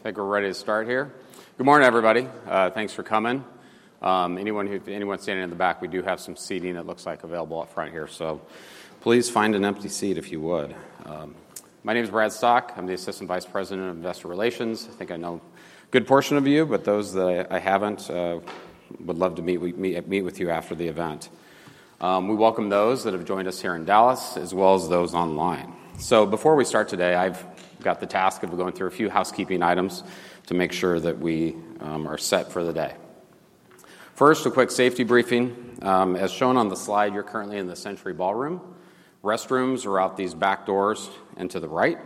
I think we're ready to start here. Good morning, everybody. Thanks for coming. Anyone standing in the back, we do have some seating it looks like available up front here, so please find an empty seat if you would. My name is Brad Stock. I'm the Assistant Vice President of Investor Relations. I think I know a good portion of you, but those that I haven't would love to meet with you after the event. We welcome those that have joined us here in Dallas, as well as those online. So before we start today, I've got the task of going through a few housekeeping items to make sure that we are set for the day. First, a quick safety briefing. As shown on the slide, you're currently in the Century Ballroom. Restrooms are out these back doors and to the right.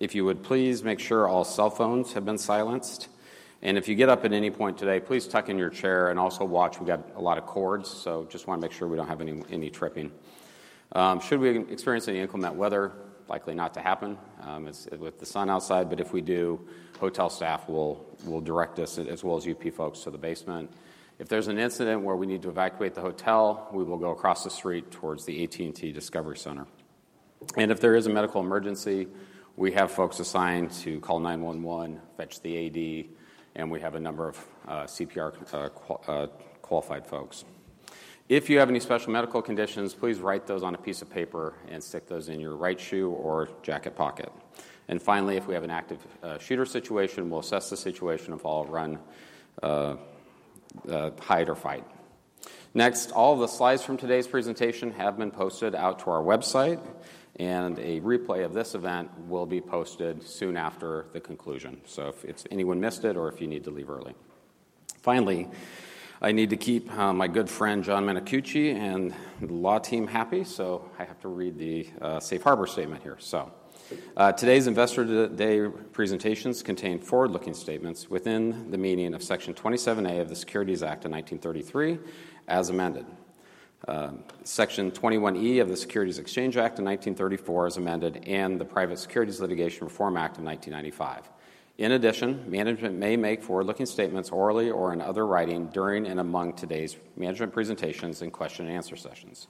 If you would please make sure all cell phones have been silenced, and if you get up at any point today, please tuck in your chair and also watch. We've got a lot of cords, so just wanna make sure we don't have any tripping. Should we experience any inclement weather, likely not to happen, as with the sun outside, but if we do, hotel staff will direct us, as well as UP folks, to the basement. If there's an incident where we need to evacuate the hotel, we will go across the street towards the AT&T Discovery Center, and if there is a medical emergency, we have folks assigned to call 911, fetch the AED, and we have a number of CPR qualified folks. If you have any special medical conditions, please write those on a piece of paper and stick those in your right shoe or jacket pocket. And finally, if we have an active shooter situation, we'll assess the situation and follow, run, hide or fight. Next, all the slides from today's presentation have been posted out to our website, and a replay of this event will be posted soon after the conclusion. So, if anyone missed it or if you need to leave early. Finally, I need to keep my good friend, John Menicucci, and the law team happy, so I have to read the safe harbor statement here. Today's Investor Day presentations contain forward-looking statements within the meaning of Section 27A of the Securities Act of 1933, as amended, Section 21E of the Securities Exchange Act of 1934, as amended, and the Private Securities Litigation Reform Act of 1995. In addition, management may make forward-looking statements orally or in other writing during and among today's management presentations and question-and-answer sessions.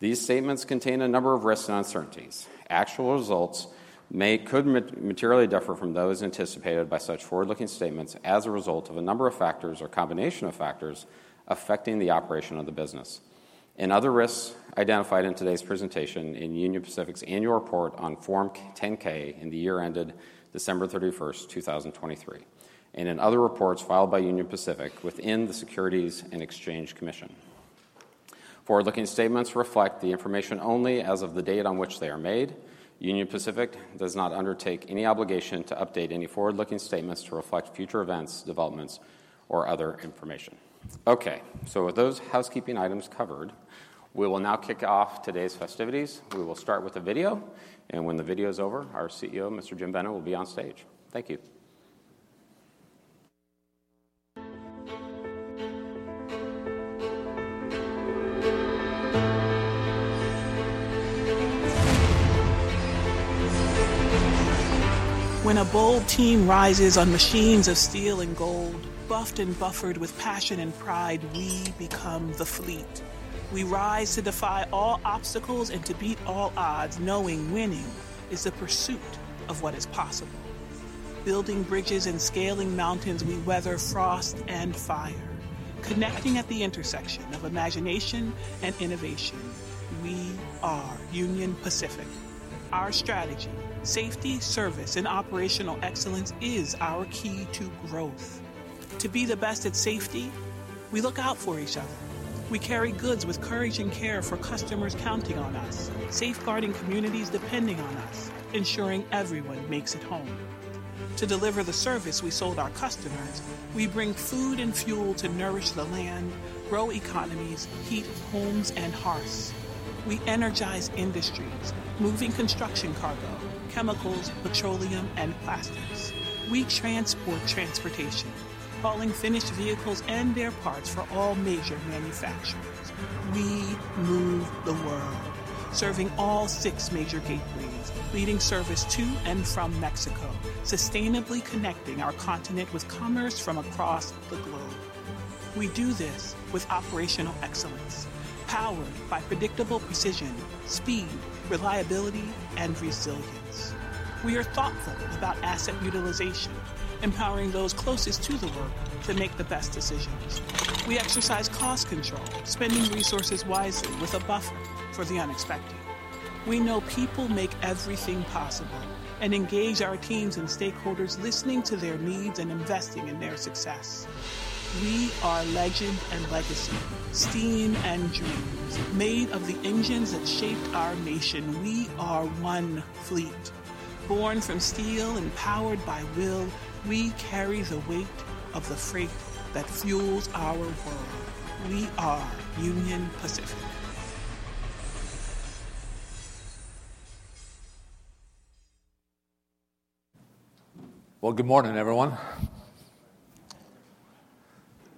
These statements contain a number of risks and uncertainties. Actual results may materially differ from those anticipated by such forward-looking statements as a result of a number of factors or combination of factors affecting the operation of the business. And other risks identified in today's presentation in Union Pacific's annual report on Form 10-K in the year ended December thirty-first, two thousand and twenty-three, and in other reports filed by Union Pacific with the Securities and Exchange Commission. Forward-looking statements reflect the information only as of the date on which they are made. Union Pacific does not undertake any obligation to update any forward-looking statements to reflect future events, developments, or other information. Okay, so with those housekeeping items covered, we will now kick off today's festivities. We will start with a video, and when the video is over, our CEO, Mr. Lance Fritz, will be on stage. Thank you. When a bold team rises on machines of steel and gold, buffed and buffered with passion and pride, we become the fleet. We rise to defy all obstacles and to beat all odds, knowing winning is the pursuit of what is possible. Building bridges and scaling mountains, we weather frost and fire. Connecting at the intersection of imagination and innovation, we are Union Pacific. Our strategy, safety, service, and operational excellence is our key to growth. To be the best at safety, we look out for each other. We carry goods with courage and care for customers counting on us, safeguarding communities depending on us, ensuring everyone makes it home. To deliver the service we sold our customers, we bring food and fuel to nourish the land, grow economies, heat homes and hearths. We energize industries, moving construction cargo, chemicals, petroleum, and plastics. We transport transportation, hauling finished vehicles and their parts for all major manufacturers. We move the world, serving all six major gateways, leading service to and from Mexico, sustainably connecting our continent with commerce from across the globe. We do this with operational excellence, powered by predictable precision, speed, reliability, and resilience. We are thoughtful about asset utilization, empowering those closest to the work to make the best decisions. We exercise cost control, spending resources wisely with a buffer for the unexpected. We know people make everything possible and engage our teams and stakeholders, listening to their needs and investing in their success. We are legend and legacy, steam and dreams. Made of the engines that shaped our nation, we are one fleet. Born from steel and powered by will, we carry the weight of the freight that fuels our world. We are Union Pacific. Good morning, everyone.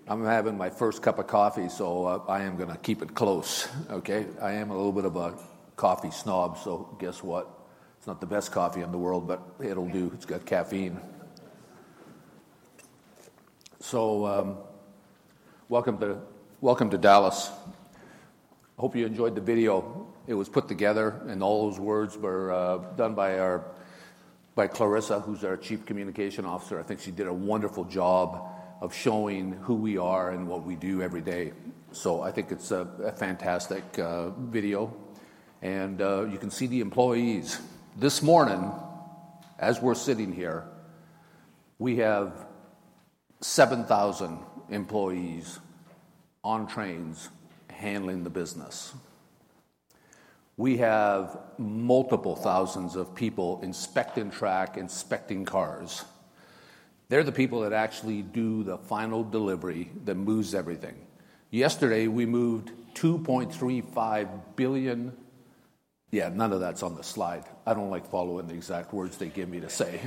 I'm having my first cup of coffee, so, I am gonna keep it close, okay? I am a little bit of a coffee snob, so guess what? It's not the best coffee in the world, but it'll do. It's got caffeine. ... So, welcome to, welcome to Dallas. Hope you enjoyed the video. It was put together, and all those words were done by Clarissa, who's our Chief Communication Officer. I think she did a wonderful job of showing who we are and what we do every day. So I think it's a fantastic video, and you can see the employees. This morning, as we're sitting here, we have 7,000 employees on trains handling the business. We have multiple thousands of people inspecting track, inspecting cars. They're the people that actually do the final delivery that moves everything. Yesterday, we moved 2.35 billion. Yeah, none of that's on the slide. I don't like following the exact words they give me to say,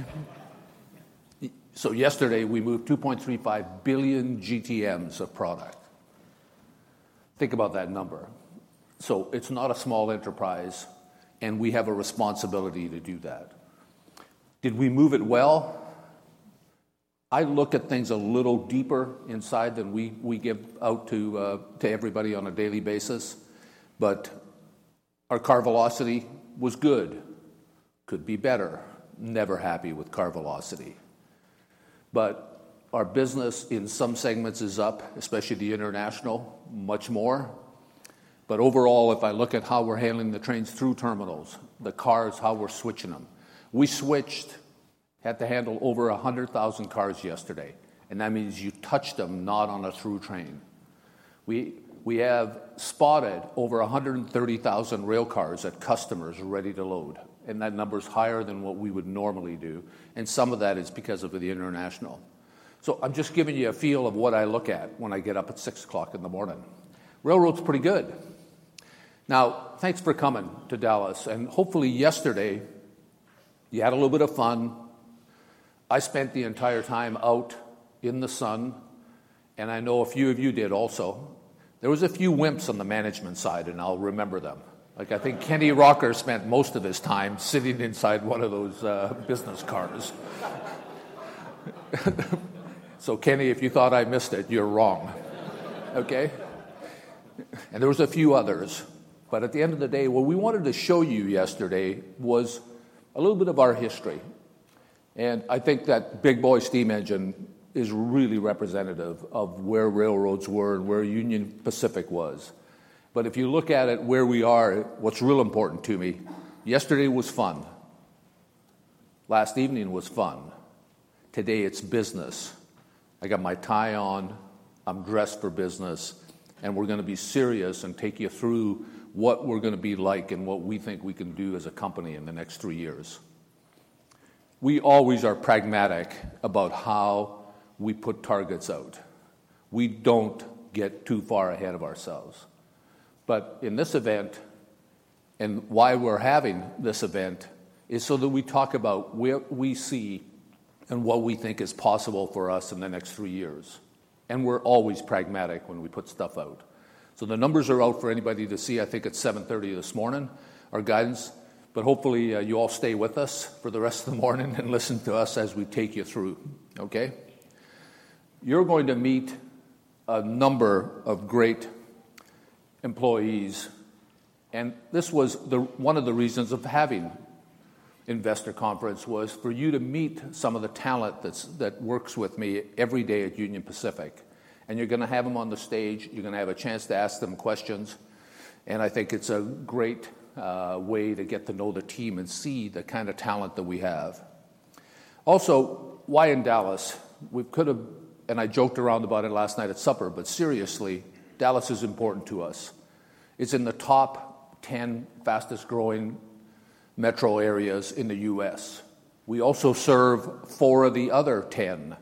so yesterday, we moved 2.35 billion GTMs of product. Think about that number. It's not a small enterprise, and we have a responsibility to do that. Did we move it well? I look at things a little deeper inside than we give out to everybody on a daily basis, but our car velocity was good, could be better. Never happy with car velocity. But our business in some segments is up, especially the international, much more. But overall, if I look at how we're handling the trains through terminals, the cars, how we're switching them. We switched, had to handle over 100,000 cars yesterday, and that means you touched them, not on a through train. We have spotted over 130,000 rail cars at customers ready to load, and that number is higher than what we would normally do, and some of that is because of the international. So I'm just giving you a feel of what I look at when I get up at six o'clock in the morning. Railroad's pretty good. Now, thanks for coming to Dallas, and hopefully yesterday, you had a little bit of fun. I spent the entire time out in the sun, and I know a few of you did also. There was a few wimps on the management side, and I'll remember them. Like, I think Kenny Rocker spent most of his time sitting inside one of those, business cars. So Kenny, if you thought I missed it, you're wrong, okay? And there was a few others. But at the end of the day, what we wanted to show you yesterday was a little bit of our history, and I think that Big Boy steam engine is really representative of where railroads were and where Union Pacific was. But if you look at it, where we are, what's real important to me, yesterday was fun. Last evening was fun. Today, it's business. I got my tie on, I'm dressed for business, and we're gonna be serious and take you through what we're gonna be like and what we think we can do as a company in the next three years. We always are pragmatic about how we put targets out. We don't get too far ahead of ourselves. But in this event, and why we're having this event, is so that we talk about where we see and what we think is possible for us in the next three years, and we're always pragmatic when we put stuff out. So the numbers are out for anybody to see. I think it's 7:30 A.M. this morning, our guidance, but hopefully you all stay with us for the rest of the morning and listen to us as we take you through, okay? You're going to meet a number of great employees, and this was the one of the reasons of having investor conference was for you to meet some of the talent that works with me every day at Union Pacific. And you're gonna have them on the stage, you're gonna have a chance to ask them questions, and I think it's a great way to get to know the team and see the kind of talent that we have. Also, why in Dallas? We could have, and I joked around about it last night at supper, but seriously, Dallas is important to us. It's in the top ten fastest growing metro areas in the U.S. We also serve four of the other ten,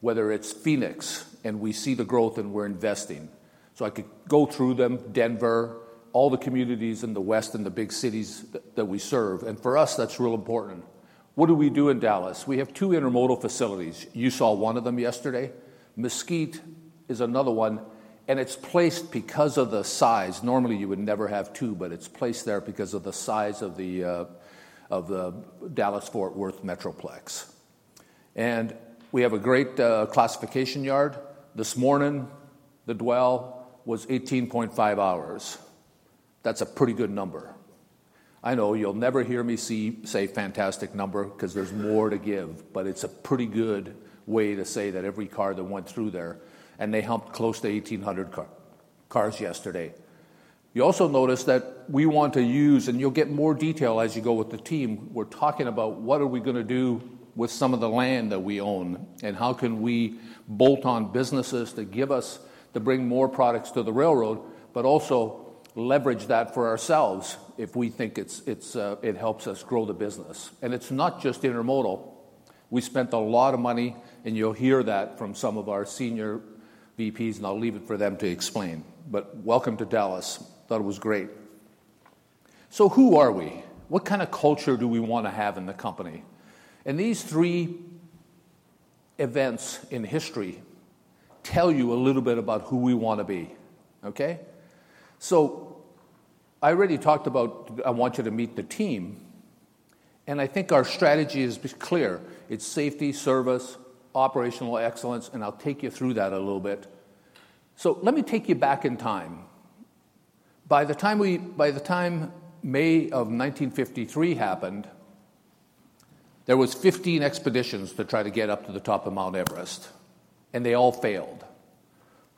whether it's Phoenix, and we see the growth, and we're investing. So I could go through them, Denver, all the communities in the West and the big cities that we serve, and for us, that's real important. What do we do in Dallas? We have two intermodal facilities. You saw one of them yesterday. Mesquite is another one, and it's placed because of the size. Normally, you would never have two, but it's placed there because of the size of the Dallas-Fort Worth metroplex. And we have a great classification yard. This morning, the dwell was eighteen point five hours. That's a pretty good number. I know you'll never hear me say fantastic number 'cause there's more to give, but it's a pretty good way to say that every car that went through there, and they helped close to eighteen hundred cars yesterday. You also notice that we want to use, and you'll get more detail as you go with the team. We're talking about what are we gonna do with some of the land that we own, and how can we bolt on businesses that give us to bring more products to the railroad, but also leverage that for ourselves if we think it's it helps us grow the business. And it's not just intermodal. We spent a lot of money, and you'll hear that from some of our senior VPs, and I'll leave it for them to explain. But welcome to Dallas. Thought it was great. Who are we? What kind of culture do we wanna have in the company? These three events in history tell you a little bit about who we wanna be, okay? I already talked about, I want you to meet the team... and I think our strategy is be clear. It's safety, service, operational excellence, and I'll take you through that a little bit. Let me take you back in time. By the time May of nineteen fifty-three happened, there was fifteen expeditions to try to get up to the top of Mount Everest, and they all failed.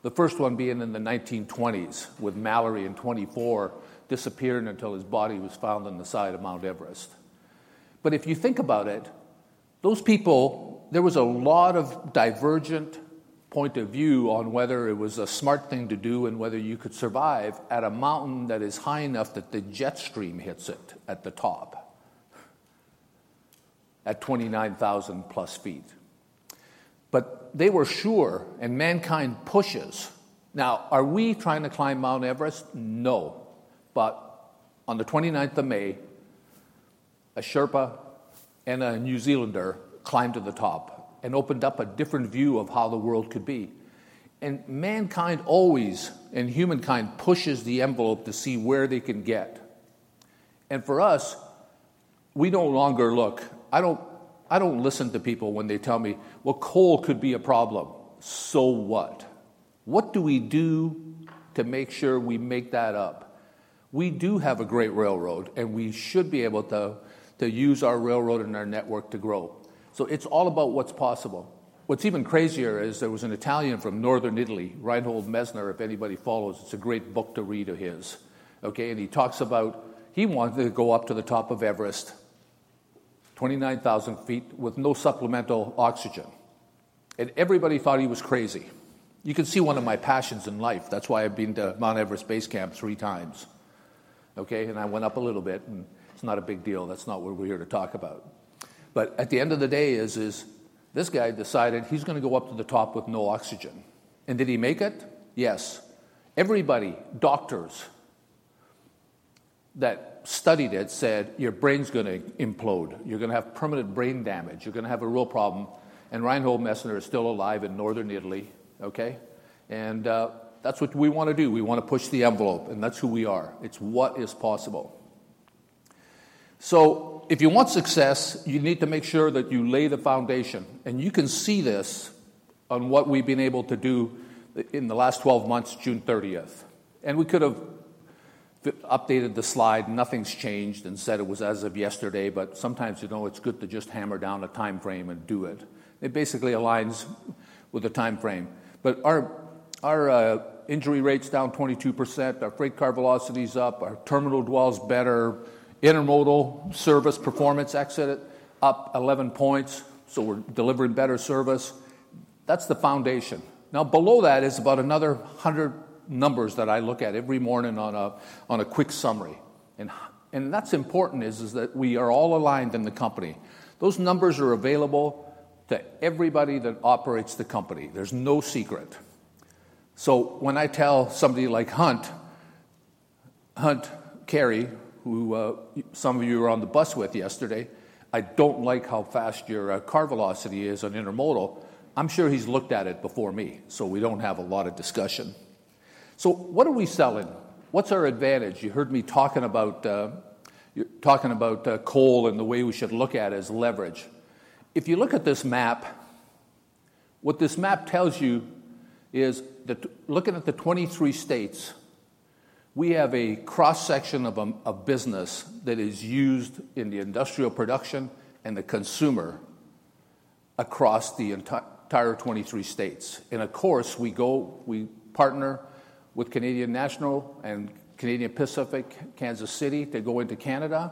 The first one being in the nineteen twenties, with Mallory in twenty-four, disappearing until his body was found on the side of Mount Everest. But if you think about it, those people. There was a lot of divergent point of view on whether it was a smart thing to do and whether you could survive at a mountain that is high enough that the jet stream hits it at the top, at 29,000-plus feet. But they were sure, and mankind pushes. Now, are we trying to climb Mount Everest? No, but on the twenty-ninth of May, a Sherpa and a New Zealander climbed to the top and opened up a different view of how the world could be. And mankind always, and humankind pushes the envelope to see where they can get. And for us, we no longer look. I don't. I don't listen to people when they tell me, "Well, coal could be a problem." So what? What do we do to make sure we make that up? We do have a great railroad, and we should be able to use our railroad and our network to grow, so it's all about what's possible. What's even crazier is there was an Italian from northern Italy, Reinhold Messner, if anybody follows, it's a great book to read of his, okay, and he talks about he wanted to go up to the top of Everest, twenty-nine thousand feet with no supplemental oxygen, and everybody thought he was crazy. You can see one of my passions in life. That's why I've been to Mount Everest Base Camp three times, okay, and I went up a little bit, and it's not a big deal. That's not what we're here to talk about, but at the end of the day, this guy decided he's gonna go up to the top with no oxygen, and did he make it? Yes. Everybody, doctors that studied it, said, "Your brain's gonna implode. You're gonna have permanent brain damage. You're gonna have a real problem." And Reinhold Messner is still alive in northern Italy, okay? And that's what we wanna do. We wanna push the envelope, and that's who we are. It's what is possible. So if you want success, you need to make sure that you lay the foundation, and you can see this on what we've been able to do in the last twelve months, June thirtieth. And we could have updated the slide, nothing's changed, and said it was as of yesterday, but sometimes, you know, it's good to just hammer down a time frame and do it. It basically aligns with the time frame. But our injury rate's down 22%, our freight car velocity is up, our terminal dwell is better, intermodal service performance exited up 11 points, so we're delivering better service. That's the foundation. Now, below that is about another 100 numbers that I look at every morning on a quick summary, and that's important, that we are all aligned in the company. Those numbers are available to everybody that operates the company. There's no secret. So when I tell somebody like Hunt Cary, who some of you were on the bus with yesterday, "I don't like how fast your car velocity is on intermodal," I'm sure he's looked at it before me, so we don't have a lot of discussion. So what are we selling? What's our advantage? You heard me talking about coal and the way we should look at it as leverage. If you look at this map, what this map tells you is that looking at the twenty-three states, we have a cross-section of a business that is used in the industrial production and the consumer across the entire twenty-three states. And of course, we partner with Canadian National and Canadian Pacific Kansas City, to go into Canada.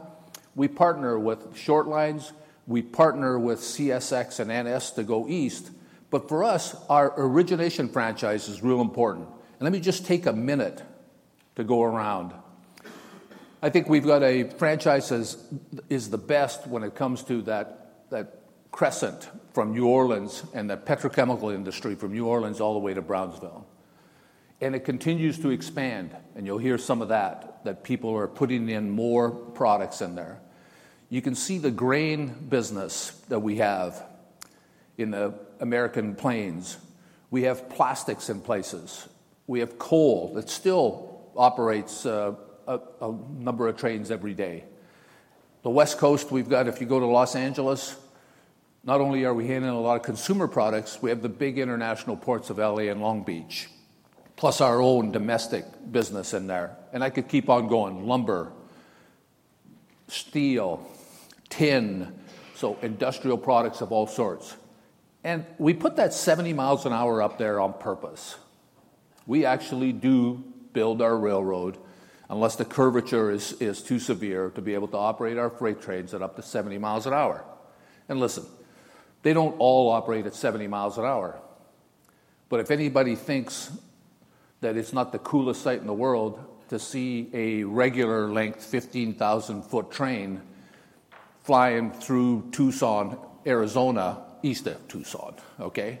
We partner with short lines, we partner with CSX and NS to go east. But for us, our origination franchise is real important. And let me just take a minute to go around. I think we've got a franchise as is the best when it comes to that, that crescent from New Orleans and the petrochemical industry from New Orleans all the way to Brownsville, and it continues to expand, and you'll hear some of that, that people are putting in more products in there. You can see the grain business that we have in the American plains. We have plastics in places. We have coal that still operates a number of trains every day. The West Coast, we've got, if you go to Los Angeles, not only are we handling a lot of consumer products, we have the big international ports of LA and Long Beach, plus our own domestic business in there. And I could keep on going. Lumber, steel, tin, so industrial products of all sorts. And we put that 70 miles an hour up there on purpose. We actually do build our railroad, unless the curvature is too severe, to be able to operate our freight trains at up to 70 miles an hour, and listen, they don't all operate at 70 miles an hour, but if anybody thinks that it's not the coolest sight in the world to see a regular length, 15,000-foot train flying through Tucson, Arizona, east of Tucson, okay,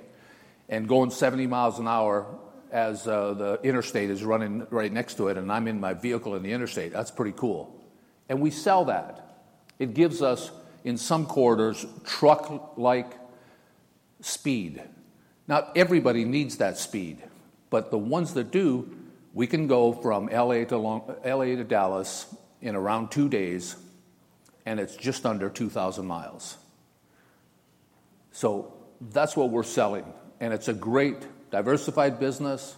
and going 70 miles an hour as the interstate is running right next to it, and I'm in my vehicle in the interstate, that's pretty cool, and we sell that. It gives us, in some corridors, truck-like speed. Not everybody needs that speed, but the ones that do, we can go from LA to Long, LA to Dallas in around two days, and it's just under 2,000 miles, so that's what we're selling, and it's a great diversified business.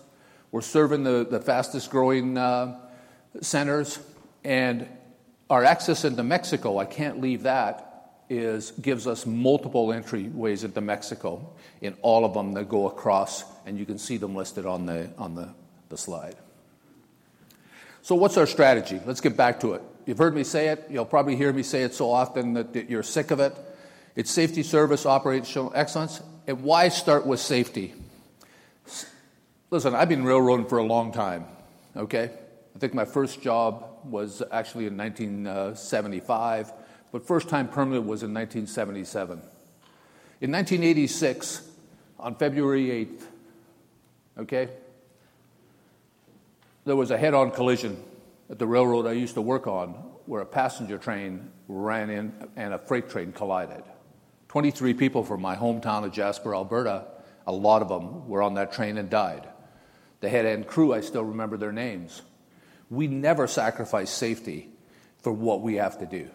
We're serving the fastest-growing centers, and our access into Mexico, I can't leave that, gives us multiple entry ways into Mexico, in all of them that go across, and you can see them listed on the slide. So what's our strategy? Let's get back to it. You've heard me say it. You'll probably hear me say it so often that you're sick of it. It's safety, service, operational excellence. And why start with safety? Listen, I've been railroading for a long time, okay? I think my first job was actually in nineteen seventy-five, but first time permanent was in nineteen seventy-seven. In nineteen eighty-six, on February eighth, okay, there was a head-on collision at the railroad I used to work on, where a passenger train ran in and a freight train collided. 23 people from my hometown of Jasper, Alberta, a lot of them were on that train and died. The head and crew, I still remember their names. We never sacrifice safety for what we have to do.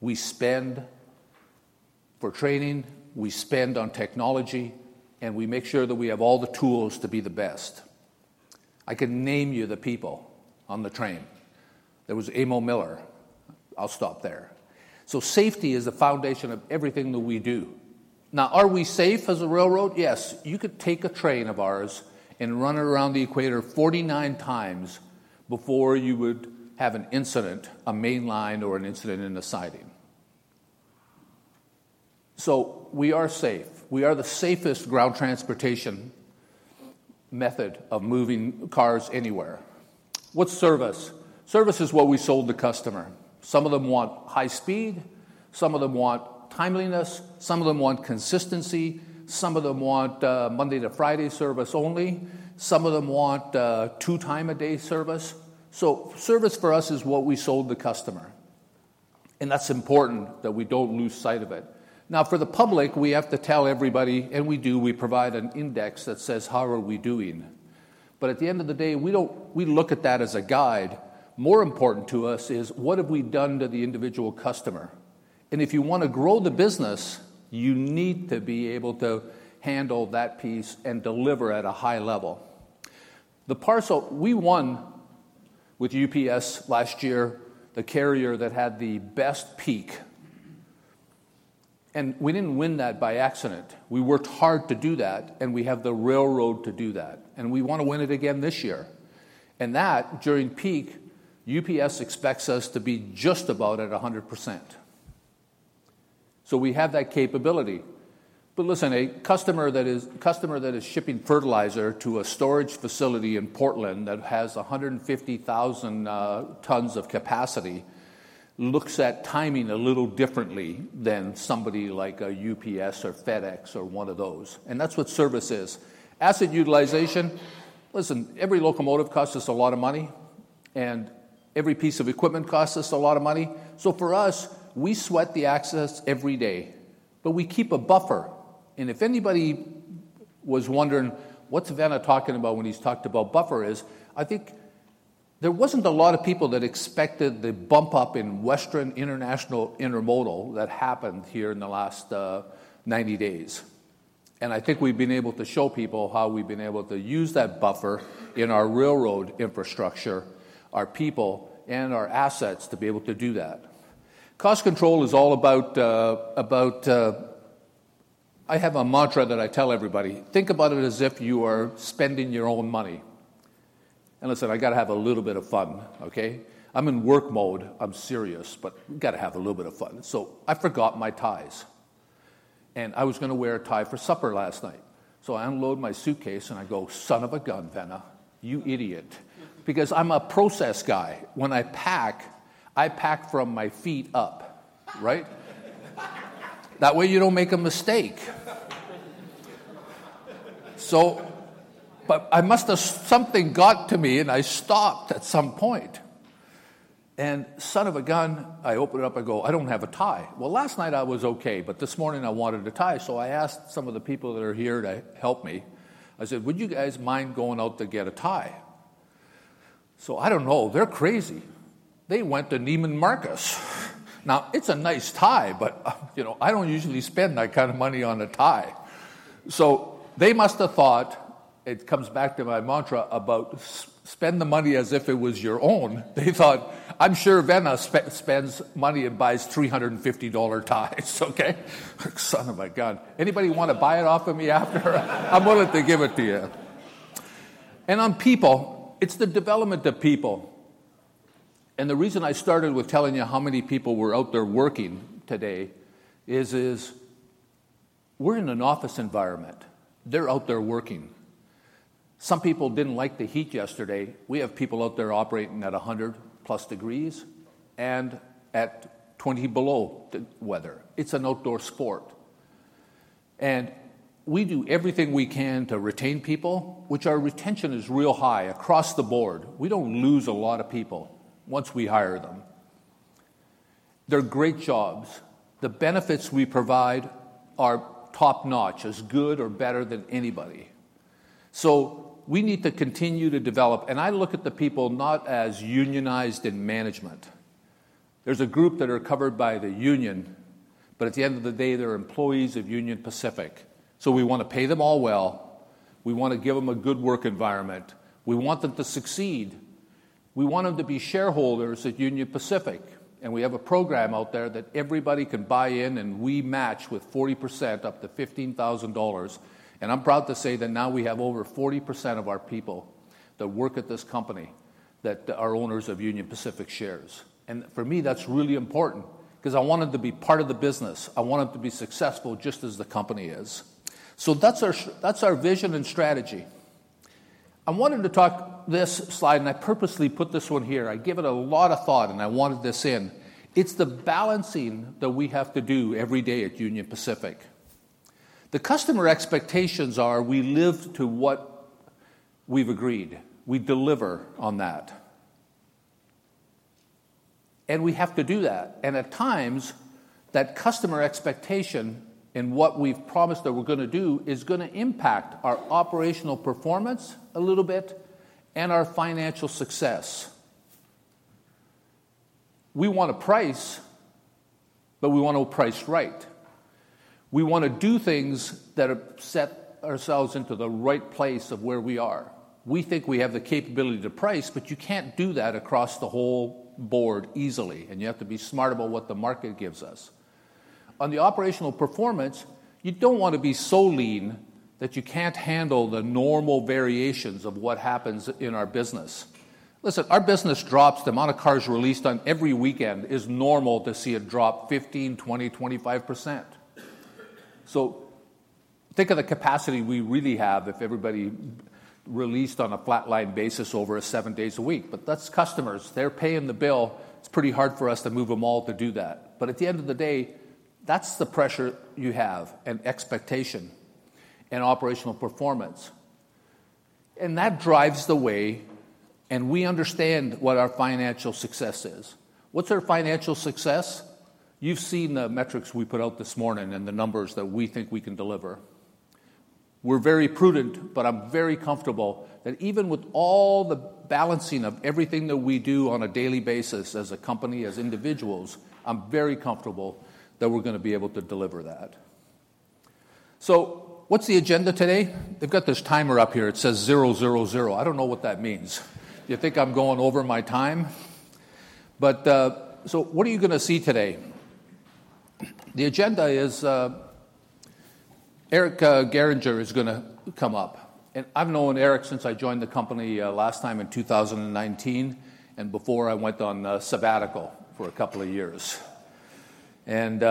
We spend for training, we spend on technology, and we make sure that we have all the tools to be the best. I can name you the people on the train. There was Emil Miller. I'll stop there. So safety is the foundation of everything that we do. Now, are we safe as a railroad? Yes. You could take a train of ours and run it around the equator 49 times before you would have an incident, a main line or an incident in a siding. So we are safe. We are the safest ground transportation method of moving cars anywhere. What's service? Service is what we sold the customer. Some of them want high speed, some of them want timeliness, some of them want consistency, some of them want Monday to Friday service only, some of them want two time a day service, so service for us is what we sold the customer, and that's important that we don't lose sight of it. Now, for the public, we have to tell everybody, and we do, we provide an index that says: How are we doing, but at the end of the day, we don't. We look at that as a guide. More important to us is, what have we done to the individual customer, and if you wanna grow the business, you need to be able to handle that piece and deliver at a high level. The parcel we won with UPS last year, the Karir that had the best peak, and we didn't win that by accident. We worked hard to do that, and we have the railroad to do that, and we wanna win it again this year, and that during peak, UPS expects us to be just about at 100%, so we have that capability, but listen, a customer that is shipping fertilizer to a storage facility in Portland that has 150,000 tons of capacity looks at timing a little differently than somebody like a UPS or FedEx or one of those, and that's what service is. Asset utilization. Listen, every locomotive costs us a lot of money, and every piece of equipment costs us a lot of money, so for us, we sweat the assets every day, but we keep a buffer. And if anybody was wondering, what's Vena talking about when he's talked about buffer is, I think there wasn't a lot of people that expected the bump up in Western International Intermodal that happened here in the last 90 days. And I think we've been able to show people how we've been able to use that buffer in our railroad infrastructure, our people, and our assets to be able to do that. Cost control is all about, about... I have a mantra that I tell everybody: Think about it as if you are spending your own money. And listen, I gotta have a little bit of fun, okay? I'm in work mode, I'm serious, but you gotta have a little bit of fun. So I forgot my ties, and I was gonna wear a tie for supper last night. So I unload my suitcase, and I go, "Son of a gun, Vena, you idiot." Because I'm a process guy. When I pack, I pack from my feet up, right? That way, you don't make a mistake. So, but I must have, something got to me, and I stopped at some point. And son of a gun, I open it up and go, "I don't have a tie." Well, last night I was okay, but this morning I wanted a tie. So I asked some of the people that are here to help me. I said, "Would you guys mind going out to get a tie?" So I don't know. They're crazy. They went to Neiman Marcus. Now, it's a nice tie, but, you know, I don't usually spend that kind of money on a tie. They must have thought, it comes back to my mantra about spend the money as if it was your own. They thought, "I'm sure Vena spends money and buys $350 ties," okay? Son of my god. Anybody want to buy it off of me after? I'm willing to give it to you. On people, it's the development of people. The reason I started with telling you how many people were out there working today is we're in an office environment. They're out there working. Some people didn't like the heat yesterday. We have people out there operating at 100-plus degrees and at 20 below the weather. It's an outdoor sport. We do everything we can to retain people, which our retention is real high across the board. We don't lose a lot of people once we hire them. They're great jobs. The benefits we provide are top-notch, as good or better than anybody. So we need to continue to develop, and I look at the people not as unionized in management. There's a group that are covered by the union, but at the end of the day, they're employees of Union Pacific. So we wanna pay them all well, we wanna give them a good work environment, we want them to succeed. We want them to be shareholders at Union Pacific, and we have a program out there that everybody can buy in, and we match with 40%, up to $15,000. And I'm proud to say that now we have over 40% of our people that work at this company that are owners of Union Pacific shares. For me, that's really important, 'cause I want them to be part of the business. I want them to be successful just as the company is. That's our vision and strategy. I wanted to talk this slide, and I purposely put this one here. I gave it a lot of thought, and I wanted this in. It's the balancing that we have to do every day at Union Pacific. The customer expectations are we live to what we've agreed. We deliver on that. We have to do that, and at times, that customer expectation and what we've promised that we're gonna do is gonna impact our operational performance a little bit and our financial success. We wanna price, but we wanna price right. We wanna do things that are set ourselves into the right place of where we are. We think we have the capability to price, but you can't do that across the whole board easily, and you have to be smart about what the market gives us. On the operational performance, you don't want to be so lean that you can't handle the normal variations of what happens in our business. Listen, our business drops. The amount of cars released on every weekend is normal to see a drop 15, 20, 25%. So think of the capacity we really have if everybody released on a flatline basis over seven days a week, but that's customers. They're paying the bill. It's pretty hard for us to move them all to do that. But at the end of the day, that's the pressure you have, and expectation, and operational performance and that drives the way, and we understand what our financial success is. What's our financial success? You've seen the metrics we put out this morning and the numbers that we think we can deliver. We're very prudent, but I'm very comfortable that even with all the balancing of everything that we do on a daily basis as a company, as individuals, I'm very comfortable that we're gonna be able to deliver that. So what's the agenda today? They've got this timer up here. It says zero, zero, zero. I don't know what that means. You think I'm going over my time? But, so what are you gonna see today? The agenda is, Eric Gehringer is gonna come up, and I've known Eric since I joined the company, last time in two thousand and nineteen, and before I went on a sabbatical for a couple of years. And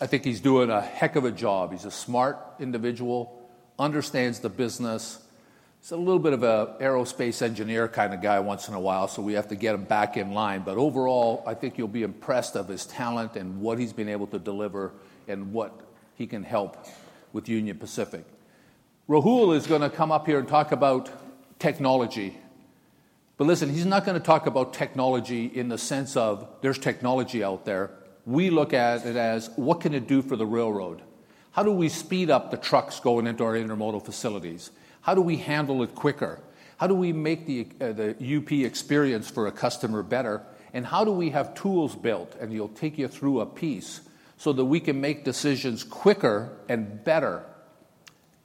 I think he's doing a heck of a job. He's a smart individual, understands the business. He's a little bit of a aerospace engineer kinda guy once in a while, so we have to get him back in line. But overall, I think you'll be impressed of his talent and what he's been able to deliver and what he can help with Union Pacific. Rahul is gonna come up here and talk about technology. But listen, he's not gonna talk about technology in the sense of there's technology out there. We look at it as, what can it do for the railroad? How do we speed up the trucks going into our intermodal facilities? How do we handle it quicker? How do we make the the UP experience for a customer better? And how do we have tools built, and he'll take you through a piece, so that we can make decisions quicker and better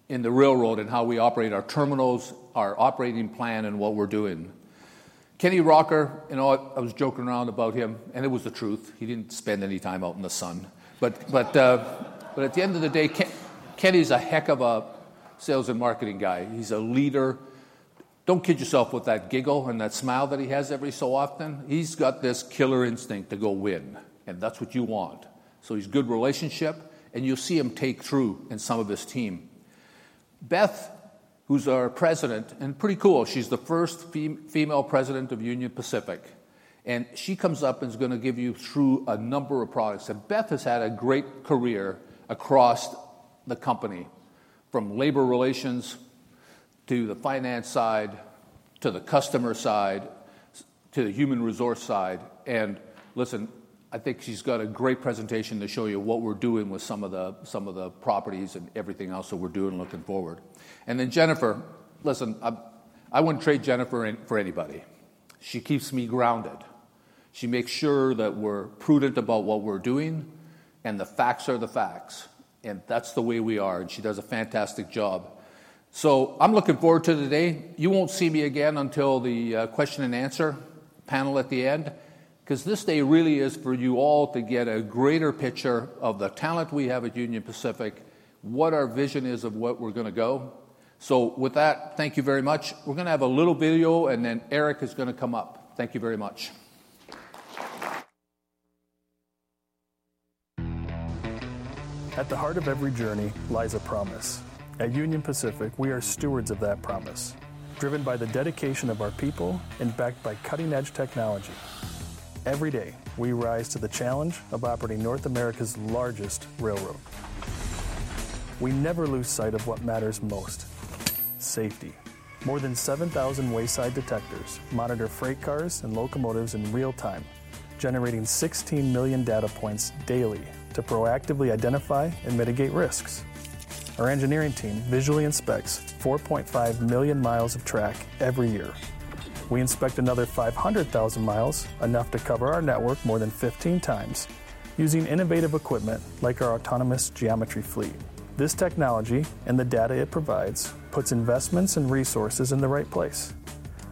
in the railroad and how we operate our terminals, our operating plan, and what we're doing. Kenny Rocker, you know what? I was joking around about him, and it was the truth. He didn't spend any time out in the sun. But at the end of the day, Kenny's a heck of a sales and marketing guy. He's a leader. Don't kid yourself with that giggle and that smile that he has every so often. He's got this killer instinct to go win, and that's what you want. So he's good relationship, and you'll see him take through in some of his team. Beth, who's our president and pretty cool, she's the first female president of Union Pacific, and she comes up and is gonna give you through a number of products. Beth has had a great career across the company, from labor relations, to the finance side, to the customer side, to the human resource side. Listen, I think she's got a great presentation to show you what we're doing with some of the properties and everything else that we're doing looking forward. Then Jennifer, listen, I wouldn't trade Jennifer in for anybody. She keeps me grounded. She makes sure that we're prudent about what we're doing, and the facts are the facts, and that's the way we are, and she does a fantastic job. So I'm looking forward to today. You won't see me again until the question and answer panel at the end, 'cause this day really is for you all to get a greater picture of the talent we have at Union Pacific, what our vision is of what we're gonna go, so with that, thank you very much. We're gonna have a little video, and then Eric is gonna come up. Thank you very much. At the heart of every journey lies a promise. At Union Pacific, we are stewards of that promise. Driven by the dedication of our people and backed by cutting-edge technology, every day, we rise to the challenge of operating North America's largest railroad... We never lose sight of what matters most, safety. More than seven thousand wayside detectors monitor freight cars and locomotives in real time, generating 16 million data points daily to proactively identify and mitigate risks. Our engineering team visually inspects 4.5 million miles of track every year. We inspect another 500,000 miles, enough to cover our network more than 15 times, using innovative equipment like our autonomous geometry fleet. This technology, and the data it provides, puts investments and resources in the right place.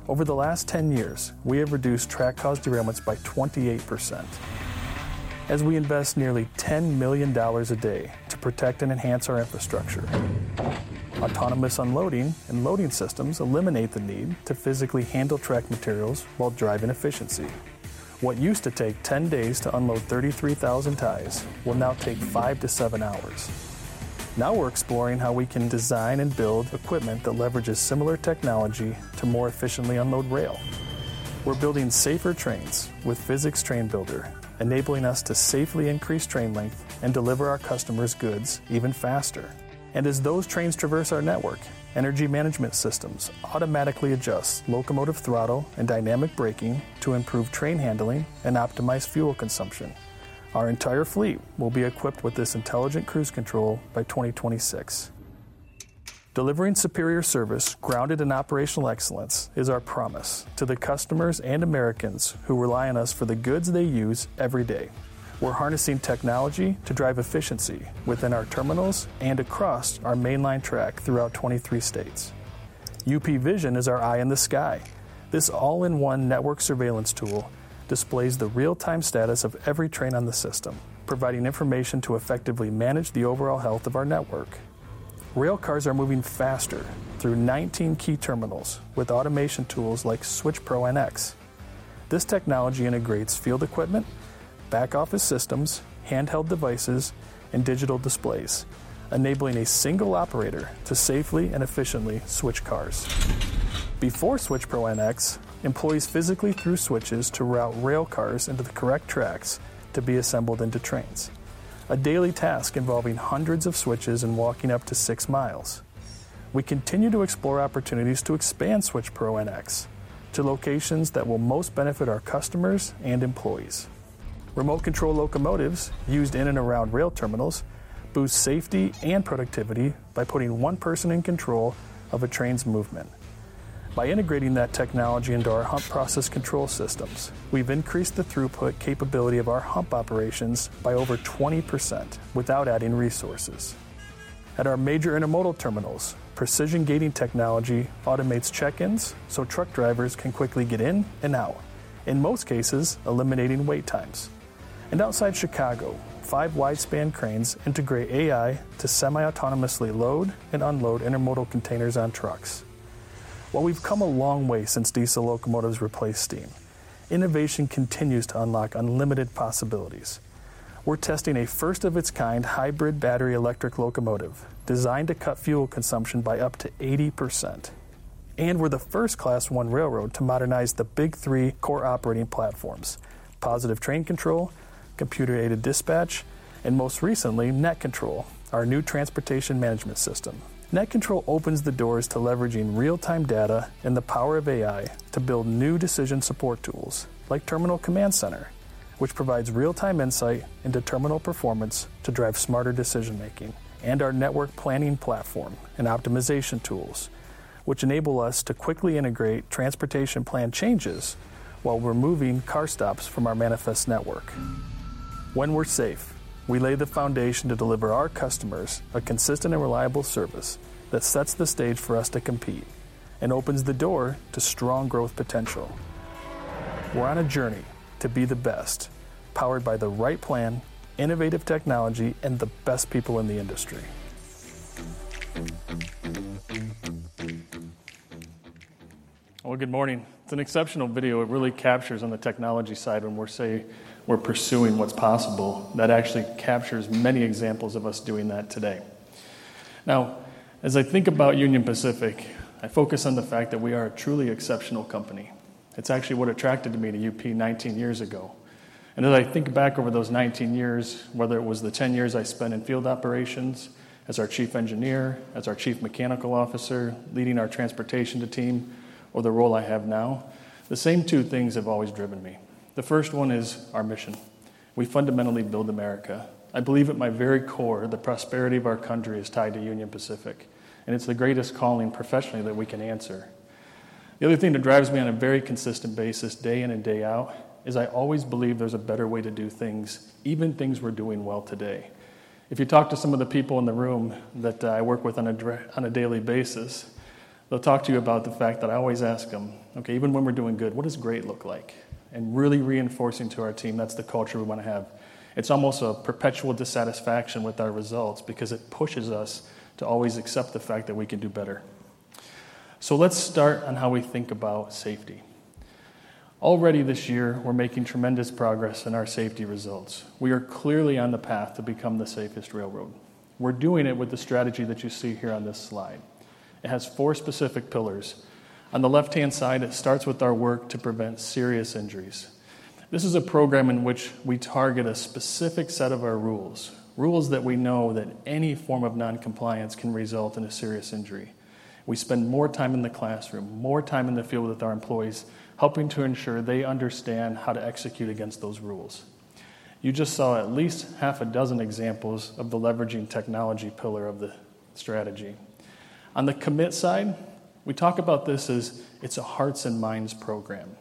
Over the last 10 years, we have reduced track-caused derailments by 28%. As we invest nearly $10 million a day to protect and enhance our infrastructure, autonomous unloading and loading systems eliminate the need to physically handle track materials while driving efficiency. What used to take 10 days to unload 33,000 ties will now take five to seven hours. Now we're exploring how we can design and build equipment that leverages similar technology to more efficiently unload rail. We're building safer trains with Physics Train Builder, enabling us to safely increase train length and deliver our customers' goods even faster. And as those trains traverse our network, energy management systems automatically adjust locomotive throttle and dynamic braking to improve train handling and optimize fuel consumption. Our entire fleet will be equipped with this intelligent cruise control by 2026. Delivering superior service grounded in operational excellence is our promise to the customers and Americans who rely on us for the goods they use every day. We're harnessing technology to drive efficiency within our terminals and across our mainline track throughout 23 states. UPVision is our eye in the sky. This all-in-one network surveillance tool displays the real-time status of every train on the system, providing information to effectively manage the overall health of our network. Rail cars are moving faster through 19 key terminals with automation tools like SwitchPro NX. This technology integrates field equipment, back-office systems, handheld devices, and digital displays, enabling a single operator to safely and efficiently switch cars. Before SwitchPro NX, employees physically threw switches to route rail cars into the correct tracks to be assembled into trains, a daily task involving hundreds of switches and walking up to six miles. We continue to explore opportunities to expand SwitchPro NX to locations that will most benefit our customers and employees. Remote control locomotives used in and around rail terminals boost safety and productivity by putting one person in control of a train's movement. By integrating that technology into our hump process control systems, we've increased the throughput capability of our hump operations by over 20% without adding resources. At our major intermodal terminals, precision gating technology automates check-ins, so truck drivers can quickly get in and out, in most cases, eliminating wait times, and outside Chicago, five wide-span cranes integrate AI to semi-autonomously load and unload intermodal containers on trucks. While we've come a long way since diesel locomotives replaced steam, innovation continues to unlock unlimited possibilities. We're testing a first-of-its-kind hybrid battery electric locomotive, designed to cut fuel consumption by up to 80%. We're the first Class I railroad to modernize the Big Three core operating platforms: Positive Train Control, Computer Aided Dispatch, and most recently, NetControl, our new transportation management system. NetControl opens the doors to leveraging real-time data and the power of AI to build new decision support tools like Terminal Command Center, which provides real-time insight into terminal performance to drive smarter decision-making, and our network planning platform and optimization tools, which enable us to quickly integrate transportation plan changes while we're moving car stops from our manifest network. When we're safe, we lay the foundation to deliver our customers a consistent and reliable service that sets the stage for us to compete and opens the door to strong growth potential. We're on a journey to be the best, powered by the right plan, innovative technology, and the best people in the industry. Good morning. It's an exceptional video. It really captures on the technology side when we're pursuing what's possible. That actually captures many examples of us doing that today. Now, as I think about Union Pacific, I focus on the fact that we are a truly exceptional company. It's actually what attracted me to UP 19 years ago, and as I think back over those 19 years, whether it was the 10 years I spent in field operations as our Chief Engineer, as our Chief Mechanical Officer, leading our transportation team, or the role I have now, the same two things have always driven me. The first one is our mission. We fundamentally build America. I believe at my very core, the prosperity of our country is tied to Union Pacific, and it's the greatest calling professionally that we can answer. The other thing that drives me on a very consistent basis, day in and day out, is I always believe there's a better way to do things, even things we're doing well today. If you talk to some of the people in the room that I work with on a daily basis, they'll talk to you about the fact that I always ask them: "Okay, even when we're doing good, what does great look like?" And really reinforcing to our team, that's the culture we wanna have. It's almost a perpetual dissatisfaction with our results because it pushes us to always accept the fact that we can do better. So let's start on how we think about safety. Already this year, we're making tremendous progress in our safety results. We are clearly on the path to become the safest railroad. We're doing it with the strategy that you see here on this slide. It has four specific pillars. On the left-hand side, it starts with our work to prevent serious injuries. This is a program in which we target a specific set of our rules, rules that we know that any form of non-compliance can result in a serious injury. We spend more time in the classroom, more time in the field with our employees, helping to ensure they understand how to execute against those rules. You just saw at least half a dozen examples of the leveraging technology pillar of the strategy. On the commitment side, we talk about this as it's a hearts and minds program.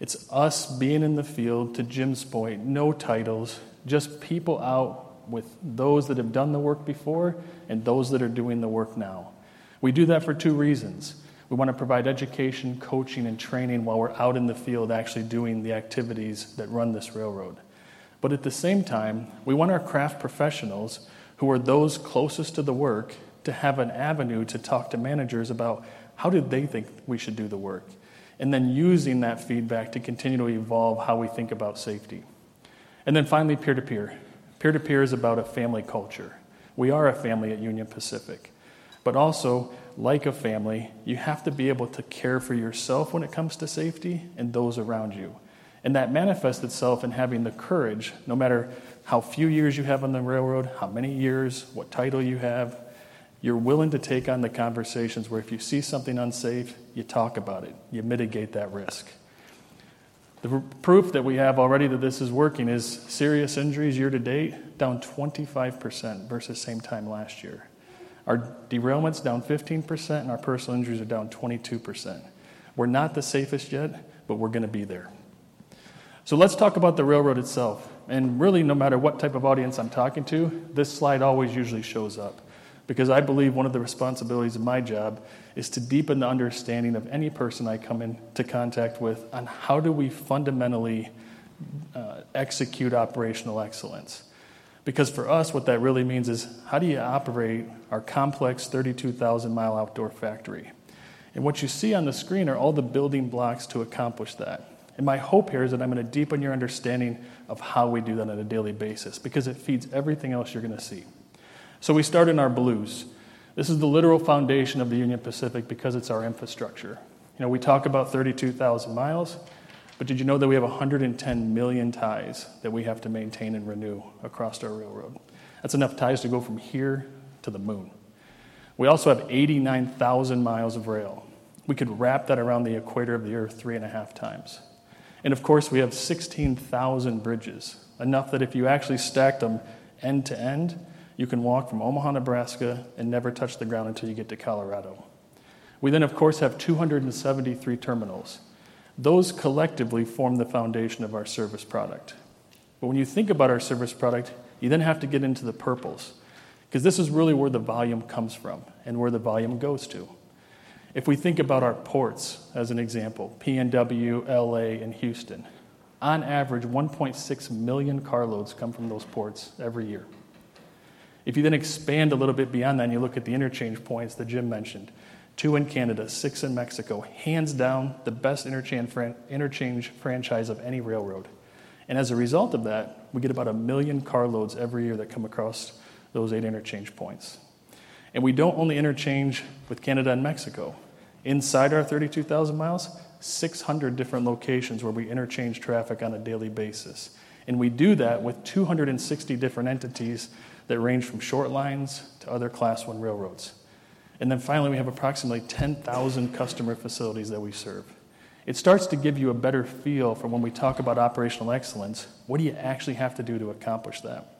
It's us being in the field, to Jim's point, no titles, just people out with those that have done the work before and those that are doing the work now. We do that for two reasons. We want to provide education, coaching, and training while we're out in the field actually doing the activities that run this railroad, but at the same time, we want our craft professionals, who are those closest to the work, to have an avenue to talk to managers about how do they think we should do the work, and then using that feedback to continue to evolve how we think about safety, and then finally, peer-to-peer. Peer-to-peer is about a family culture. We are a family at Union Pacific, but also, like a family, you have to be able to care for yourself when it comes to safety and those around you. And that manifests itself in having the courage, no matter how few years you have on the railroad, how many years, what title you have, you're willing to take on the conversations where if you see something unsafe, you talk about it, you mitigate that risk. The proof that we have already that this is working is serious injuries year to date, down 25% versus same time last year. Our derailments down 15%, and our personal injuries are down 22%. We're not the safest yet, but we're gonna be there. So let's talk about the railroad itself, and really, no matter what type of audience I'm talking to, this slide always usually shows up because I believe one of the responsibilities of my job is to deepen the understanding of any person I come into contact with on how do we fundamentally execute operational excellence. Because for us, what that really means is how do you operate our complex 32,000-mile outdoor factory? And what you see on the screen are all the building blocks to accomplish that. And my hope here is that I'm going to deepen your understanding of how we do that on a daily basis because it feeds everything else you're going to see. So we start in our blues. This is the literal foundation of the Union Pacific because it's our infrastructure. You know, we talk about 32,000 miles, but did you know that we have 110 million ties that we have to maintain and renew across our railroad? That's enough ties to go from here to the moon. We also have 89,000 miles of rail. We could wrap that around the equator of the Earth three and a half times. Of course, we have 16,000 bridges, enough that if you actually stacked them end to end, you can walk from Omaha, Nebraska, and never touch the ground until you get to Colorado. We then, of course, have 273 terminals. Those collectively form the foundation of our service product. When you think about our service product, you then have to get into the purples, because this is really where the volume comes from and where the volume goes to. If we think about our ports as an example, PNW, LA, and Houston, on average, 1.6 million carloads come from those ports every year. If you then expand a little bit beyond that and you look at the interchange points that Jim mentioned, two in Canada, six in Mexico, hands down, the best interchange franchise of any railroad. As a result of that, we get about 1 million carloads every year that come across those eight interchange points. We don't only interchange with Canada and Mexico. Inside our 32,000 miles, 600 different locations where we interchange traffic on a daily basis, and we do that with 260 different entities that range from short lines to other Class One railroads. Finally, we have approximately 10,000 customer facilities that we serve. It starts to give you a better feel for when we talk about operational excellence, what do you actually have to do to accomplish that?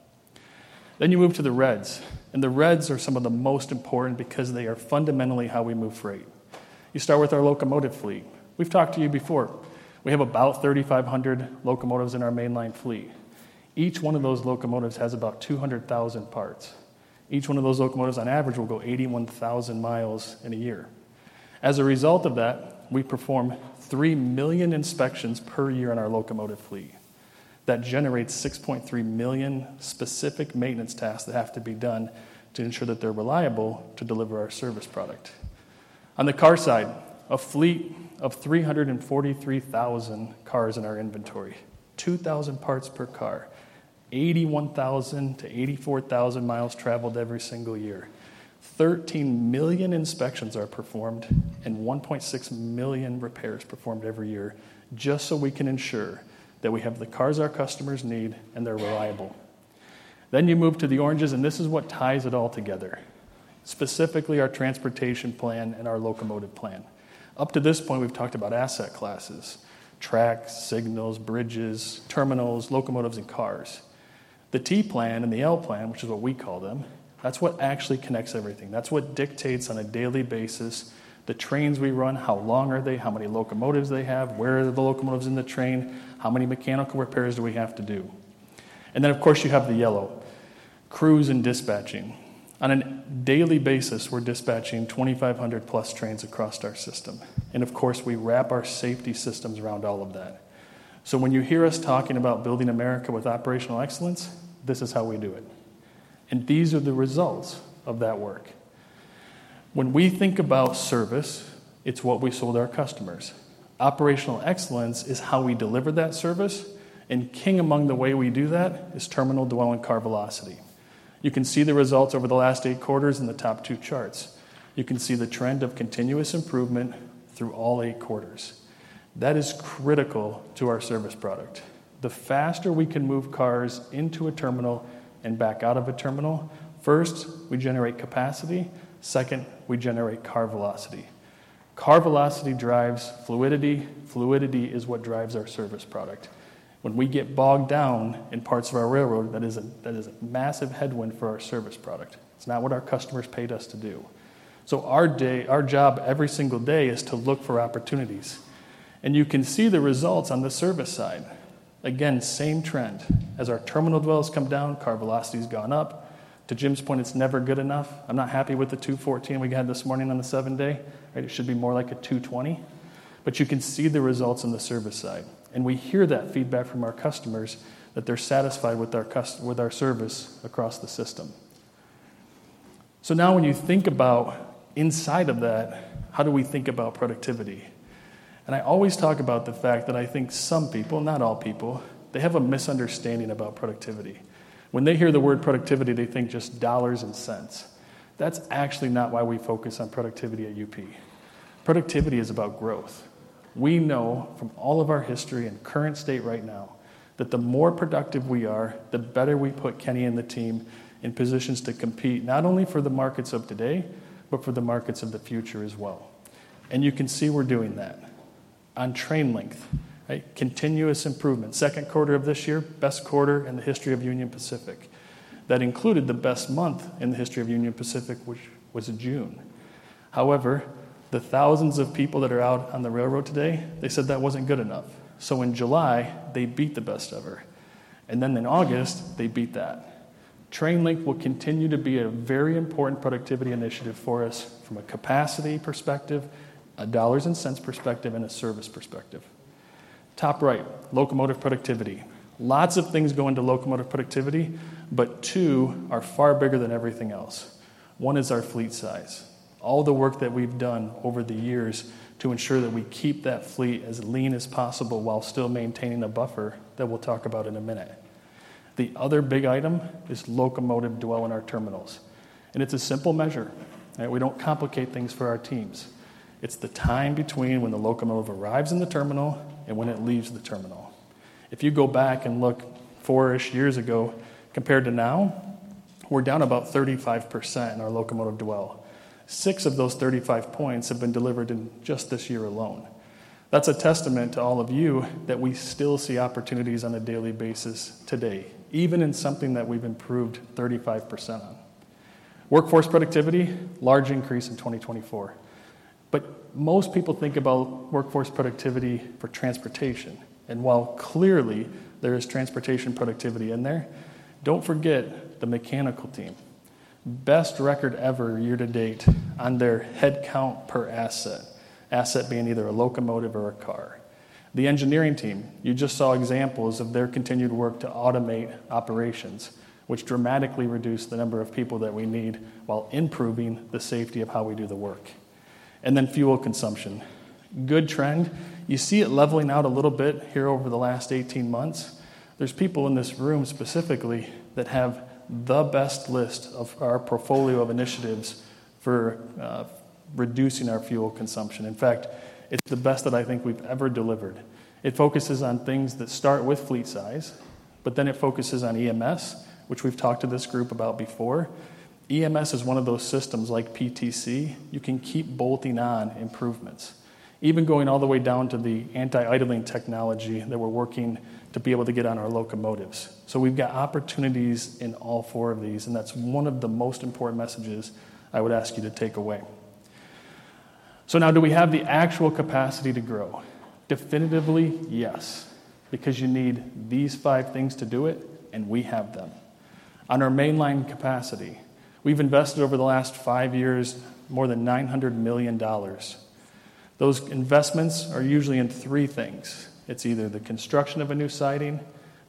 You move to the reds, and the reds are some of the most important because they are fundamentally how we move freight. You start with our locomotive fleet. We've talked to you before. We have about 3,500 locomotives in our mainline fleet. Each one of those locomotives has about 200,000 parts. Each one of those locomotives, on average, will go 81,000 miles in a year. As a result of that, we perform 3 million inspections per year on our locomotive fleet. That generates 6.3 million specific maintenance tasks that have to be done to ensure that they're reliable to deliver our service product. On the car side, a fleet of 343,000 cars in our inventory, 2,000 parts per car, 81,000-84,000 miles traveled every single year. 13 million inspections are performed, and 1.6 million repairs performed every year just so we can ensure that we have the cars our customers need, and they're reliable. Then you move to the oranges, and this is what ties it all together, specifically our transportation plan and our locomotive plan. Up to this point, we've talked about asset classes, tracks, signals, bridges, terminals, locomotives, and cars. The T plan and the L plan, which is what we call them, that's what actually connects everything. That's what dictates on a daily basis, the trains we run, how long are they, how many locomotives they have, where are the locomotives in the train, how many mechanical repairs do we have to do? And then, of course, you have the yellow, crews and dispatching. On a daily basis, we're dispatching 2,500-plus trains across our system, and of course, we wrap our safety systems around all of that. So when you hear us talking about building America with operational excellence, this is how we do it, and these are the results of that work. When we think about service, it's what we sold our customers. Operational excellence is how we deliver that service, and key among the ways we do that is terminal dwell and car velocity. You can see the results over the last eight quarters in the top two charts. You can see the trend of continuous improvement through all eight quarters. That is critical to our service product. The faster we can move cars into a terminal and back out of a terminal, first, we generate capacity, second, we generate car velocity. Car velocity drives fluidity. Fluidity is what drives our service product. When we get bogged down in parts of our railroad, that is a massive headwind for our service product. It's not what our customers paid us to do, so our job every single day is to look for opportunities, and you can see the results on the service side. Again, same trend. As our terminal dwells come down, car velocity's gone up. To Jim's point, it's never good enough. I'm not happy with the two fourteen we had this morning on the seven-day, right? It should be more like a two twenty, but you can see the results on the service side, and we hear that feedback from our customers that they're satisfied with our service across the system, so now, when you think about inside of that, how do we think about productivity, and I always talk about the fact that I think some people, not all people, they have a misunderstanding about productivity. When they hear the word productivity, they think just dollars and cents. That's actually not why we focus on productivity at UP. Productivity is about growth. We know from all of our history and current state right now, that the more productive we are, the better we put Kenny and the team in positions to compete, not only for the markets of today, but for the markets of the future as well, and you can see we're doing that. On train length, right, continuous improvement. Second quarter of this year, best quarter in the history of Union Pacific. That included the best month in the history of Union Pacific, which was in June. However, the thousands of people that are out on the railroad today, they said that wasn't good enough, so in July, they beat the best ever, and then in August, they beat that. Train length will continue to be a very important productivity initiative for us from a capacity perspective, a dollars and cents perspective, and a service perspective. Top right, locomotive productivity. Lots of things go into locomotive productivity, but two are far bigger than everything else. One is our fleet size. All the work that we've done over the years to ensure that we keep that fleet as lean as possible while still maintaining a buffer that we'll talk about in a minute. The other big item is locomotive dwell in our terminals, and it's a simple measure, right? We don't complicate things for our teams. It's the time between when the locomotive arrives in the terminal and when it leaves the terminal. If you go back and look four-ish years ago, compared to now, we're down about 35% in our locomotive dwell. Six of those 35 points have been delivered in just this year alone. That's a testament to all of you that we still see opportunities on a daily basis today, even in something that we've improved 35% on. Workforce productivity, large increase in 2024. But most people think about workforce productivity for transportation, and while clearly there is transportation productivity in there, don't forget the mechanical team. Best record ever year to date on their headcount per asset, asset being either a locomotive or a car. The engineering team, you just saw examples of their continued work to automate operations, which dramatically reduce the number of people that we need while improving the safety of how we do the work. And then fuel consumption, good trend. You see it leveling out a little bit here over the last 18 months. There's people in this room specifically that have the best list of our portfolio of initiatives for reducing our fuel consumption. In fact, it's the best that I think we've ever delivered. It focuses on things that start with fleet size, but then it focuses on EMS, which we've talked to this group about before. EMS is one of those systems like PTC. You can keep bolting on improvements, even going all the way down to the anti-idling technology that we're working to be able to get on our locomotives. So we've got opportunities in all four of these, and that's one of the most important messages I would ask you to take away. So now, do we have the actual capacity to grow? Definitively, yes, because you need these five things to do it, and we have them. On our mainline capacity, we've invested over the last five years more than $900 million. Those investments are usually in three things. It's either the construction of a new siding,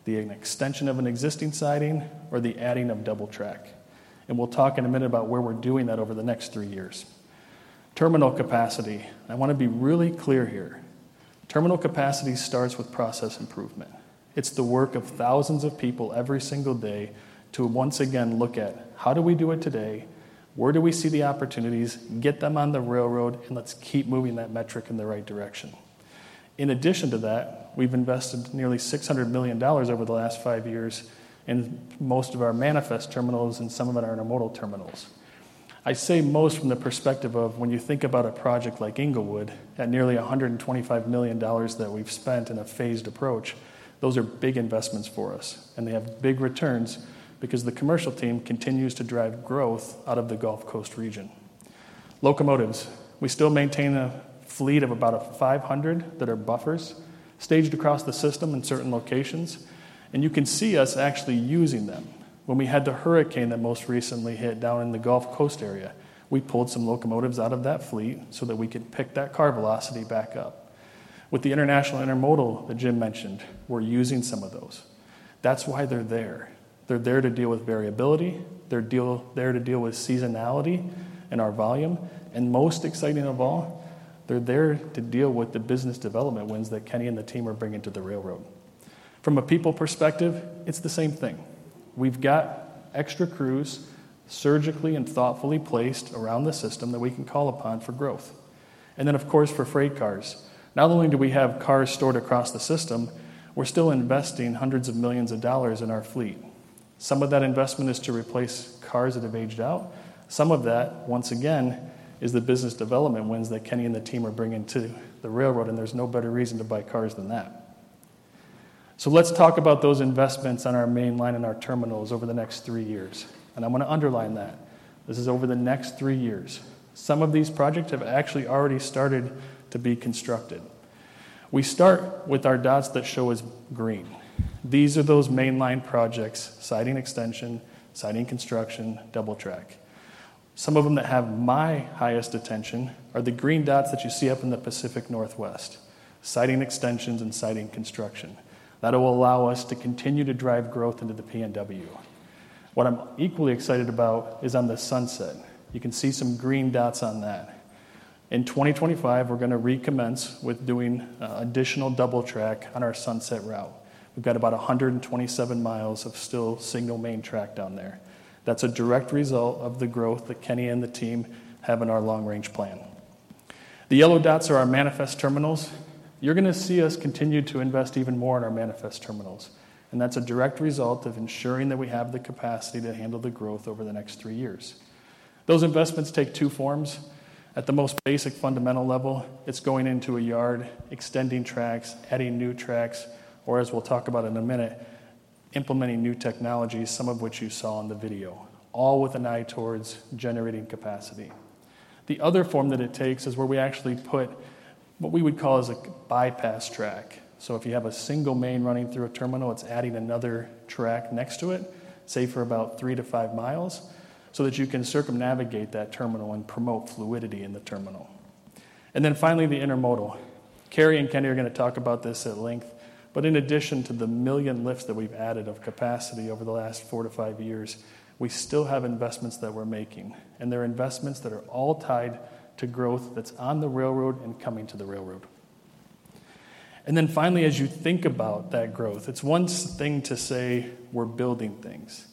the extension of an existing siding, or the adding of double track, and we'll talk in a minute about where we're doing that over the next three years. Terminal capacity, I wanna be really clear here. Terminal capacity starts with process improvement. It's the work of thousands of people every single day to once again look at: how do we do it today? Where do we see the opportunities? Get them on the railroad, and let's keep moving that metric in the right direction. In addition to that, we've invested nearly $600 million over the last five years in most of our manifest terminals and some of it in our intermodal terminals. I say most from the perspective of when you think about a project like Englewood, at nearly $125 million that we've spent in a phased approach, those are big investments for us, and they have big returns because the commercial team continues to drive growth out of the Gulf Coast region. Locomotives, we still maintain a fleet of about 500 that are buffers, staged across the system in certain locations, and you can see us actually using them. When we had the hurricane that most recently hit down in the Gulf Coast area, we pulled some locomotives out of that fleet so that we could pick that car velocity back up. With the international intermodal that Jim mentioned, we're using some of those.... That's why they're there. They're there to deal with variability, they're there to deal with seasonality and our volume, and most exciting of all, they're there to deal with the business development wins that Kenny and the team are bringing to the railroad. From a people perspective, it's the same thing. We've got extra crews surgically and thoughtfully placed around the system that we can call upon for growth, and then, of course, for freight cars, not only do we have cars stored across the system, we're still investing hundreds of millions of dollars in our fleet. Some of that investment is to replace cars that have aged out. Some of that, once again, is the business development wins that Kenny and the team are bringing to the railroad, and there's no better reason to buy cars than that. So let's talk about those investments on our main line and our terminals over the next three years, and I'm gonna underline that. This is over the next three years. Some of these projects have actually already started to be constructed. We start with our dots that show as green. These are those mainline projects, siding extension, siding construction, double track. Some of them that have my highest attention are the green dots that you see up in the Pacific Northwest, siding extensions and siding construction. That will allow us to continue to drive growth into the PNW. What I'm equally excited about is on the Sunset. You can see some green dots on that. In twenty twenty-five, we're gonna recommence with doing additional double track on our Sunset Route. We've got about 127 miles of still single main track down there. That's a direct result of the growth that Kenny and the team have in our long-range plan. The yellow dots are our manifest terminals. You're gonna see us continue to invest even more in our manifest terminals, and that's a direct result of ensuring that we have the capacity to handle the growth over the next three years. Those investments take two forms. At the most basic, fundamental level, it's going into a yard, extending tracks, adding new tracks, or as we'll talk about in a minute, implementing new technologies, some of which you saw in the video, all with an eye towards generating capacity. The other form that it takes is where we actually put what we would call a bypass track. So if you have a single main running through a terminal, it's adding another track next to it, say, for about three to five miles, so that you can circumnavigate that terminal and promote fluidity in the terminal. And then finally, the intermodal. Kari and Kenny are gonna talk about this at length, but in addition to the million lifts that we've added of capacity over the last four to five years, we still have investments that we're making, and they're investments that are all tied to growth that's on the railroad and coming to the railroad. And then finally, as you think about that growth, it's one thing to say we're building things,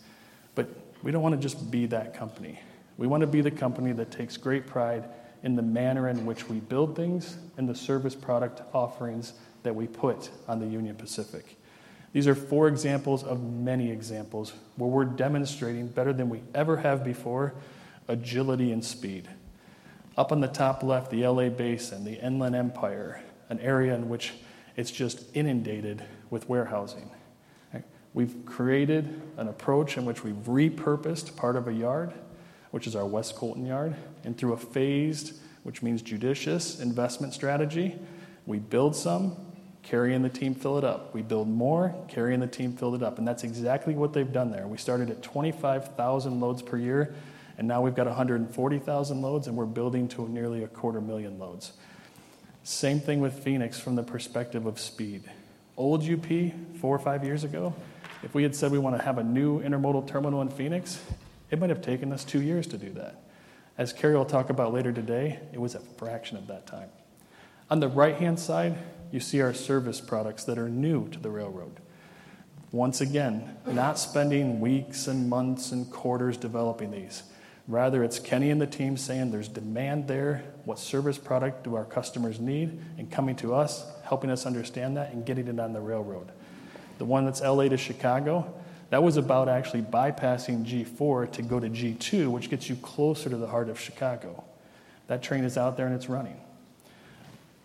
but we don't wanna just be that company. We wanna be the company that takes great pride in the manner in which we build things and the service product offerings that we put on the Union Pacific. These are four examples of many examples where we're demonstrating better than we ever have before, agility and speed. Up on the top left, the LA Basin, the Inland Empire, an area in which it's just inundated with warehousing. We've created an approach in which we've repurposed part of a yard, which is our West Colton yard, and through a phased, which means judicious, investment strategy, we build some, Kari and the team fill it up. We build more, Kari and the team fill it up, and that's exactly what they've done there. We started at 25,000 loads per year, and now we've got 140,000 loads, and we're building to nearly 250,000 loads. Same thing with Phoenix from the perspective of speed. Old UP, four or five years ago, if we had said we wanna have a new intermodal terminal in Phoenix, it might have taken us two years to do that. As Kari will talk about later today, it was a fraction of that time. On the right-hand side, you see our service products that are new to the railroad. Once again, not spending weeks and months and quarters developing these. Rather, it's Kenny and the team saying: "There's demand there. What service product do our customers need?" And coming to us, helping us understand that, and getting it on the railroad. The one that's LA to Chicago, that was about actually bypassing G4 to go to G2, which gets you closer to the heart of Chicago. That train is out there, and it's running.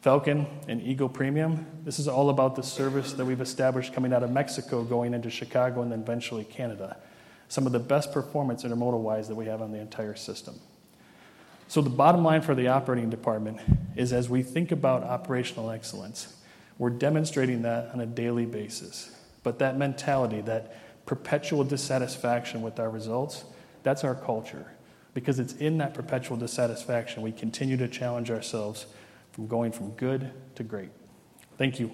Falcon and Eagle Premium, this is all about the service that we've established coming out of Mexico, going into Chicago, and then eventually Canada. Some of the best performance intermodal-wise that we have on the entire system. So the bottom line for the operating department is, as we think about operational excellence, we're demonstrating that on a daily basis. But that mentality, that perpetual dissatisfaction with our results, that's our culture. Because it's in that perpetual dissatisfaction, we continue to challenge ourselves from going from good to great. Thank you.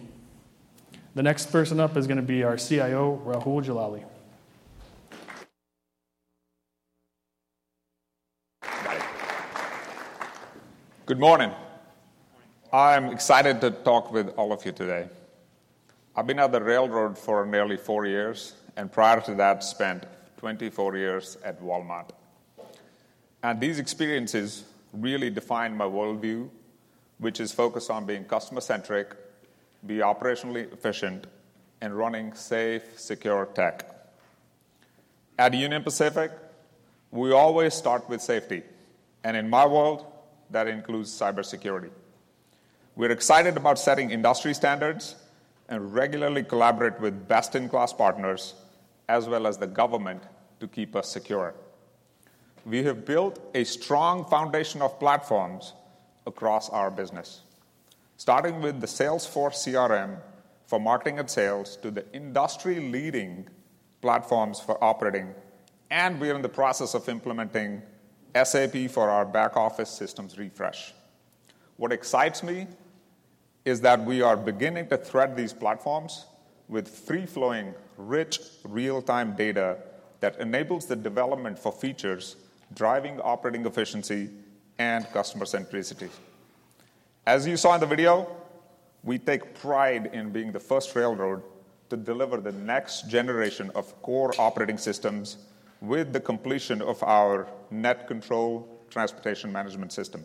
The next person up is gonna be our CIO, Rahul Jalali. Good morning. I'm excited to talk with all of you today. I've been at the railroad for nearly four years, and prior to that, spent twenty-four years at Walmart, and these experiences really define my worldview, which is focused on being customer-centric, be operationally efficient, and running safe, secure tech. At Union Pacific, we always start with safety, and in my world, that includes cybersecurity. We're excited about setting industry standards and regularly collaborate with best-in-class partners, as well as the government, to keep us secure. We have built a strong foundation of platforms across our business, starting with the Salesforce CRM for marketing and sales to the industry-leading platforms for operating, and we are in the process of implementing SAP for our back-office systems refresh. What excites me is that we are beginning to thread these platforms with free-flowing, rich, real-time data that enables the development for features driving operating efficiency and customer centricity. As you saw in the video, we take pride in being the first railroad to deliver the next generation of core operating systems with the completion of our NetControl transportation management system.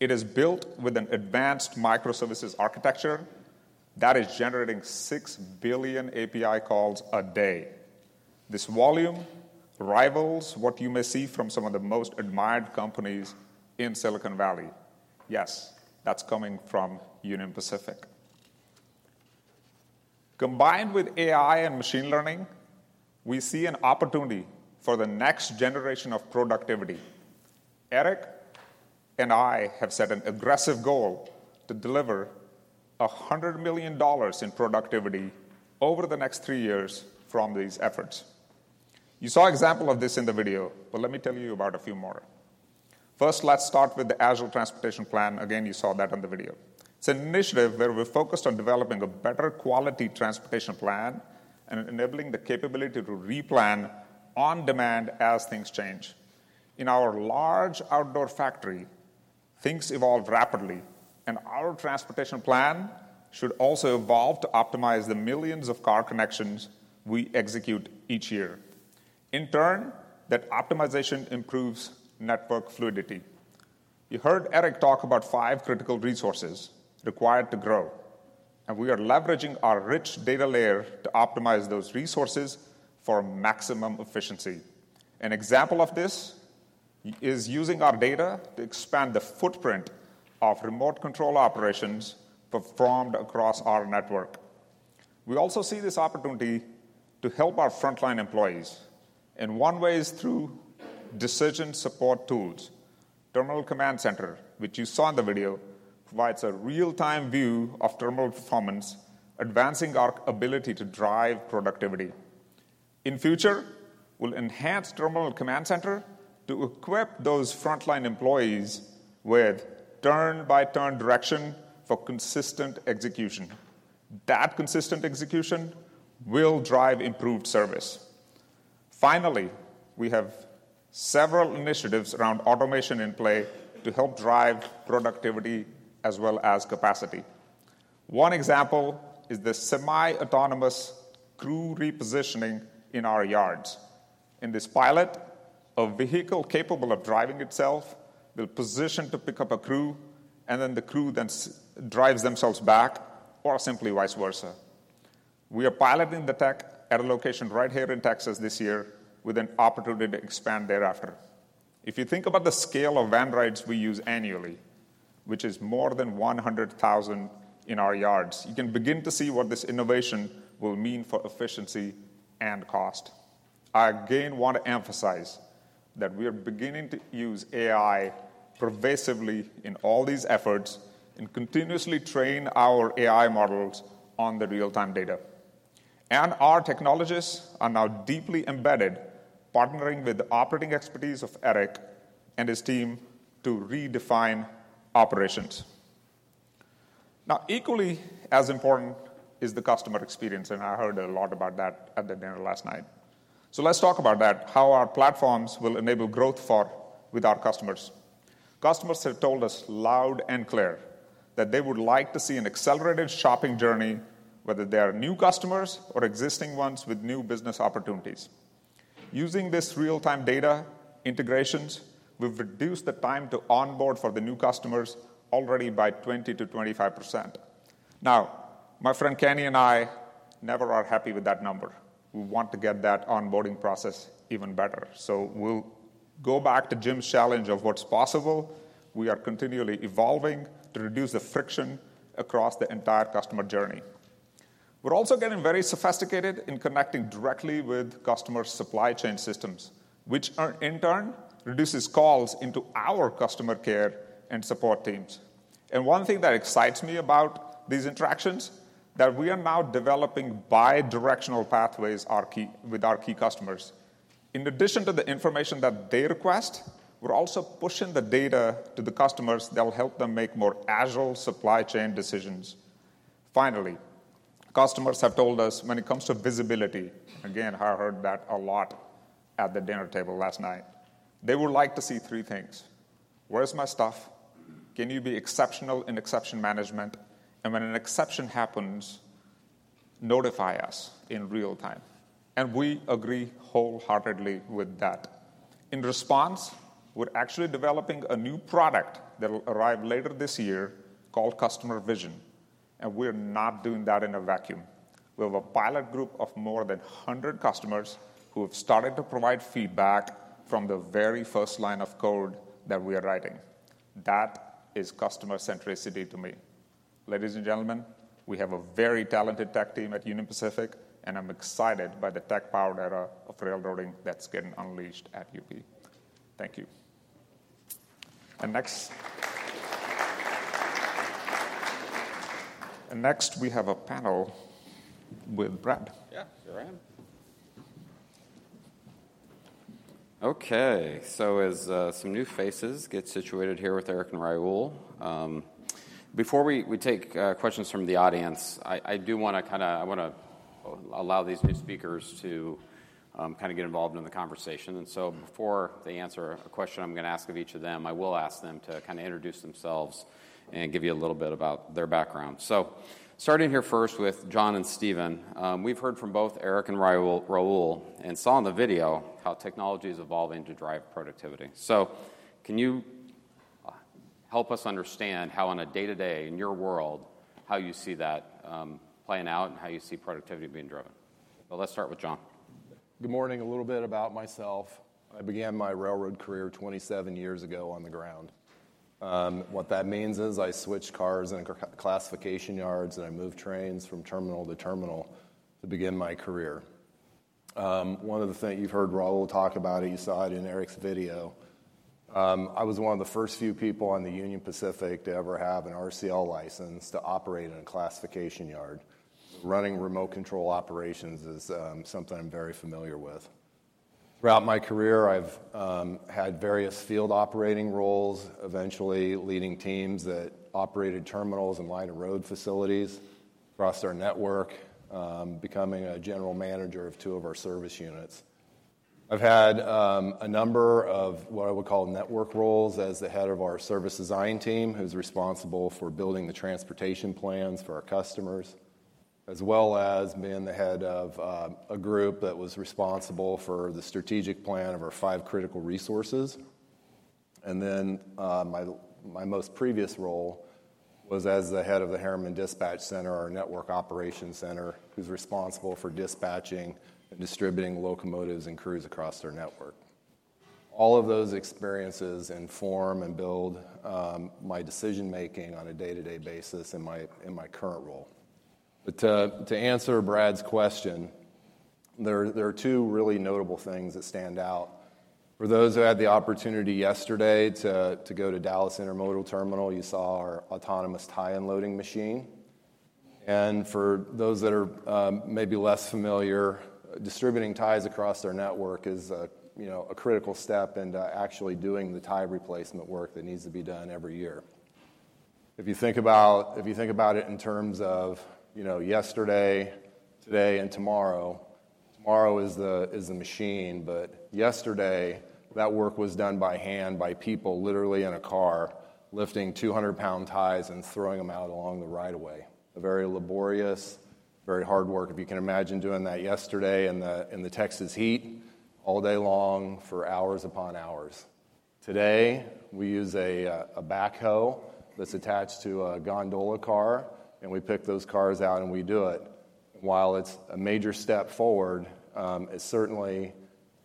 It is built with an advanced microservices architecture that is generating six billion API calls a day. This volume rivals what you may see from some of the most admired companies in Silicon Valley. Yes, that's coming from Union Pacific. Combined with AI and machine learning, we see an opportunity for the next generation of productivity. Eric and I have set an aggressive goal to deliver $100 million in productivity over the next three years from these efforts. You saw an example of this in the video, but let me tell you about a few more. First, let's start with the Agile Transportation Plan. Again, you saw that on the video. It's an initiative where we're focused on developing a better quality transportation plan and enabling the capability to replan on demand as things change. In our large outdoor factory, things evolve rapidly, and our transportation plan should also evolve to optimize the millions of car connections we execute each year. In turn, that optimization improves network fluidity. You heard Eric talk about five critical resources required to grow, and we are leveraging our rich data layer to optimize those resources for maximum efficiency. An example of this is using our data to expand the footprint of remote control operations performed across our network. We also see this opportunity to help our frontline employees, and one way is through decision support tools. Terminal Command Center, which you saw in the video, provides a real-time view of terminal performance, advancing our ability to drive productivity. In future, we'll enhance Terminal Command Center to equip those frontline employees with turn-by-turn direction for consistent execution. That consistent execution will drive improved service. Finally, we have several initiatives around automation in play to help drive productivity as well as capacity. One example is the semi-autonomous crew repositioning in our yards. In this pilot, a vehicle capable of driving itself will position to pick up a crew, and then the crew drives themselves back or simply vice versa. We are piloting the tech at a location right here in Texas this year with an opportunity to expand thereafter. If you think about the scale of van rides we use annually, which is more than 100,000 in our yards, you can begin to see what this innovation will mean for efficiency and cost. I again want to emphasize that we are beginning to use AI pervasively in all these efforts and continuously train our AI models on the real-time data, and our technologists are now deeply embedded, partnering with the operating expertise of Eric and his team to redefine operations. Now, equally as important is the customer experience, and I heard a lot about that at the dinner last night, so let's talk about that, how our platforms will enable growth for—with our customers. Customers have told us loud and clear that they would like to see an accelerated shopping journey, whether they are new customers or existing ones with new business opportunities. Using this real-time data integrations, we've reduced the time to onboard for the new customers already by 20%-25%. Now, my friend Kenny and I never are happy with that number. We want to get that onboarding process even better. So we'll go back to Jim's challenge of what's possible. We are continually evolving to reduce the friction across the entire customer journey. We're also getting very sophisticated in connecting directly with customer supply chain systems, which, in turn, reduces calls into our customer care and support teams. And one thing that excites me about these interactions is that we are now developing bidirectional pathways with our key customers. In addition to the information that they request, we're also pushing the data to the customers that will help them make more agile supply chain decisions. Finally, customers have told us when it comes to visibility, again, I heard that a lot at the dinner table last night, they would like to see three things: Where's my stuff? Can you be exceptional in exception management? And when an exception happens, notify us in real time. We agree wholeheartedly with that. In response, we're actually developing a new product that will arrive later this year called Customer Vision, and we're not doing that in a vacuum. We have a pilot group of more than 100 customers who have started to provide feedback from the very first line of code that we are writing. That is customer centricity to me. Ladies and gentlemen, we have a very talented tech team at Union Pacific, and I'm excited by the tech-powered era of railroading that's getting unleashed at UP. Thank you. And next, we have a panel with Brad. Yeah, here I am.... Okay, so as some new faces get situated here with Eric and Rahul, before we take questions from the audience, I do wanna kinda allow these new speakers to kind of get involved in the conversation. So before they answer a question I'm going to ask of each of them, I will ask them to kind of introduce themselves and give you a little bit about their background. So starting here first with John and Steven, we've heard from both Eric and Rahul and saw in the video how technology is evolving to drive productivity. So can you help us understand how on a day-to-day in your world, how you see that playing out and how you see productivity being driven? Well, let's start with John. Good morning. A little bit about myself. I began my railroad career 27 years ago on the ground. What that means is I switched cars in car classification yards, and I moved trains from terminal to terminal to begin my career. One of the things you've heard Rahul talk about, you saw it in Eric's video, I was one of the first few people on the Union Pacific to ever have an RCL license to operate in a classification yard. Running remote control operations is something I'm very familiar with. Throughout my career, I've had various field operating roles, eventually leading teams that operated terminals and line-of-road facilities across our network, becoming a general manager of two of our service units. I've had a number of what I would call network roles as the head of our service design team, who's responsible for building the transportation plans for our customers, as well as being the head of a group that was responsible for the strategic plan of our five critical resources, and then my most previous role was as the head of the Harriman Dispatch Center, our network operations center, who's responsible for dispatching and distributing locomotives and crews across their network. All of those experiences inform and build my decision making on a day-to-day basis in my current role, but to answer Brad's question, there are two really notable things that stand out. For those who had the opportunity yesterday to go to Dallas Intermodal Terminal, you saw our autonomous tie-in loading machine. For those that are maybe less familiar, distributing ties across their network is a, you know, a critical step in to actually doing the tie replacement work that needs to be done every year. If you think about it in terms of, you know, yesterday, today, and tomorrow, tomorrow is the machine, but yesterday, that work was done by hand, by people literally in a car, lifting 200-pound ties and throwing them out along the right of way. A very laborious, very hard work. If you can imagine doing that yesterday in the Texas heat, all day long for hours upon hours. Today, we use a backhoe that's attached to a gondola car, and we pick those cars out, and we do it. While it's a major step forward, it's certainly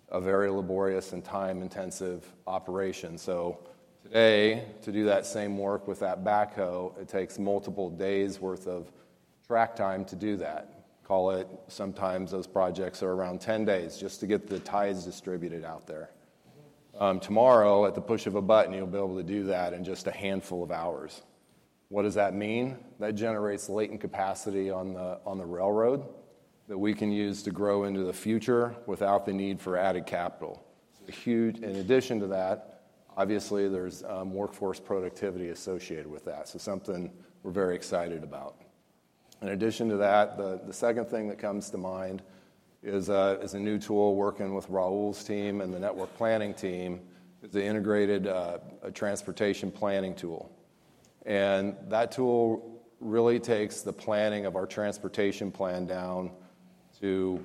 a very laborious and time-intensive operation. So today, to do that same work with that backhoe, it takes multiple days' worth of track time to do that. Call it, sometimes those projects are around 10 days just to get the ties distributed out there. Tomorrow, at the push of a button, you'll be able to do that in just a handful of hours. What does that mean? That generates latent capacity on the railroad that we can use to grow into the future without the need for added capital. A huge... In addition to that, obviously, there's workforce productivity associated with that, so something we're very excited about. In addition to that, the second thing that comes to mind is a new tool working with Rahul's team and the network planning team, the integrated transportation planning tool. And that tool really takes the planning of our transportation plan down to,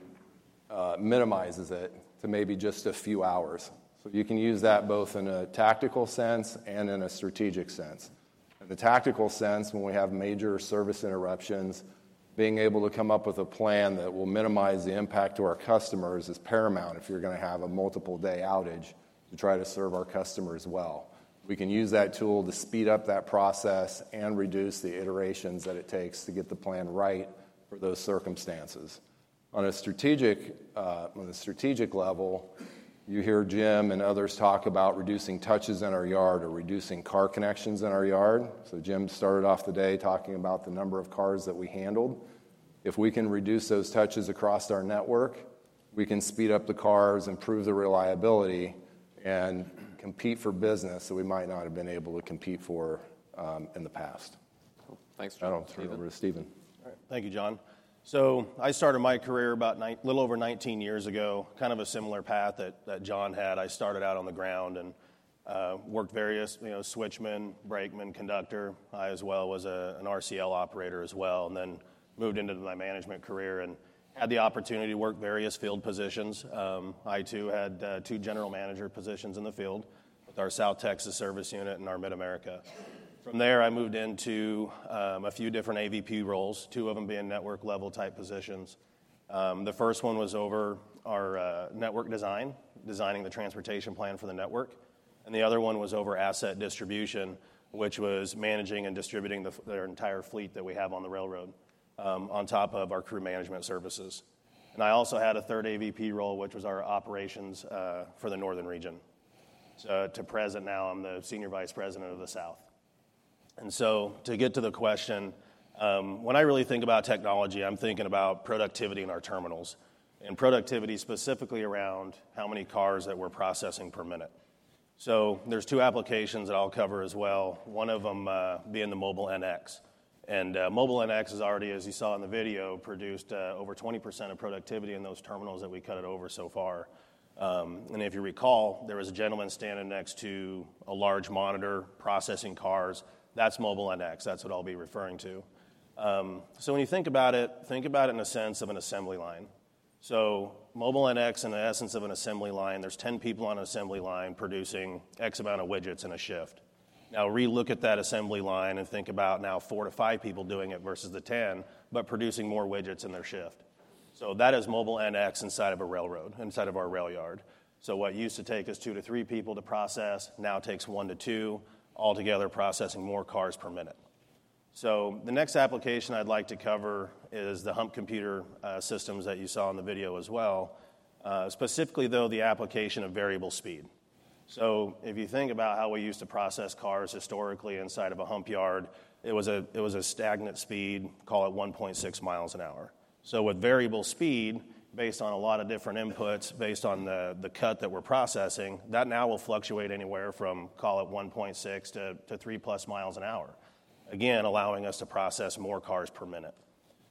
minimizes it to maybe just a few hours. So you can use that both in a tactical sense and in a strategic sense. In the tactical sense, when we have major service interruptions, being able to come up with a plan that will minimize the impact to our customers is paramount if you're going to have a multiple-day outage to try to serve our customers well. We can use that tool to speed up that process and reduce the iterations that it takes to get the plan right for those circumstances. On a strategic level, you hear Jim and others talk about reducing touches in our yard or reducing car connections in our yard. So Jim started off the day talking about the number of cars that we handled. If we can reduce those touches across our network, we can speed up the cars, improve the reliability, and compete for business that we might not have been able to compete for, in the past. Thanks, John. I'll turn it over to Steven. All right. Thank you, John. So I started my career about nine-- a little over nineteen years ago, kind of a similar path that John had. I started out on the ground and worked various, you know, switchman, brakeman, conductor. I as well was an RCL operator as well, and then moved into my management career and had the opportunity to work various field positions. I too had two general manager positions in the South Texas Service Unit and our mid-america. From there, I moved into a few different AVP roles, two of them being network-level type positions. The first one was over our network design, designing the transportation plan for the network, and the other one was over asset distribution, which was managing and distributing the entire fleet that we have on the railroad, on top of our crew management services, and I also had a third AVP role, which was our operations for the Northern Region. To present, now I'm the Senior Vice President of the South, and so to get to the question, when I really think about technology, I'm thinking about productivity in our terminals, and productivity specifically around how many cars that we're processing per minute, so there's two applications that I'll cover as well. One of them being the MobileNX. MobileNX has already, as you saw in the video, produced over 20% of productivity in those terminals that we cut it over so far. If you recall, there was a gentleman standing next to a large monitor processing cars. That's MobileNX. That's what I'll be referring to. When you think about it, think about it in a sense of an assembly line. MobileNX, in the essence of an assembly line, there's 10 people on an assembly line producing X amount of widgets in a shift. Now, re-look at that assembly line and think about now four to five people doing it versus the 10, but producing more widgets in their shift. That is MobileNX inside of a railroad, inside of our rail yard. So what used to take us two to three people to process, now takes one to two, altogether processing more cars per minute. So the next application I'd like to cover is the hump computer systems that you saw in the video as well. Specifically, though, the application of variable speed. So if you think about how we used to process cars historically inside of a hump yard, it was a stagnant speed, call it 1.6 miles an hour. So with variable speed, based on a lot of different inputs, based on the cut that we're processing, that now will fluctuate anywhere from call it 1.6 to three-plus miles an hour, again, allowing us to process more cars per minute.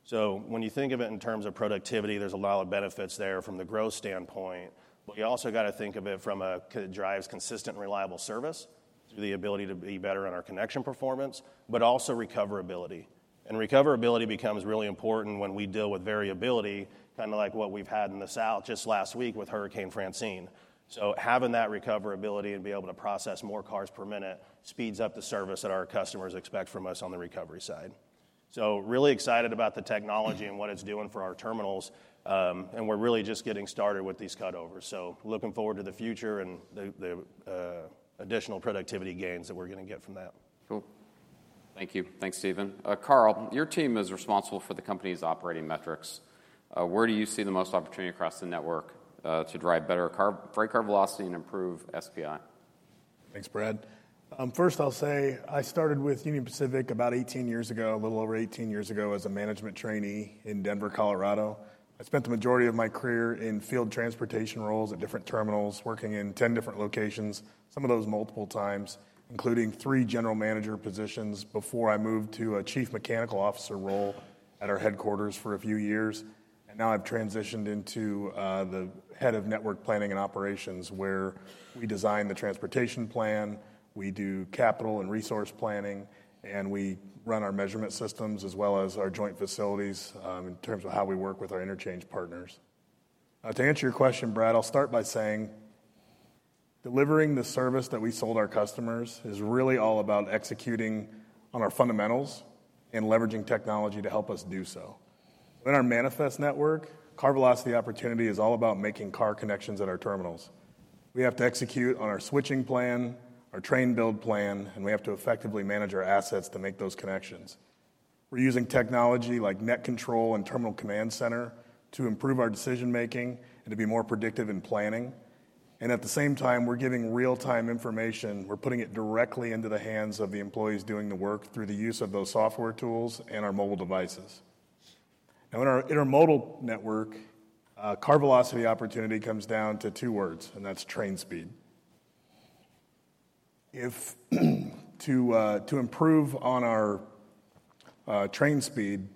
So when you think of it in terms of productivity, there's a lot of benefits there from the growth standpoint, but you also got to think of it from a it drives consistent, reliable service through the ability to be better in our connection performance, but also recoverability, and recoverability becomes really important when we deal with variability, kinda like what we've had in the south just last week with Hurricane Francine, so having that recoverability and be able to process more cars per minute speeds up the service that our customers expect from us on the recovery side, so really excited about the technology and what it's doing for our terminals, and we're really just getting started with these cutovers, so looking forward to the future and the additional productivity gains that we're gonna get from that. Cool. Thank you. Thanks, Steven. Carl, your team is responsible for the company's operating metrics. Where do you see the most opportunity across the network, to drive better freight car velocity and improve SPI? Thanks, Brad. First, I'll say I started with Union Pacific about eighteen years ago, a little over eighteen years ago, as a management trainee in Denver, Colorado. I spent the majority of my career in field transportation roles at different terminals, working in 10 different locations, some of those multiple times, including three general manager positions before I moved to a chief mechanical officer role at our headquarters for a few years. And now I've transitioned into the head of network planning and operations, where we design the transportation plan, we do capital and resource planning, and we run our measurement systems, as well as our joint facilities, in terms of how we work with our interchange partners. To answer your question, Brad, I'll start by saying, delivering the service that we sold our customers is really all about executing on our fundamentals and leveraging technology to help us do so. In our manifest network, car velocity opportunity is all about making car connections at our terminals. We have to execute on our switching plan, our train build plan, and we have to effectively manage our assets to make those connections. We're using technology like NetControl and terminal command center to improve our decision-making and to be more predictive in planning. And at the same time, we're giving real-time information. We're putting it directly into the hands of the employees doing the work through the use of those software tools and our mobile devices. Now, in our intermodal network, car velocity opportunity comes down to two words, and that's train speed. To improve on our train speed,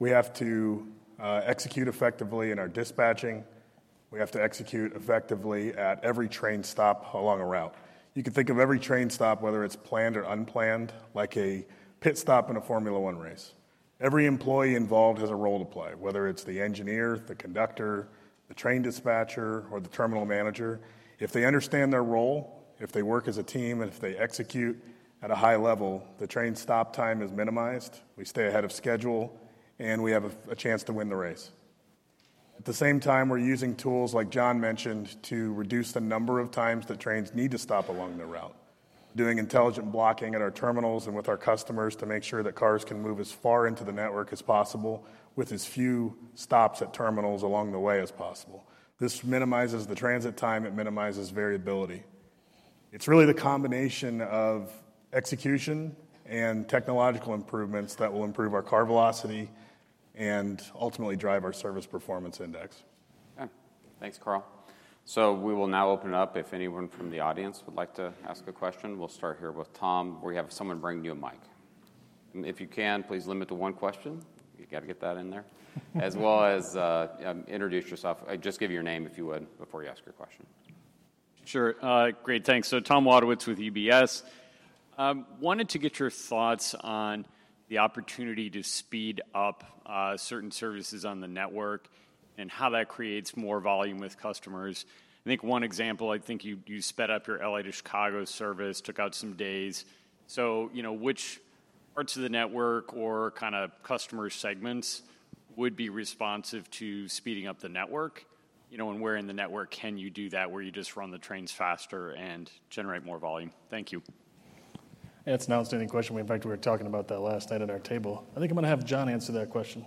we have to execute effectively in our dispatching. We have to execute effectively at every train stop along a route. You can think of every train stop, whether it's planned or unplanned, like a pit stop in a Formula One race. Every employee involved has a role to play, whether it's the engineer, the conductor, the train dispatcher, or the terminal manager. If they understand their role, if they work as a team, and if they execute at a high level, the train stop time is minimized, we stay ahead of schedule, and we have a chance to win the race. At the same time, we're using tools, like John mentioned, to reduce the number of times the trains need to stop along the route, doing intelligent blocking at our terminals and with our customers to make sure that cars can move as far into the network as possible with as few stops at terminals along the way as possible. This minimizes the transit time. It minimizes variability. It's really the combination of execution and technological improvements that will improve our car velocity and ultimately drive our Service Performance Index. Okay. Thanks, Carl. So we will now open it up if anyone from the audience would like to ask a question. We'll start here with Tom. We have someone bringing you a mic. If you can, please limit to one question. You got to get that in there. As well as, introduce yourself. Just give your name, if you would, before you ask your question. Sure. Great, thanks. So Tom Wadewitz with UBS. Wanted to get your thoughts on the opportunity to speed up certain services on the network and how that creates more volume with customers. I think one example, I think you sped up your LA to Chicago service, took out some days. So, you know, which parts of the network or kinda customer segments would be responsive to speeding up the network? You know, and where in the network can you do that, where you just run the trains faster and generate more volume? Thank you. That's an outstanding question. In fact, we were talking about that last night at our table. I think I'm gonna have John answer that question....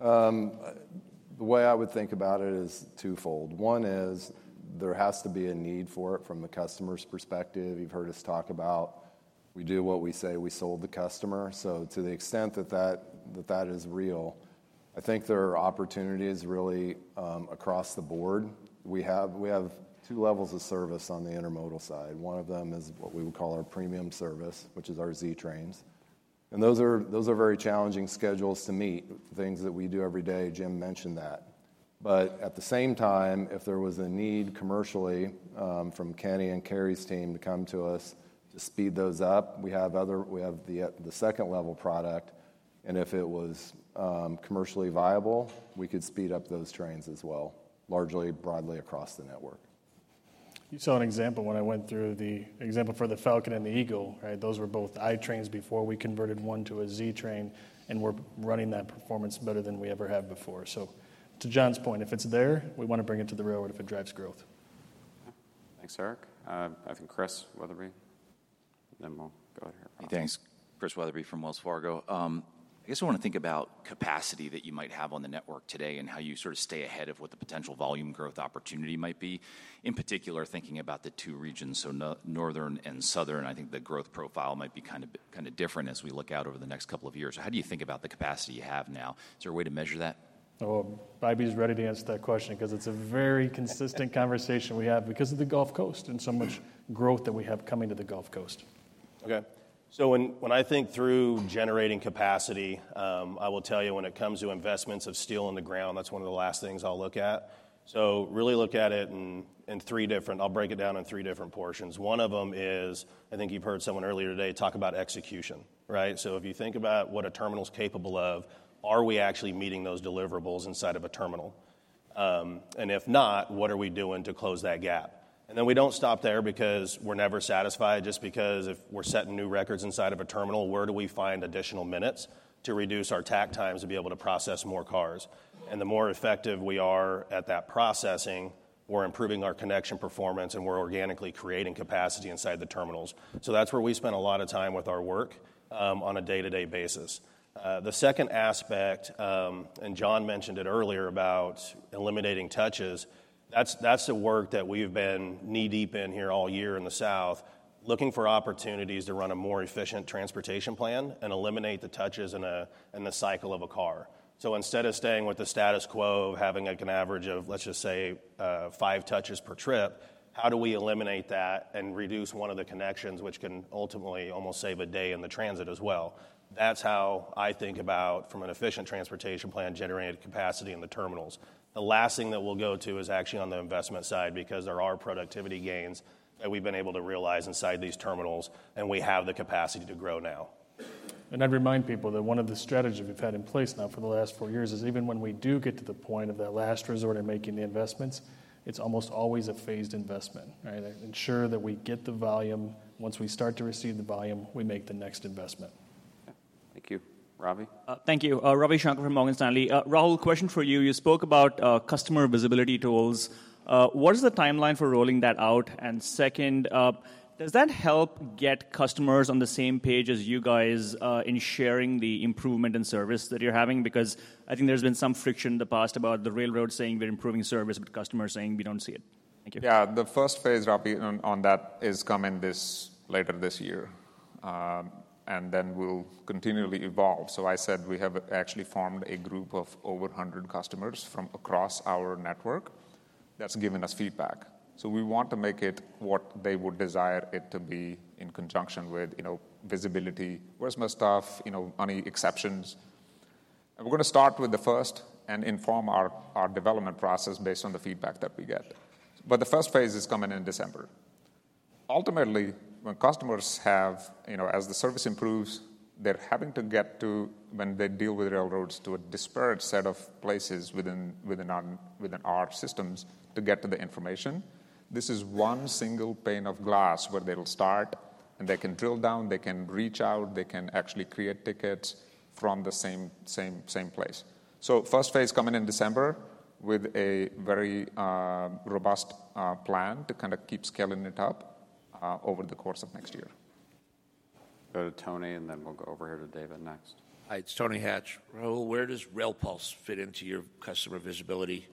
The way I would think about it is twofold. One is, there has to be a need for it from the customer's perspective. You've heard us talk about we do what we say, we sold the customer. So to the extent that that is real, I think there are opportunities really, across the board. We have two levels of service on the intermodal side. One of them is what we would call our premium service, which is our Z trains, and those are very challenging schedules to meet, things that we do every day. Jim mentioned that. But at the same time, if there was a need commercially from Kenny and Kari's team to come to us to speed those up, we have the second-level product, and if it was commercially viable, we could speed up those trains as well, largely broadly across the network. You saw an example when I went through the example for the Falcon and the Eagle, right? Those were both I trains before we converted one to a Z train, and we're running that performance better than we ever have before. So to John's point, if it's there, we want to bring it to the railroad if it drives growth. Thanks, Eric. I think Chris Wetherbee, then we'll go ahead. Hey, thanks. Chris Wetherbee from Wells Fargo. I guess I want to think about capacity that you might have on the network today, and how you sort of stay ahead of what the potential volume growth opportunity might be. In particular, thinking about the two regions, northern and southern, I think the growth profile might be kind of different as we look out over the next couple of years. How do you think about the capacity you have now? Is there a way to measure that? Oh, Bobby's ready to answer that question 'cause it's a very consistent conversation we have because of the Gulf Coast and so much growth that we have coming to the Gulf Coast. Okay. So when I think through generating capacity, I will tell you, when it comes to investments of steel in the ground, that's one of the last things I'll look at. So really look at it in three different. I'll break it down in three different portions. One of them is, I think you've heard someone earlier today talk about execution, right? So if you think about what a terminal's capable of, are we actually meeting those deliverables inside of a terminal? And if not, what are we doing to close that gap? And then we don't stop there because we're never satisfied. Just because if we're setting new records inside of a terminal, where do we find additional minutes to reduce our tack times to be able to process more cars? And the more effective we are at that processing, we're improving our connection performance, and we're organically creating capacity inside the terminals. So that's where we spend a lot of time with our work on a day-to-day basis. The second aspect, and John mentioned it earlier, about eliminating touches, that's the work that we've been knee-deep in here all year in the South, looking for opportunities to run a more efficient transportation plan and eliminate the touches in the cycle of a car. So instead of staying with the status quo, having, like, an average of, let's just say, five touches per trip, how do we eliminate that and reduce one of the connections, which can ultimately almost save a day in the transit as well? That's how I think about, from an efficient transportation plan, generating capacity in the terminals. The last thing that we'll go to is actually on the investment side because there are productivity gains that we've been able to realize inside these terminals, and we have the capacity to grow now. And I'd remind people that one of the strategies we've had in place now for the last four years is even when we do get to the point of that last resort in making the investments, it's almost always a phased investment, right? Ensure that we get the volume. Once we start to receive the volume, we make the next investment. Thank you. Ravi? Thank you. Ravi Shanker from Morgan Stanley. Rahul, question for you. You spoke about customer visibility tools. What is the timeline for rolling that out? And second, does that help get customers on the same page as you guys in sharing the improvement in service that you're having? Because I think there's been some friction in the past about the railroad saying we're improving service, but customers saying we don't see it. Thank you. Yeah, the first phase, Ravi, on that is coming later this year, and then we'll continually evolve, so I said we have actually formed a group of over one hundred customers from across our network that's giving us feedback, so we want to make it what they would desire it to be in conjunction with, you know, visibility. Where's my stuff? You know, any exceptions, and we're going to start with the first and inform our development process based on the feedback that we get, but the first phase is coming in December. Ultimately, when customers have you know, as the service improves, they're having to get to when they deal with railroads to a disparate set of places within our systems to get to the information. This is one single pane of glass where they will start, and they can drill down, they can reach out, they can actually create tickets from the same place. So first phase coming in December with a very robust plan to kinda keep scaling it up over the course of next year. Go to Tony, and then we'll go over here to David next. Hi, it's Tony Hatch. Rahul, where does RailPulse fit into your customer visibility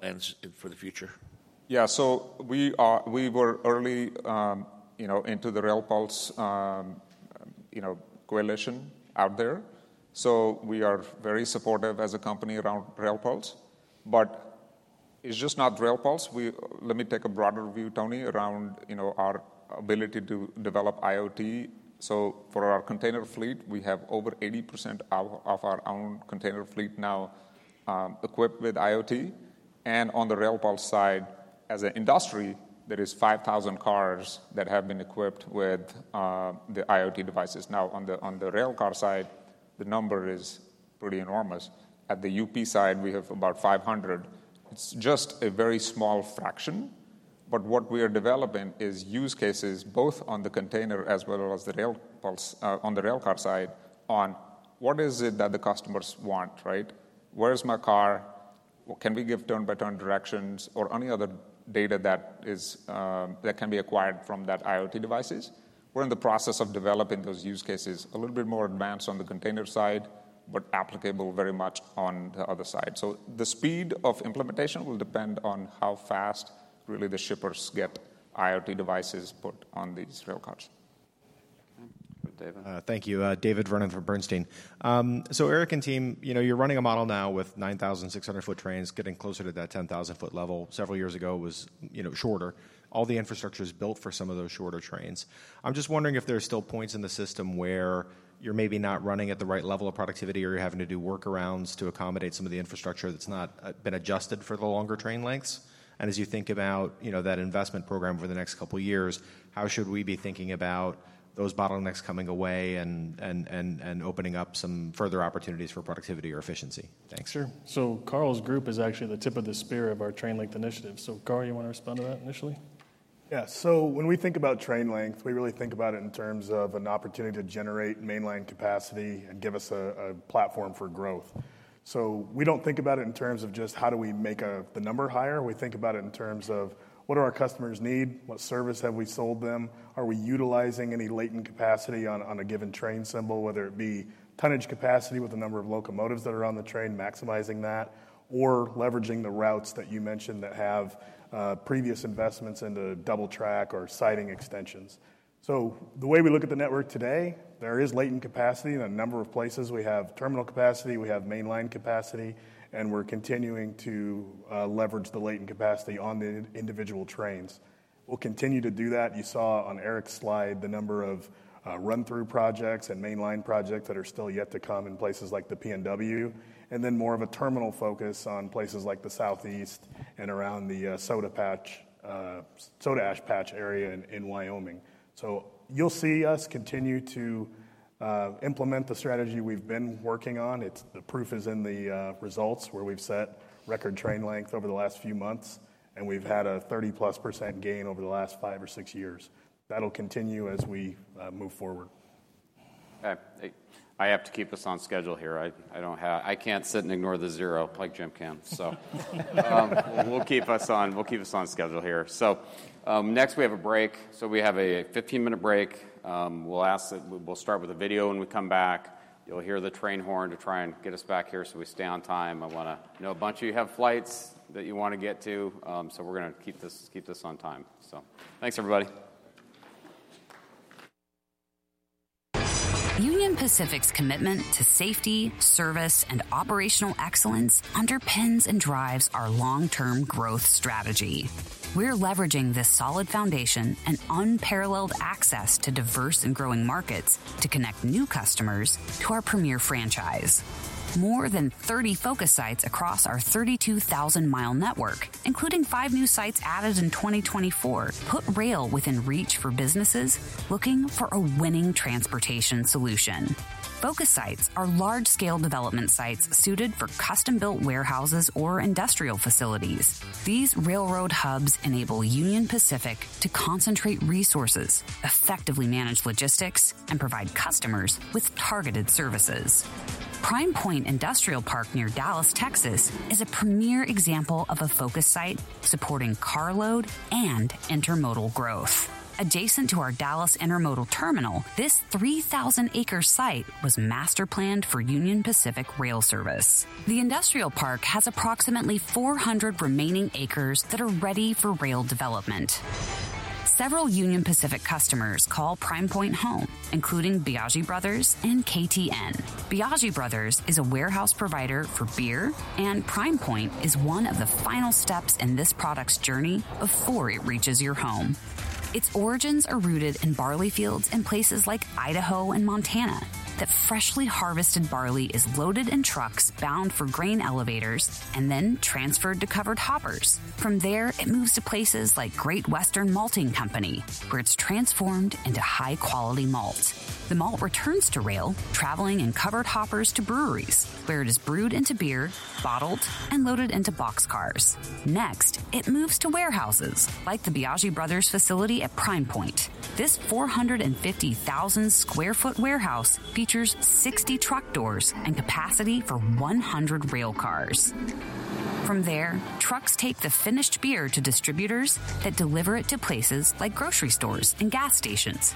plans for the future? Yeah, so we were early, you know, into the RailPulse, you know, coalition out there, so we are very supportive as a company around RailPulse. But it's just not RailPulse. Let me take a broader view, Tony, around, you know, our ability to develop IoT. So for our container fleet, we have over 80% of our own container fleet now equipped with IoT. And on the RailPulse side, as an industry, there is 5,000 cars that have been equipped with the IoT devices. Now, on the railcar side, the number is pretty enormous. At the UP side, we have about 500. It's just a very small fraction, but what we are developing is use cases, both on the container as well as the RailPulse, on the railcar side, on what is it that the customers want, right? Where is my car?... Can we give turn-by-turn directions or any other data that is, that can be acquired from that IoT devices? We're in the process of developing those use cases. A little bit more advanced on the container side, but applicable very much on the other side. So the speed of implementation will depend on how fast really the shippers get IoT devices put on these rail cars. Okay. David? Thank you. David Vernon from Bernstein. So Eric and team, you know, you're running a model now with 9,600-foot trains getting closer to that 10,000-foot level. Several years ago, it was, you know, shorter. All the infrastructure is built for some of those shorter trains. I'm just wondering if there are still points in the system where you're maybe not running at the right level of productivity, or you're having to do workarounds to accommodate some of the infrastructure that's not been adjusted for the longer train lengths. And as you think about, you know, that investment program over the next couple of years, how should we be thinking about those bottlenecks coming away and opening up some further opportunities for productivity or efficiency? Thanks. Sure. So Carl's group is actually the tip of the spear of our train length initiative. So, Carl, you want to respond to that initially? Yeah. So when we think about train length, we really think about it in terms of an opportunity to generate mainline capacity and give us a platform for growth. So we don't think about it in terms of just: how do we make the number higher? We think about it in terms of: what do our customers need? What service have we sold them? Are we utilizing any latent capacity on a given train symbol, whether it be tonnage capacity with the number of locomotives that are on the train, maximizing that, or leveraging the routes that you mentioned that have previous investments into double track or siding extensions. So the way we look at the network today, there is latent capacity in a number of places. We have terminal capacity, we have mainline capacity, and we're continuing to leverage the latent capacity on the individual trains. We'll continue to do that. You saw on Eric's slide the number of run-through projects and mainline projects that are still yet to come in places like the PNW, and then more of a terminal focus on places like the Southeast and around the soda ash patch area in Wyoming, so you'll see us continue to implement the strategy we've been working on. The proof is in the results, where we've set record train length over the last few months, and we've had a 30-plus% gain over the last five or six years. That'll continue as we move forward. Okay. I have to keep us on schedule here. I can't sit and ignore the zero like Jim can. So, we'll keep us on schedule here. So, next, we have a break. So we have a fifteen-minute break. We'll start with a video when we come back. You'll hear the train horn to try and get us back here, so we stay on time. I know a bunch of you have flights that you want to get to, so we're gonna keep this on time. So thanks, everybody. Union Pacific's commitment to safety, service, and operational excellence underpins and drives our long-term growth strategy. We're leveraging this solid foundation and unparalleled access to diverse and growing markets to connect new customers to our premier franchise. More than 30 Focus Sites across our 32,000-mile network, including five new sites added in 2024, put rail within reach for businesses looking for a winning transportation solution. Focus sites are large-scale development sites suited for custom-built warehouses or industrial facilities. These railroad hubs enable Union Pacific to concentrate resources, effectively manage logistics, and provide customers with targeted services. Prime Pointe Industrial Park, near Dallas, Texas, is a premier example of a focus site supporting carload and intermodal growth. Adjacent to our Dallas Intermodal Terminal, this 3,000-acre site was master planned for Union Pacific rail service. The industrial park has approximately 400 remaining acres that are ready for rail development. Several Union Pacific customers call Prime Pointe home, including Biagi Brothers and KTN. Biagi Brothers is a warehouse provider for beer, and Prime Pointe is one of the final steps in this product's journey before it reaches your home. Its origins are rooted in barley fields in places like Idaho and Montana. That freshly harvested barley is loaded in trucks bound for grain elevators and then transferred to covered hoppers. From there, it moves to places like Great Western Malting Company, where it's transformed into high-quality malt. The malt returns to rail, traveling in covered hoppers to breweries, where it is brewed into beer, bottled, and loaded into boxcars. Next, it moves to warehouses like the Biagi Brothers facility at Prime Pointe. This 450,000 sq ft warehouse features 60 truck doors and capacity for 100 rail cars. From there, trucks take the finished beer to distributors that deliver it to places like grocery stores and gas stations.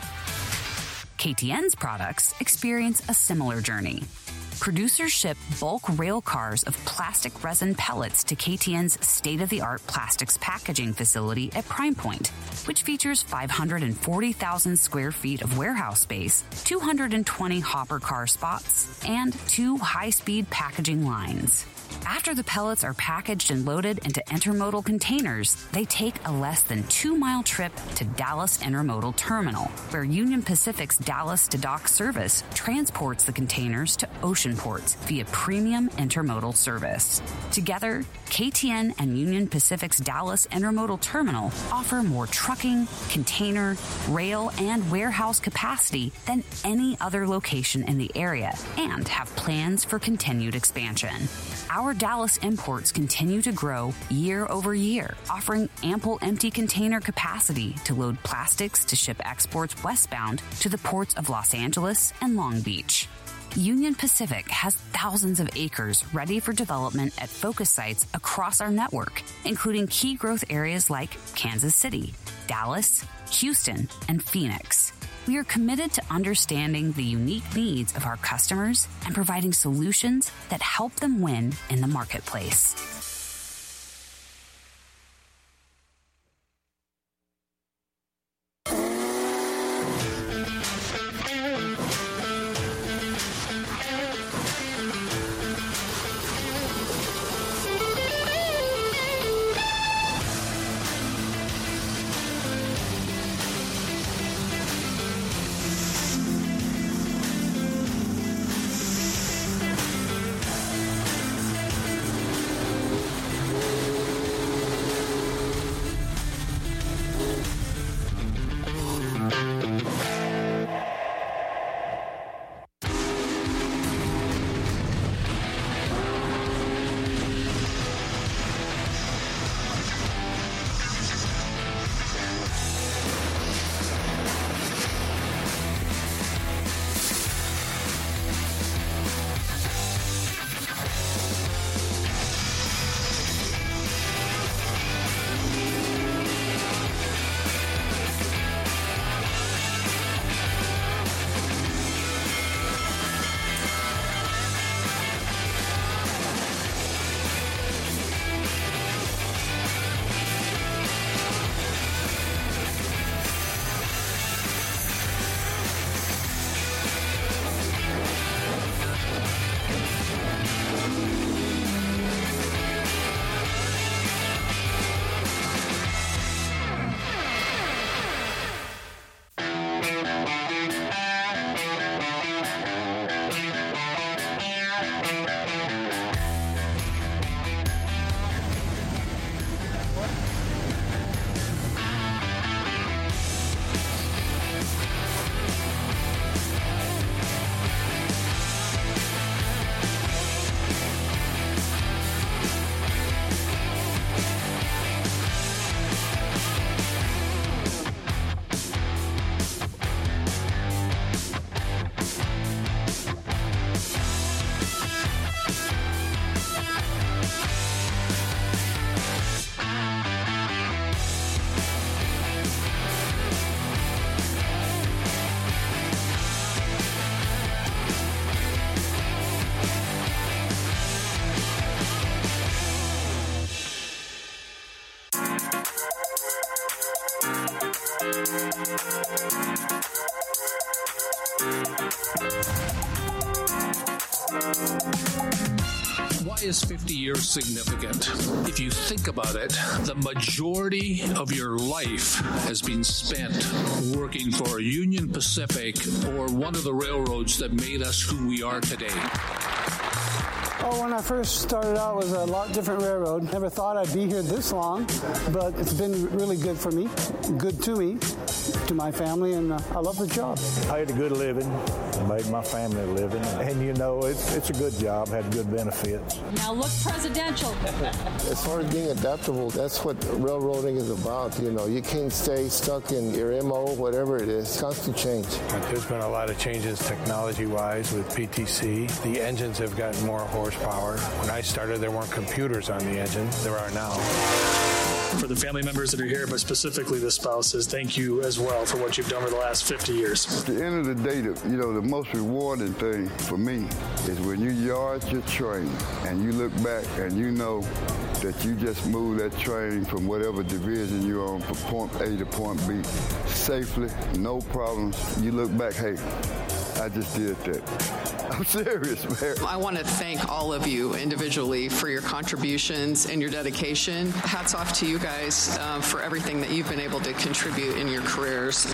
KTN's products experience a similar journey. Producers ship bulk rail cars of plastic resin pellets to KTN's state-of-the-art plastics packaging facility at Prime Pointe, which features 540,000 sq ft of warehouse space, 220 hopper car spots, and two high-speed packaging lines. After the pellets are packaged and loaded into intermodal containers, they take a less than two-mile trip to Dallas Intermodal Terminal, where Union Pacific's Dallas to Dock service transports the containers to ocean ports via premium intermodal service. Together, KTN and Union Pacific's Dallas Intermodal Terminal offer more trucking, container, rail, and warehouse capacity than any other location in the area and have plans for continued expansion. Our Dallas imports continue to grow year over year, offering ample empty container capacity to load plastics to ship exports westbound to the ports of Los Angeles and Long Beach. Union Pacific has thousands of acres ready for development at focus sites across our network, including key growth areas like Kansas City, Dallas, Houston, and Phoenix. We are committed to understanding the unique needs of our customers and providing solutions that help them win in the marketplace. Why is 50 years significant? If you think about it, the majority of your life has been spent working for Union Pacific or one of the railroads that made us who we are today. Well, when I first started out, it was a lot different railroad. Never thought I'd be here this long, but it's been really good for me, good to me, to my family, and I love the job. I had a good living, made my family a living, and you know, it's a good job, had good benefits. Now, look presidential! As far as being adaptable, that's what railroading is about. You know, you can't stay stuck in your MO, whatever it is. It's constant change. There's been a lot of changes technology-wise with PTC. The engines have gotten more horsepower. When I started, there weren't computers on the engine. There are now. For the family members that are here, but specifically the spouses, thank you as well for what you've done over the last fifty years. At the end of the day, you know, the most rewarding thing for me is when you yard your train, and you look back, and you know that you just moved that train from whatever division you're on from point A to point B safely, no problems. You look back, "Hey, I just did that." I'm serious, man. I want to thank all of you individually for your contributions and your dedication. Hats off to you guys for everything that you've been able to contribute in your careers.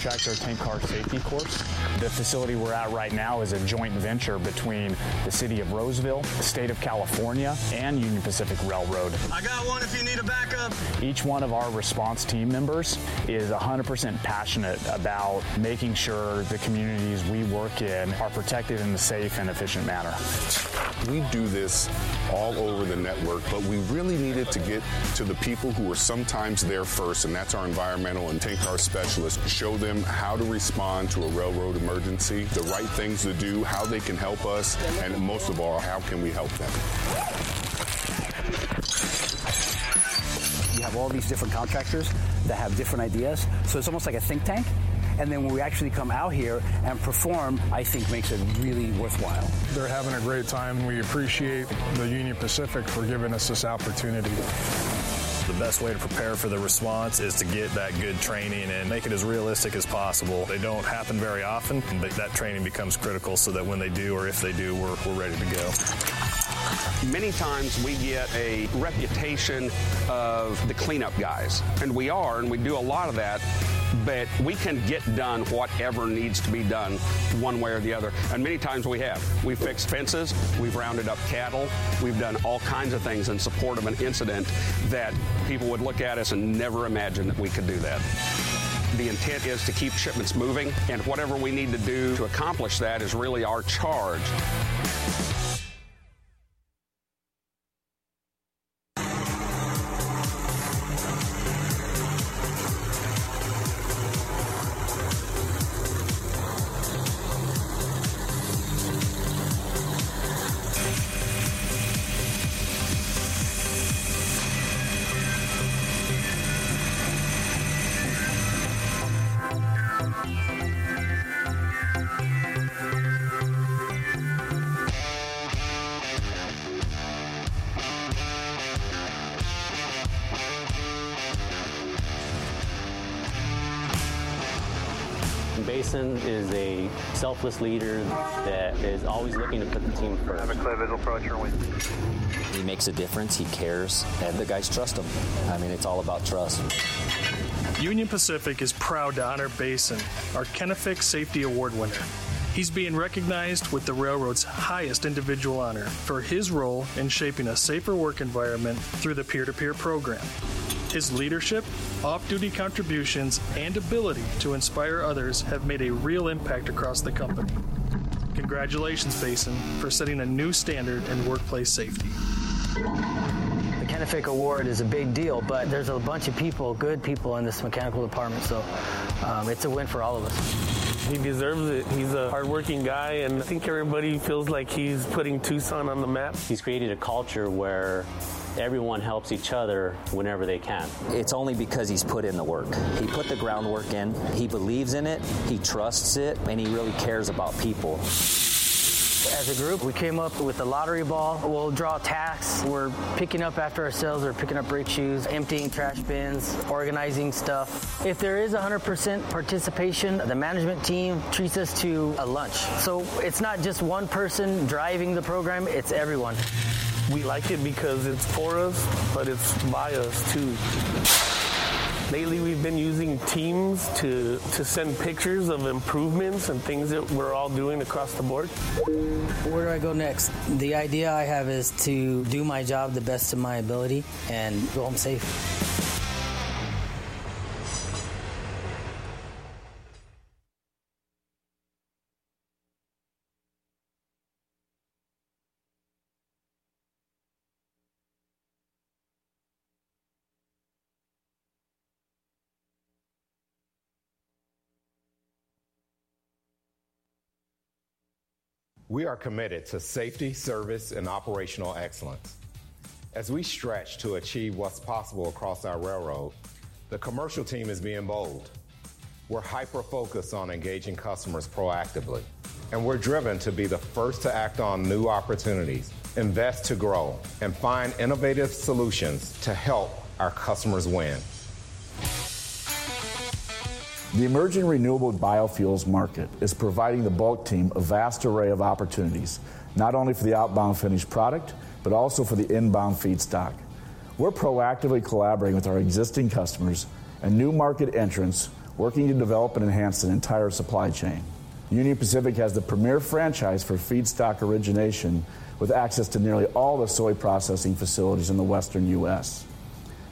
Today, we're in a contractor tank car safety course. The facility we're at right now is a joint venture between the city of Roseville, the state of California, and Union Pacific Railroad. I got one if you need a backup! Each one of our response team members is 100% passionate about making sure the communities we work in are protected in a safe and efficient manner. We do this all over the network, but we really needed to get to the people who are sometimes there first, and that's our environmental and tank car specialists, to show them how to respond to a railroad emergency, the right things to do, how they can help us, and most of all, how can we help them? You have all these different contractors that have different ideas, so it's almost like a think tank, and then when we actually come out here and perform, I think makes it really worthwhile. They're having a great time. We appreciate the Union Pacific for giving us this opportunity. The best way to prepare for the response is to get that good training and make it as realistic as possible. They don't happen very often, but that training becomes critical so that when they do, or if they do, we're ready to go. Many times we get a reputation of the cleanup guys, and we are, and we do a lot of that, but we can get done whatever needs to be done, one way or the other, and many times we have. We've fixed fences, we've rounded up cattle, we've done all kinds of things in support of an incident that people would look at us and never imagine that we could do that. The intent is to keep shipments moving, and whatever we need to do to accomplish that is really our charge. Basin is a selfless leader that is always looking to put the team first.... He makes a difference, he cares, and the guys trust him. I mean, it's all about trust. Union Pacific is proud to honor Basin, our Kenefick Safety Award winner. He's being recognized with the railroad's highest individual honor for his role in shaping a safer work environment through the peer-to-peer program. His leadership, off-duty contributions, and ability to inspire others have made a real impact across the company. Congratulations, Basin, for setting a new standard in workplace safety. The Kenefick Award is a big deal, but there's a bunch of people, good people, in this mechanical department, so it's a win for all of us. He deserves it. He's a hardworking guy, and I think everybody feels like he's putting Tucson on the map. He's created a culture where everyone helps each other whenever they can. It's only because he's put in the work. He put the groundwork in, he believes in it, he trusts it, and he really cares about people. As a group, we came up with a lottery ball. We'll draw tasks. We're picking up after ourselves or picking up brake shoes, emptying trash bins, organizing stuff. If there is 100% participation, the management team treats us to a lunch. So it's not just one person driving the program, it's everyone. We like it because it's for us, but it's by us, too. Lately, we've been using Teams to send pictures of improvements and things that we're all doing across the board. Where do I go next? The idea I have is to do my job the best of my ability and go home safe. We are committed to safety, service, and operational excellence. As we stretch to achieve what's possible across our railroad, the commercial team is being bold. We're hyper-focused on engaging customers proactively, and we're driven to be the first to act on new opportunities, invest to grow, and find innovative solutions to help our customers win. The emerging renewable biofuels market is providing the bulk team a vast array of opportunities, not only for the outbound finished product, but also for the inbound feedstock. We're proactively collaborating with our existing customers and new market entrants, working to develop and enhance the entire supply chain. Union Pacific has the premier franchise for feedstock origination, with access to nearly all the soy processing facilities in the Western U.S.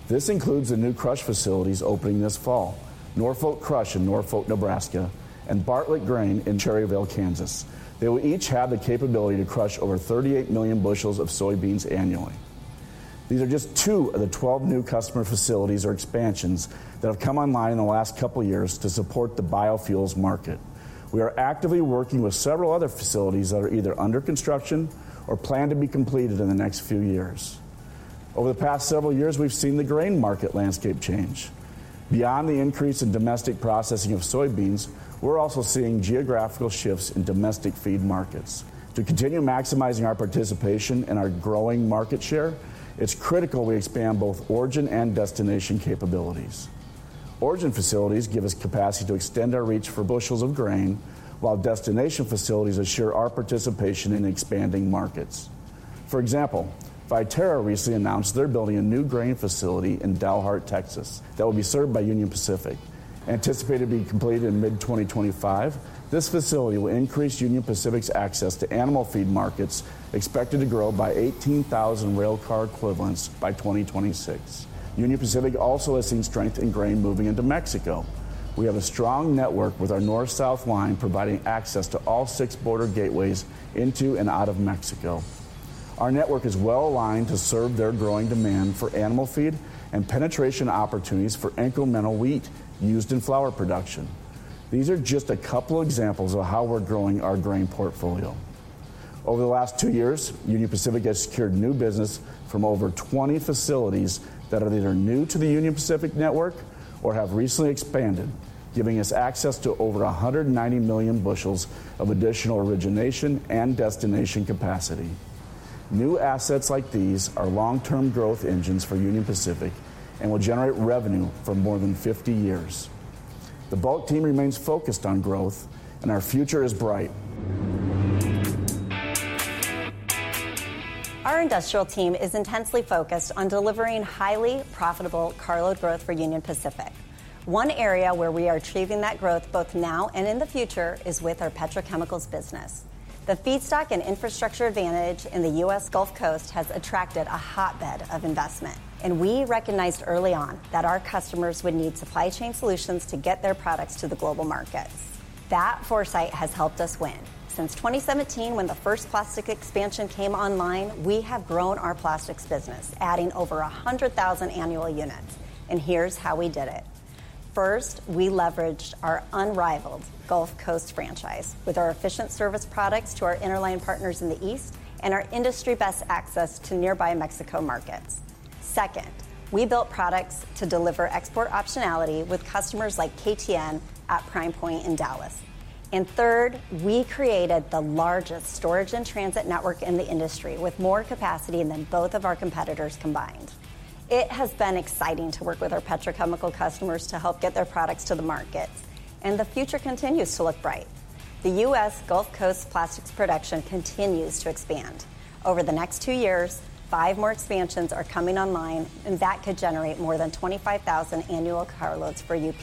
This includes the new crush facilities opening this fall, Norfolk Crush in Norfolk, Nebraska, and Bartlett Grain in Cherryvale, Kansas. They will each have the capability to crush over 38 million bushels of soybeans annually. These are just two of the 12 new customer facilities or expansions that have come online in the last couple of years to support the biofuels market. We are actively working with several other facilities that are either under construction or planned to be completed in the next few years. Over the past several years, we've seen the grain market landscape change. Beyond the increase in domestic processing of soybeans, we're also seeing geographical shifts in domestic feed markets. To continue maximizing our participation and our growing market share, it's critical we expand both origin and destination capabilities. Origin facilities give us capacity to extend our reach for bushels of grain, while destination facilities assure our participation in expanding markets. For example, Viterra recently announced they're building a new grain facility in Dalhart, Texas, that will be served by Union Pacific. Anticipated to be completed in mid-2025, this facility will increase Union Pacific's access to animal feed markets, expected to grow by 18,000 rail car equivalents by 2026. Union Pacific also has seen strength in grain moving into Mexico. We have a strong network with our north-south line providing access to all six border gateways into and out of Mexico. Our network is well-aligned to serve their growing demand for animal feed and penetration opportunities for incremental wheat used in flour production. These are just a couple of examples of how we're growing our grain portfolio. Over the last two years, Union Pacific has secured new business from over 20 facilities that are either new to the Union Pacific network or have recently expanded, giving us access to over 190 million bushels of additional origination and destination capacity. New assets like these are long-term growth engines for Union Pacific and will generate revenue for more than 50 years. The bulk team remains focused on growth, and our future is bright. Our industrial team is intensely focused on delivering highly profitable carload growth for Union Pacific. One area where we are achieving that growth, both now and in the future, is with our petrochemicals business. The feedstock and infrastructure advantage in the U.S. Gulf Coast has attracted a hotbed of investment, and we recognized early on that our customers would need supply chain solutions to get their products to the global markets. That foresight has helped us win. Since 2017, when the first plastic expansion came online, we have grown our plastics business, adding over 100,000 annual units, and here's how we did it: First, we leveraged our unrivaled Gulf Coast franchise with our efficient service products to our interline partners in the East and our industry-best access to nearby Mexico markets. Second, we built products to deliver export optionality with customers like KTN at Prime Pointe in Dallas. And third, we created the largest storage in transit network in the industry, with more capacity than both of our competitors combined. It has been exciting to work with our petrochemical customers to help get their products to the markets, and the future continues to look bright. The U.S. Gulf Coast plastics production continues to expand. Over the next two years, five more expansions are coming online, and that could generate more than 25,000 annual carloads for UP.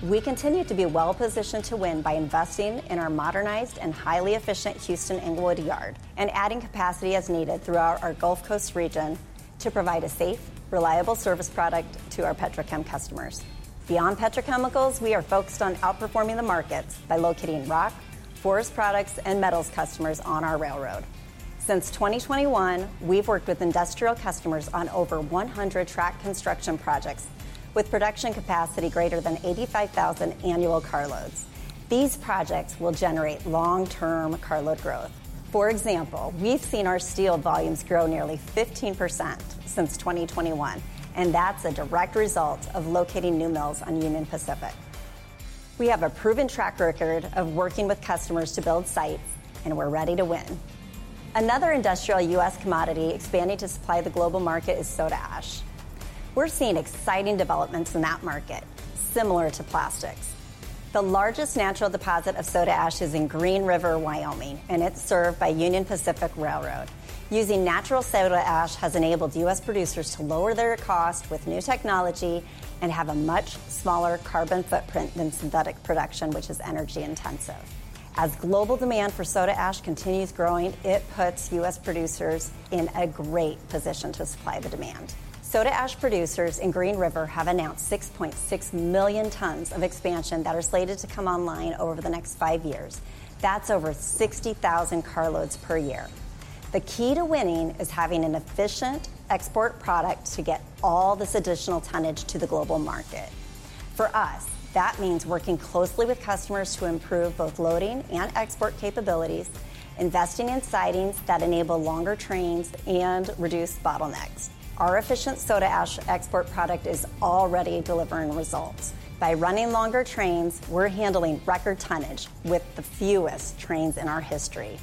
We continue to be well-positioned to win by investing in our modernized and highly efficient Houston Englewood Yard and adding capacity as needed throughout our Gulf Coast region to provide a safe, reliable service product to our petrochem customers. Beyond petrochemicals, we are focused on outperforming the markets by locating rock, forest products, and metals customers on our railroad. Since 2021, we've worked with industrial customers on over one hundred track construction projects, with production capacity greater than 85,000 annual carloads. These projects will generate long-term carload growth. For example, we've seen our steel volumes grow nearly 15% since 2021, and that's a direct result of locating new mills on Union Pacific. We have a proven track record of working with customers to build sites, and we're ready to win. Another industrial U.S. commodity expanding to supply the global market is soda ash. We're seeing exciting developments in that market, similar to plastics. The largest natural deposit of soda ash is in Green River, Wyoming, and it's served by Union Pacific Railroad. Using natural soda ash has enabled U.S. producers to lower their cost with new technology and have a much smaller carbon footprint than synthetic production, which is energy-intensive. As global demand for soda ash continues growing, it puts U.S. producers in a great position to supply the demand. Soda ash producers in Green River have announced 6.6 million tons of expansion that are slated to come online over the next five years. That's over 60,000 carloads per year. The key to winning is having an efficient export product to get all this additional tonnage to the global market. For us, that means working closely with customers to improve both loading and export capabilities, investing in sidings that enable longer trains, and reduce bottlenecks. Our efficient soda ash export product is already delivering results. By running longer trains, we're handling record tonnage with the fewest trains in our history.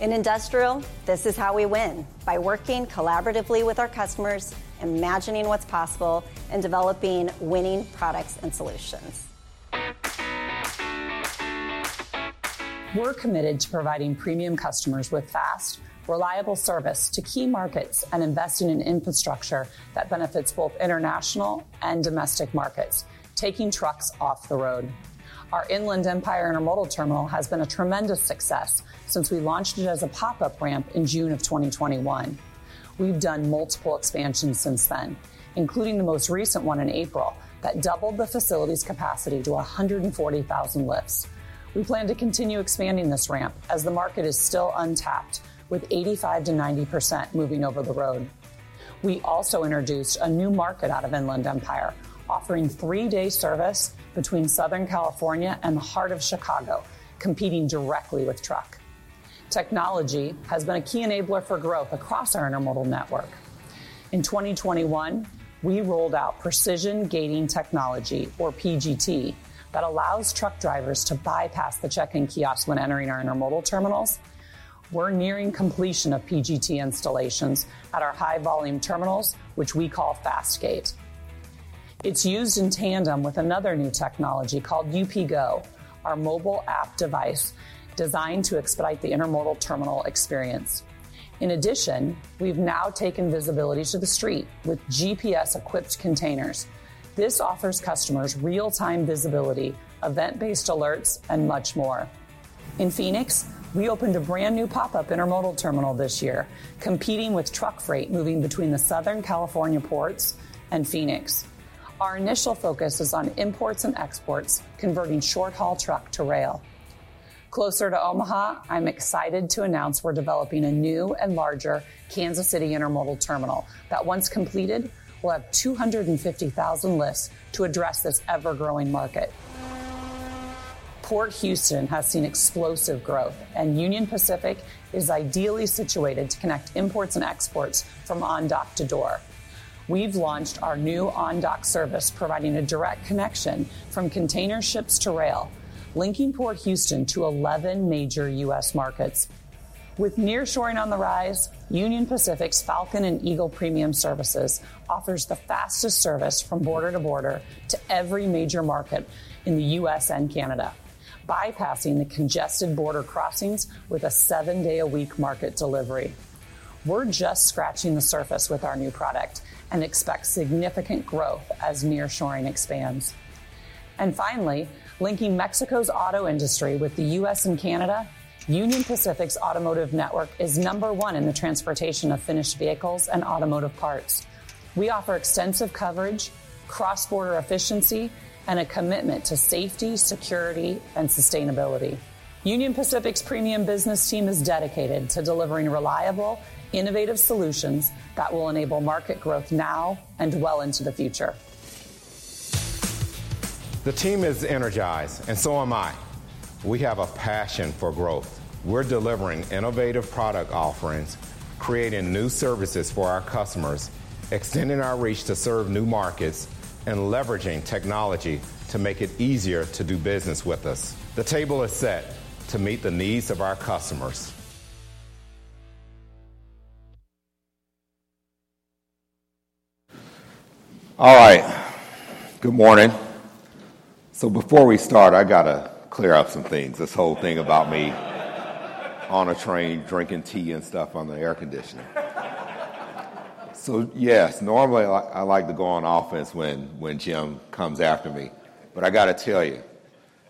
In industrial, this is how we win, by working collaboratively with our customers, imagining what's possible, and developing winning products and solutions. We're committed to providing premium customers with fast, reliable service to key markets and investing in infrastructure that benefits both international and domestic markets, taking trucks off the road. Our Inland Empire Intermodal Terminal has been a tremendous success since we launched it as a pop-up ramp in June of 2021. We've done multiple expansions since then, including the most recent one in April, that doubled the facility's capacity to 140,000 lifts. We plan to continue expanding this ramp, as the market is still untapped, with 85%-90% moving over the road. We also introduced a new market out of Inland Empire, offering three-day service between Southern California and the heart of Chicago, competing directly with truck. Technology has been a key enabler for growth across our intermodal network. In 2021, we rolled out Precision Gating Technology, or PGT, that allows truck drivers to bypass the check-in kiosks when entering our intermodal terminals. We're nearing completion of PGT installations at our high-volume terminals, which we call Fast Gate. It's used in tandem with another new technology called UPGo, our mobile app device designed to expedite the intermodal terminal experience. In addition, we've now taken visibility to the street with GPS-equipped containers. This offers customers real-time visibility, event-based alerts, and much more. In Phoenix, we opened a brand-new pop-up intermodal terminal this year, competing with truck freight moving between the Southern California ports and Phoenix. Our initial focus is on imports and exports, converting short-haul truck to rail. Closer to Omaha, I'm excited to announce we're developing a new and larger Kansas City intermodal terminal that, once completed, will have 250,000 lifts to address this ever-growing market. Port Houston has seen explosive growth, and Union Pacific is ideally situated to connect imports and exports from on-dock to door. We've launched our new on-dock service, providing a direct connection from container ships to rail, linking Port Houston to 11 major U.S. markets. With nearshoring on the rise, Union Pacific's Falcon and Eagle Premium Services offers the fastest service from border to border to every major market in the U.S. and Canada, bypassing the congested border crossings with a seven-day-a-week market delivery. We're just scratching the surface with our new product and expect significant growth as nearshoring expands. And finally, linking Mexico's auto industry with the U.S. and Canada, Union Pacific's automotive network is number one in the transportation of finished vehicles and automotive parts. We offer extensive coverage, cross-border efficiency, and a commitment to safety, security, and sustainability. Union Pacific's premium business team is dedicated to delivering reliable, innovative solutions that will enable market growth now and well into the future. The team is energized, and so am I. We have a passion for growth. We're delivering innovative product offerings, creating new services for our customers, extending our reach to serve new markets, and leveraging technology to make it easier to do business with us. The table is set to meet the needs of our customers. All right. Good morning, so before we start, I gotta clear up some things. This whole thing about me on a train, drinking tea and stuff on the air conditioning. So yes, normally, I like to go on offense when Jim comes after me. But I gotta tell you,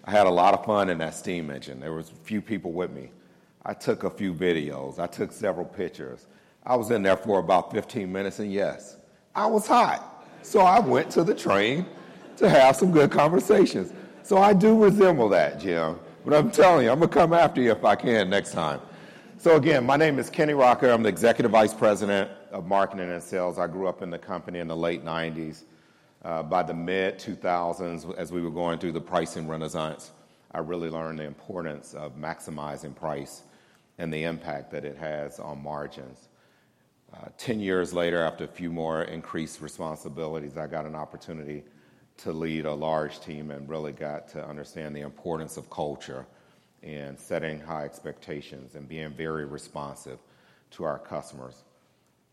I had a lot of fun in that steam engine. There was a few people with me. I took a few videos. I took several pictures. I was in there for about fifteen minutes, and yes, I was hot! So I went to the train to have some good conversations. So I do resemble that, Jim, but I'm telling you, I'm gonna come after you if I can next time. So again, my name is Kenny Rocker. I'm the Executive Vice President of Marketing and Sales. I grew up in the company in the late 1990s. By the mid-2000s, as we were going through the pricing renaissance, I really learned the importance of maximizing price and the impact that it has on margins. Ten years later, after a few more increased responsibilities, I got an opportunity to lead a large team and really got to understand the importance of culture and setting high expectations and being very responsive to our customers.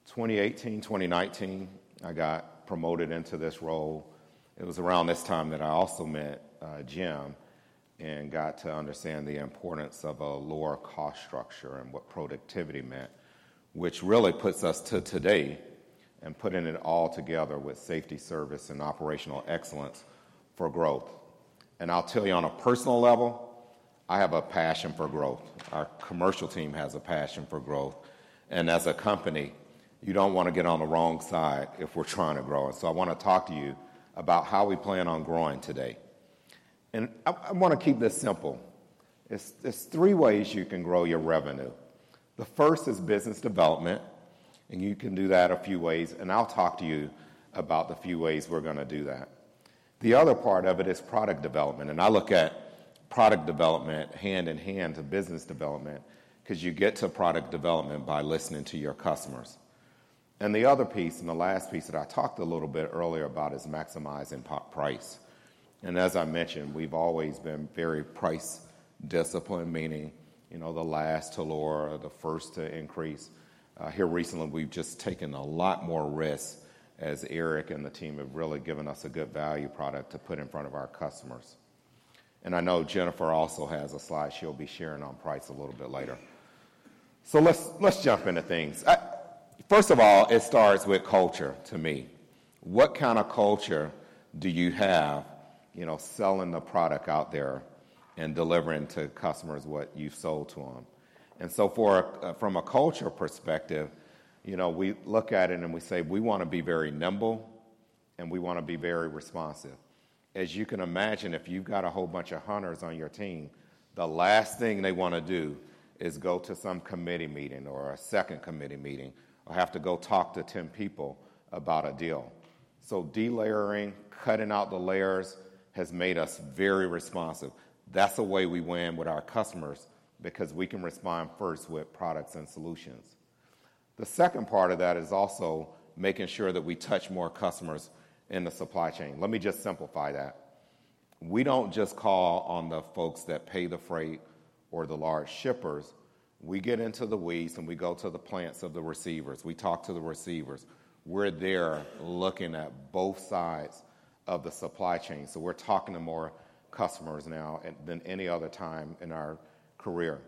2018, 2019, I got promoted into this role. It was around this time that I also met Jim and got to understand the importance of a lower cost structure and what productivity meant, which really puts us to today and putting it all together with safety, service, and operational excellence for growth, and I'll tell you, on a personal level, I have a passion for growth. Our commercial team has a passion for growth, and as a company, you don't want to get on the wrong side if we're trying to grow, so I want to talk to you about how we plan on growing today, and I wanna keep this simple. There's three ways you can grow your revenue. The first is business development, and you can do that a few ways, and I'll talk to you about the few ways we're gonna do that. The other part of it is product development, and I look at product development hand in hand to business development, 'cause you get to product development by listening to your customers. And the other piece, and the last piece that I talked a little bit earlier about, is maximizing pop price. And as I mentioned, we've always been very price-disciplined, meaning, you know, the last to lower, the first to increase. Here recently, we've just taken a lot more risks, as Eric and the team have really given us a good value product to put in front of our customers. And I know Jennifer also has a slide she'll be sharing on price a little bit later. So let's jump into things. First of all, it starts with culture to me. What kind of culture do you have, you know, selling the product out there and delivering to customers what you've sold to them? And so for, from a culture perspective, you know, we look at it, and we say: We want to be very nimble, and we want to be very responsive. As you can imagine, if you've got a whole bunch of hunters on your team, the last thing they want to do is go to some committee meeting or a second committee meeting or have to go talk to ten people about a deal. So delayering, cutting out the layers, has made us very responsive. That's the way we win with our customers because we can respond first with products and solutions. The second part of that is also making sure that we touch more customers in the supply chain. Let me just simplify that.... We don't just call on the folks that pay the freight or the large shippers. We get into the weeds, and we go to the plants of the receivers. We talk to the receivers. We're there looking at both sides of the supply chain, so we're talking to more customers now than any other time in our career.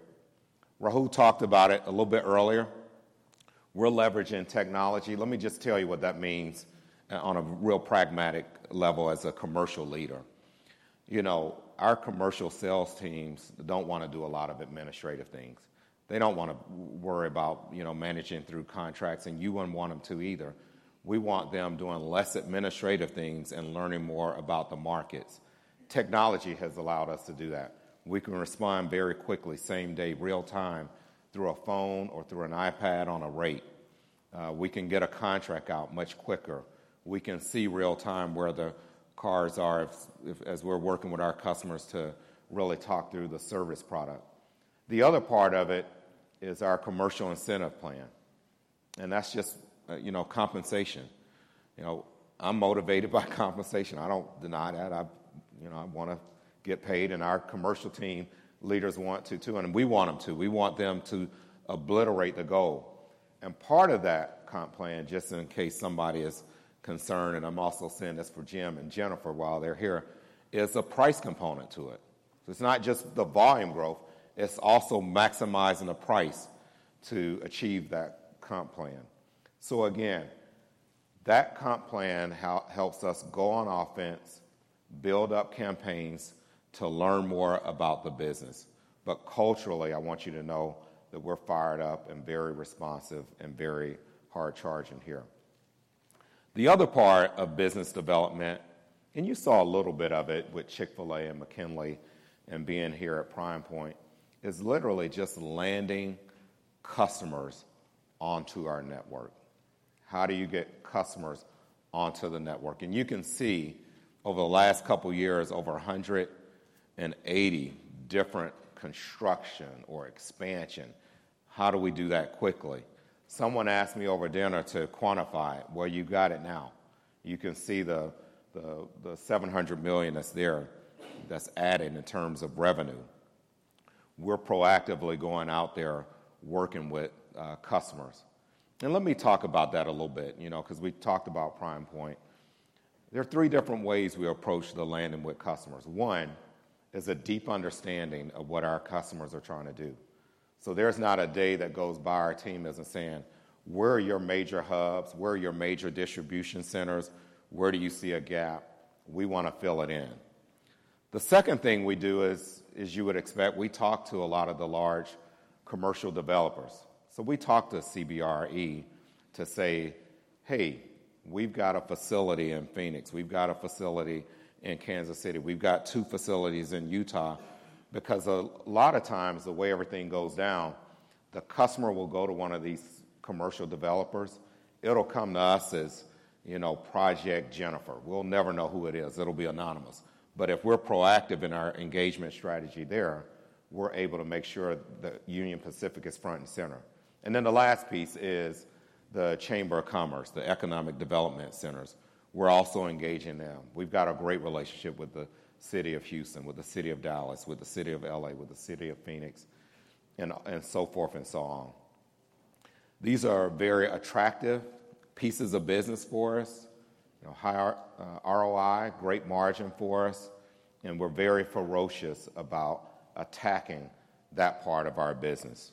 Rahul talked about it a little bit earlier. We're leveraging technology. Let me just tell you what that means on a real pragmatic level as a commercial leader. You know, our commercial sales teams don't wanna do a lot of administrative things. They don't wanna worry about, you know, managing through contracts, and you wouldn't want them to either. We want them doing less administrative things and learning more about the markets. Technology has allowed us to do that. We can respond very quickly, same day, real time, through a phone or through an iPad on a rate. We can get a contract out much quicker. We can see real time where the cars are, if, as we're working with our customers to really talk through the service product. The other part of it is our commercial incentive plan, and that's just, you know, compensation. You know, I'm motivated by compensation. I don't deny that. I, you know, I wanna get paid, and our commercial team leaders want to, too, and we want them to. We want them to obliterate the goal, and part of that comp plan, just in case somebody is concerned, and I'm also saying this for Jim Vena and Jennifer Hamann while they're here, is a price component to it. So it's not just the volume growth, it's also maximizing the price to achieve that comp plan. So again, that comp plan helps us go on offense, build up campaigns to learn more about the business. But culturally, I want you to know that we're fired up and very responsive and very hard-charging here. The other part of business development, and you saw a little bit of it with Chick-fil-A and McKinley and being here at Prime Pointe, is literally just landing customers onto our network. How do you get customers onto the network? And you can see over the last couple of years, over 180 different construction or expansion. How do we do that quickly? Someone asked me over dinner to quantify it. Well, you got it now. You can see the $700 million that's there, that's added in terms of revenue. We're proactively going out there working with customers, and let me talk about that a little bit, you know, 'cause we talked about Prime Pointe. There are three different ways we approach the landing with customers. One is a deep understanding of what our customers are trying to do, so there's not a day that goes by our team isn't saying: "Where are your major hubs? Where are your major distribution centers? Where do you see a gap? We wanna fill it in." The second thing we do is, as you would expect, we talk to a lot of the large commercial developers, so we talk to CBRE to say, "Hey, we've got a facility in Phoenix. We've got a facility in Kansas City. We've got two facilities in Utah." Because a lot of times, the way everything goes down, the customer will go to one of these commercial developers. It'll come to us as, you know, Project Jennifer. We'll never know who it is. It'll be anonymous, but if we're proactive in our engagement strategy there, we're able to make sure that Union Pacific is front and center, and then the last piece is the Chamber of Commerce, the economic development centers. We're also engaging them. We've got a great relationship with the city of Houston, with the city of Dallas, with the city of LA, with the city of Phoenix, and so forth and so on. These are very attractive pieces of business for us. You know, high ROI, great margin for us, and we're very ferocious about attacking that part of our business.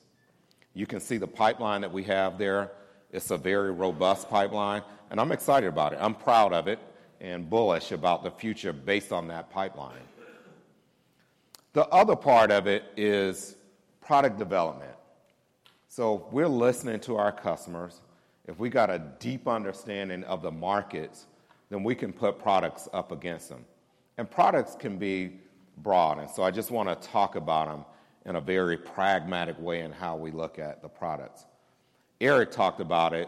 You can see the pipeline that we have there. It's a very robust pipeline, and I'm excited about it. I'm proud of it and bullish about the future based on that pipeline. The other part of it is product development so we're listening to our customers. If we got a deep understanding of the markets, then we can put products up against them and products can be broad, and so I just wanna talk about them in a very pragmatic way in how we look at the products. Eric talked about it,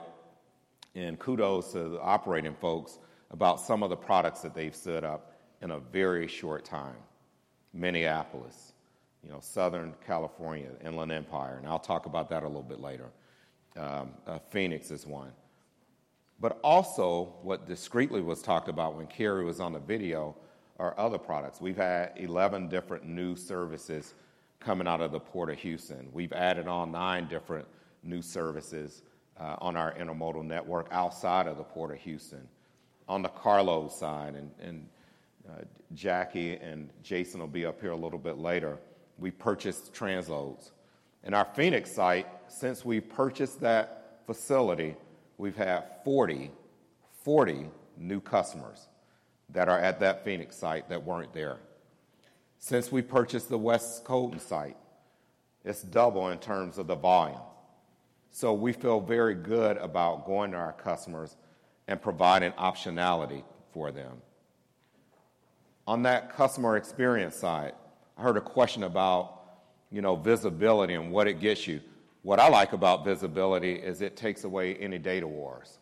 and kudos to the operating folks about some of the products that they've set up in a very short time. Minneapolis, you know, Southern California, Inland Empire, and I'll talk about that a little bit later. Phoenix is one but also, what discreetly was talked about when Kari was on the video, are other products. We've had 11 different new services coming out of the Port of Houston. We've added nine different new services on our intermodal network outside of the Port of Houston. On the carload side, Jackie and Jason will be up here a little bit later. We purchased Transloads. In our Phoenix site, since we purchased that facility, we've had 40 new customers that are at that Phoenix site that weren't there. Since we purchased the West Colton site, it's double in terms of the volume. So we feel very good about going to our customers and providing optionality for them. On that customer experience side, I heard a question about, you know, visibility and what it gets you. What I like about visibility is it takes away any data wars.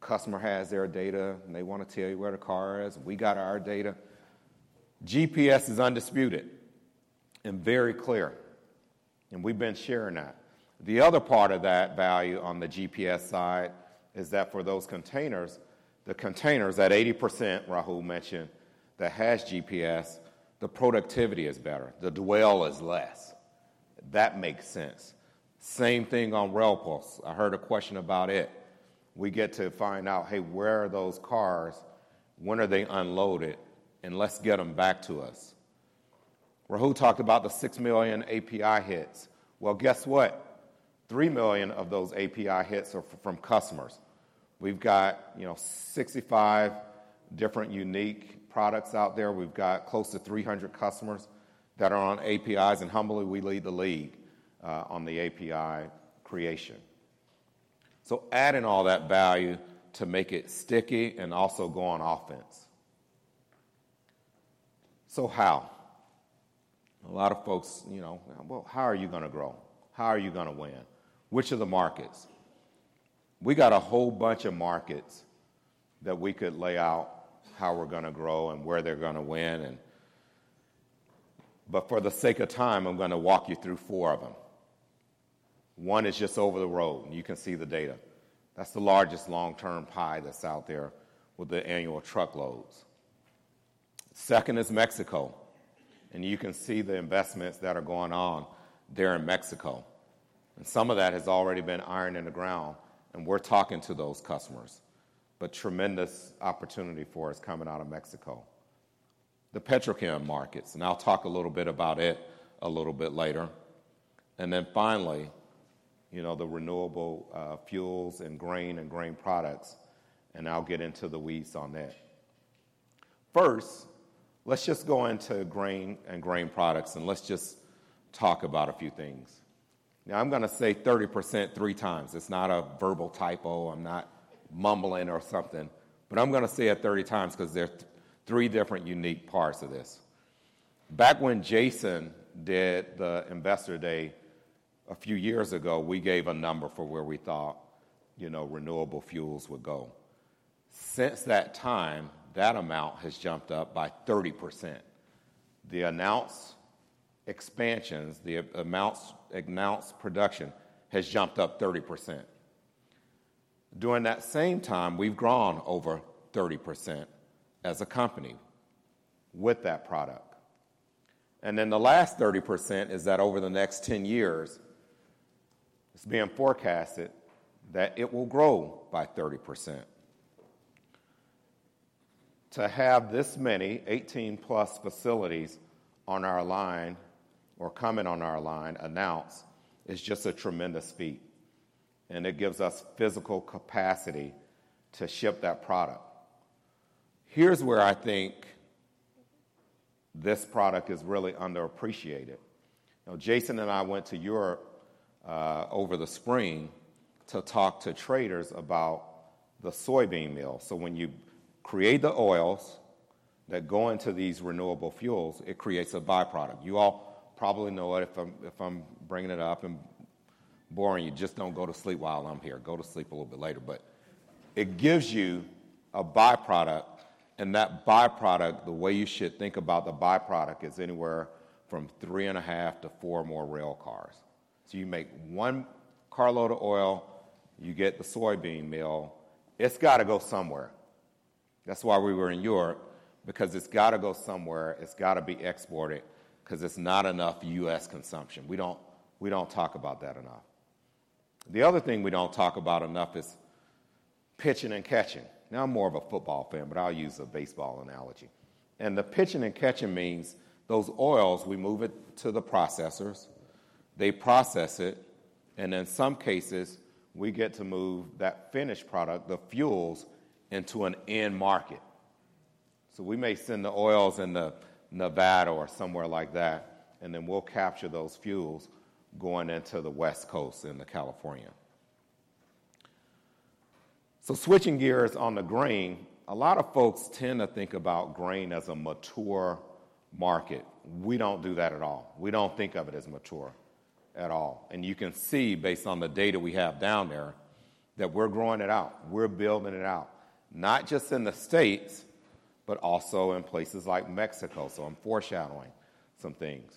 Customer has their data, and they want to tell you where the car is. We got our data. GPS is undisputed. And very clear, and we've been sharing that. The other part of that value on the GPS side is that for those containers, the containers, that 80% Rahul mentioned, that has GPS, the productivity is better, the dwell is less. That makes sense. Same thing on RailPulse. I heard a question about it. We get to find out, "Hey, where are those cars? When are they unloaded? And let's get them back to us." Rahul talked about the 6 million API hits. Well, guess what? 3 million of those API hits are from customers. We've got, you know, 65 different unique products out there. We've got close to 300 customers that are on APIs, and humbly, we lead the league on the API creation. So add in all that value to make it sticky and also go on offense. So how? A lot of folks, you know, "Well, how are you gonna grow? How are you gonna win? Which of the markets?" We got a whole bunch of markets that we could lay out, how we're gonna grow and where they're gonna win and... but for the sake of time, I'm gonna walk you through four of them. One is just over the road, and you can see the data. That's the largest long-term pie that's out there with the annual truckloads. Second is Mexico, and you can see the investments that are going on there in Mexico, and some of that has already been iron in the ground, and we're talking to those customers, but tremendous opportunity for us coming out of Mexico. The petrochem markets, and I'll talk a little bit about it a little bit later. And then finally, you know, the renewable fuels and grain and grain products, and I'll get into the weeds on that. First, let's just go into grain and grain products, and let's just talk about a few things. Now, I'm gonna say 30% three times. It's not a verbal typo. I'm not mumbling or something, but I'm gonna say it 30 times 'cause there's three different unique parts of this. Back when Jason did the Investor Day a few years ago, we gave a number for where we thought, you know, renewable fuels would go. Since that time, that amount has jumped up by 30%. The announced expansions, the amounts, announced production has jumped up 30%. During that same time, we've grown over 30% as a company with that product. And then the last 30% is that over the next 10 years, it's being forecasted that it will grow by 30%. To have this many, 18-plus facilities on our line or coming on our line announced, is just a tremendous feat, and it gives us physical capacity to ship that product. Here's where I think this product is really underappreciated. Now, Jason and I went to Europe over the spring to talk to traders about the soybean meal. So when you create the oils that go into these renewable fuels, it creates a by-product. You all probably know it if I'm bringing it up and boring you, just don't go to sleep while I'm here. Go to sleep a little bit later, but it gives you a by-product, and that by-product, the way you should think about the by-product, is anywhere from three and a half to four more rail cars. So you make one carload of oil. You get the soybean meal. It's gotta go somewhere. That's why we were in Europe, because it's gotta go somewhere. It's gotta be exported, 'cause it's not enough U.S. consumption. We don't talk about that enough. The other thing we don't talk about enough is pitching and catching. Now, I'm more of a football fan, but I'll use a baseball analogy, and the pitching and catching means those oils. We move it to the processors. They process it, and in some cases, we get to move that finished product, the fuels, into an end market. So we may send the oils into Nevada or somewhere like that, and then we'll capture those fuels going into the West Coast, into California. So switching gears on the grain, a lot of folks tend to think about grain as a mature market. We don't do that at all. We don't think of it as mature at all, and you can see, based on the data we have down there, that we're growing it out. We're building it out, not just in the States, but also in places like Mexico, so I'm foreshadowing some things.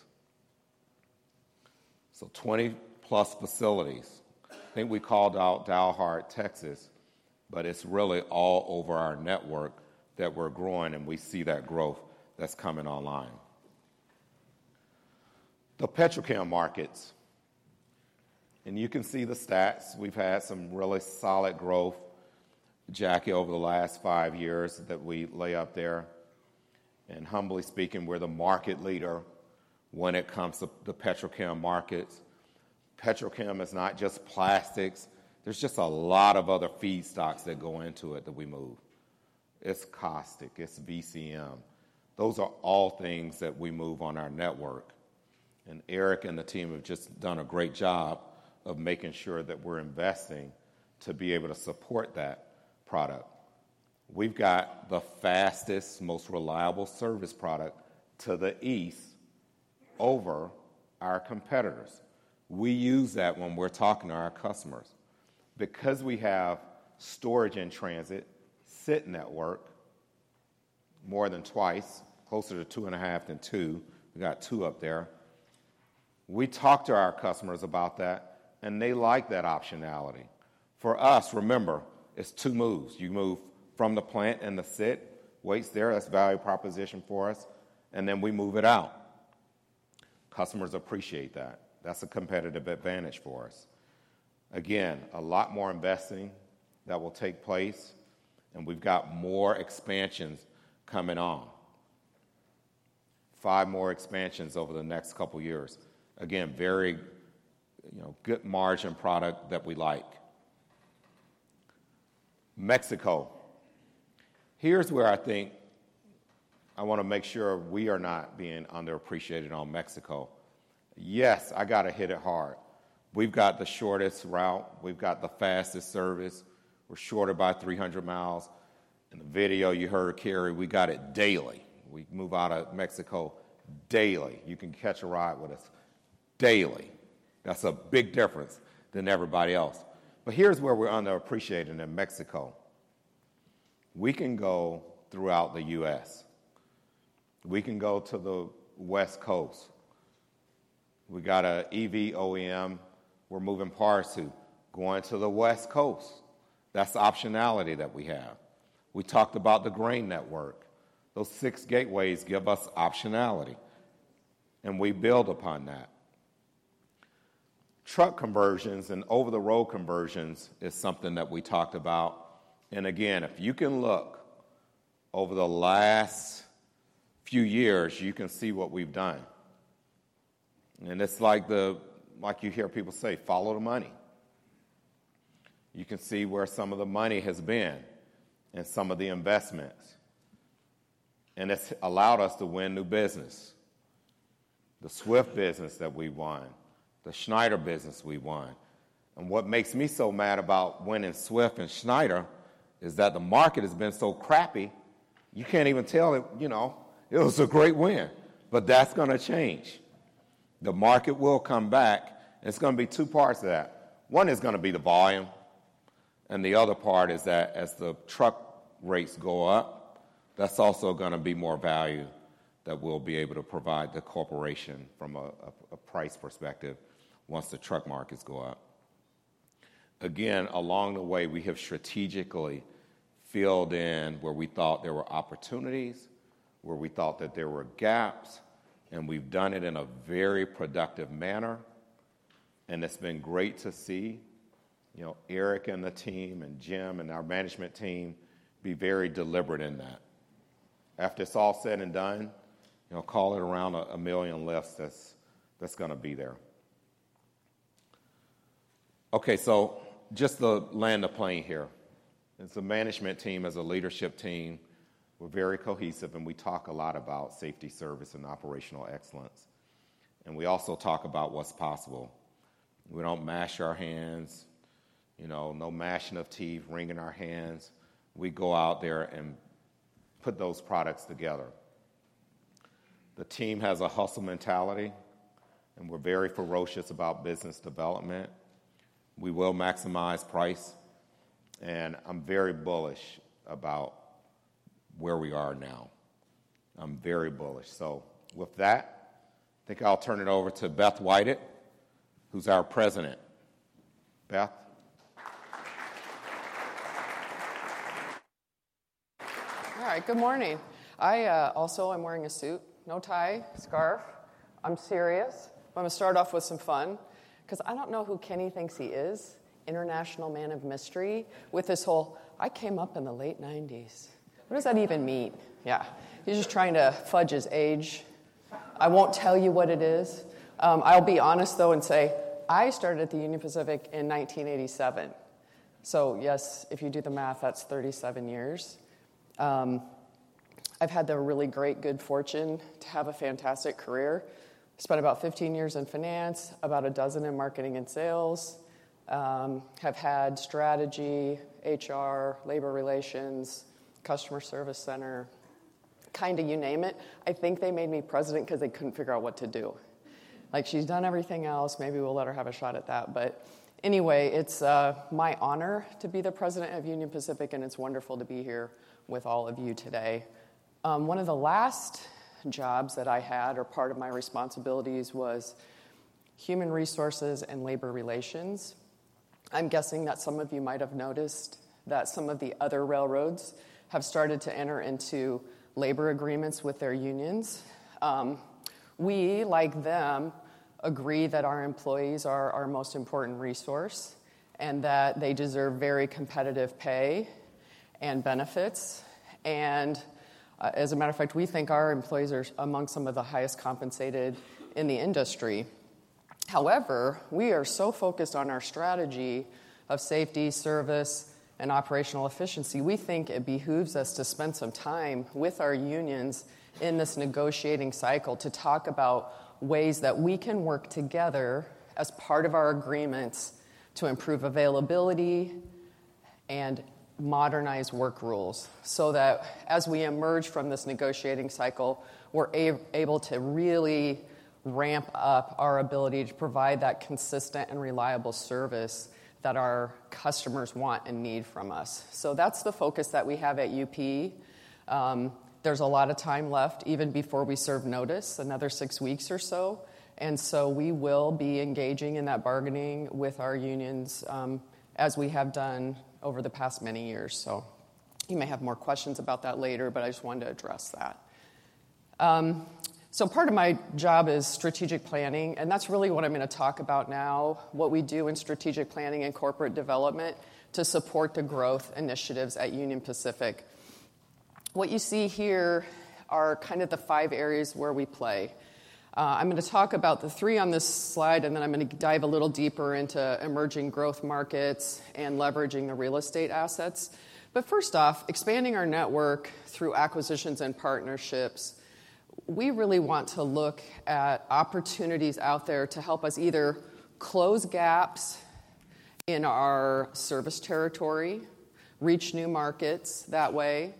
So twenty-plus facilities. I think we called out Dalhart, Texas, but it's really all over our network that we're growing, and we see that growth that's coming online. The petrochem markets, and you can see the stats. We've had some really solid growth, Jackie, over the last five years that we lay up there. Humbly speaking, we're the market leader when it comes to the petrochem markets. Petrochem is not just plastics. There's just a lot of other feedstocks that go into it that we move. It's caustic, it's VCM. Those are all things that we move on our network, and Eric and the team have just done a great job of making sure that we're investing to be able to support that product. We've got the fastest, most reliable service product to the east over our competitors. We use that when we're talking to our customers. Because we have storage in transit more than twice, closer to two and a half than two. We got two up there. We talk to our customers about that, and they like that optionality. For us, remember, it's two moves. You move from the plant and the site, waits there, that's value proposition for us, and then we move it out. Customers appreciate that. That's a competitive advantage for us. Again, a lot more investing that will take place, and we've got more expansions coming on. Five more expansions over the next couple years. Again, very, you know, good margin product that we like. Mexico. Here's where I think I wanna make sure we are not being underappreciated on Mexico. Yes, I gotta hit it hard. We've got the shortest route. We've got the fastest service. We're short about three hundred miles. In the video, you heard Kari, we got it daily. We move out of Mexico daily. You can catch a ride with us daily. That's a big difference than everybody else. But here's where we're underappreciated in Mexico. We can go throughout the U.S. We can go to the West Coast. We got a EV OEM we're moving parts to, going to the West Coast. That's the optionality that we have. We talked about the grain network. Those six gateways give us optionality, and we build upon that. Truck conversions and over-the-road conversions is something that we talked about, and again, if you can look over the last few years, you can see what we've done. And it's like you hear people say, "Follow the money." You can see where some of the money has been and some of the investments, and it's allowed us to win new business. The Swift business that we won, the Schneider business we won, and what makes me so mad about winning Swift and Schneider is that the market has been so crappy, you can't even tell it, you know, it was a great win! But that's gonna change. The market will come back, and it's gonna be two parts to that. One is gonna be the volume, and the other part is that as the truck rates go up, that's also gonna be more value that we'll be able to provide the corporation from a price perspective once the truck markets go up. Again, along the way, we have strategically filled in where we thought there were opportunities, where we thought that there were gaps, and we've done it in a very productive manner, and it's been great to see, you know, Eric and the team and Jim and our management team be very deliberate in that. After it's all said and done, you know, call it around a million less that's gonna be there. Okay, so just to land the plane here, as a management team, as a leadership team, we're very cohesive, and we talk a lot about safety, service, and operational excellence, and we also talk about what's possible. We don't mash our hands, you know, no mashing of teeth, wringing our hands. We go out there and put those products together. The team has a hustle mentality, and we're very ferocious about business development. We will maximize price, and I'm very bullish about where we are now. I'm very bullish. So with that, I think I'll turn it over to Beth Whited, who's our president. Beth? All right. Good morning. I also am wearing a suit, no tie, scarf. I'm serious. I'm gonna start off with some fun 'cause I don't know who Kenny thinks he is, international man of mystery, with this whole, "I came up in the late nineties." What does that even mean? Yeah, he's just trying to fudge his age. I won't tell you what it is. I'll be honest, though, and say I started at the Union Pacific in 1987. So yes, if you do the math, that's 37 years. I've had the really great, good fortune to have a fantastic career. Spent about 15 years in finance, about 12 in marketing and sales. Have had strategy, HR, labor relations, customer service center, kinda you name it. I think they made me president 'cause they couldn't figure out what to do. Like, "She's done everything else. Maybe we'll let her have a shot at that." But anyway, it's my honor to be the president of Union Pacific, and it's wonderful to be here with all of you today. One of the last jobs that I had, or part of my responsibilities, was Human Resources and Labor Relations. I'm guessing that some of you might have noticed that some of the other railroads have started to enter into labor agreements with their unions. We, like them, agree that our employees are our most important resource and that they deserve very competitive pay and benefits, and, as a matter of fact, we think our employees are amongst some of the highest compensated in the industry. However, we are so focused on our strategy of safety, service, and operational efficiency, we think it behooves us to spend some time with our unions in this negotiating cycle to talk about ways that we can work together as part of our agreements to improve availability and modernize work rules, so that as we emerge from this negotiating cycle, we're able to really ramp up our ability to provide that consistent and reliable service that our customers want and need from us. So that's the focus that we have at UP. There's a lot of time left, even before we serve notice, another six weeks or so, and so we will be engaging in that bargaining with our unions, as we have done over the past many years. So you may have more questions about that later, but I just wanted to address that. So part of my job is strategic planning, and that's really what I'm going to talk about now: what we do in strategic planning and corporate development to support the growth initiatives at Union Pacific. What you see here are kind of the five areas where we play. I'm going to talk about the three on this slide, and then I'm going to dive a little deeper into emerging growth markets and leveraging the real estate assets. But first off, expanding our network through acquisitions and partnerships. We really want to look at opportunities out there to help us either close gaps in our service territory, reach new markets that way,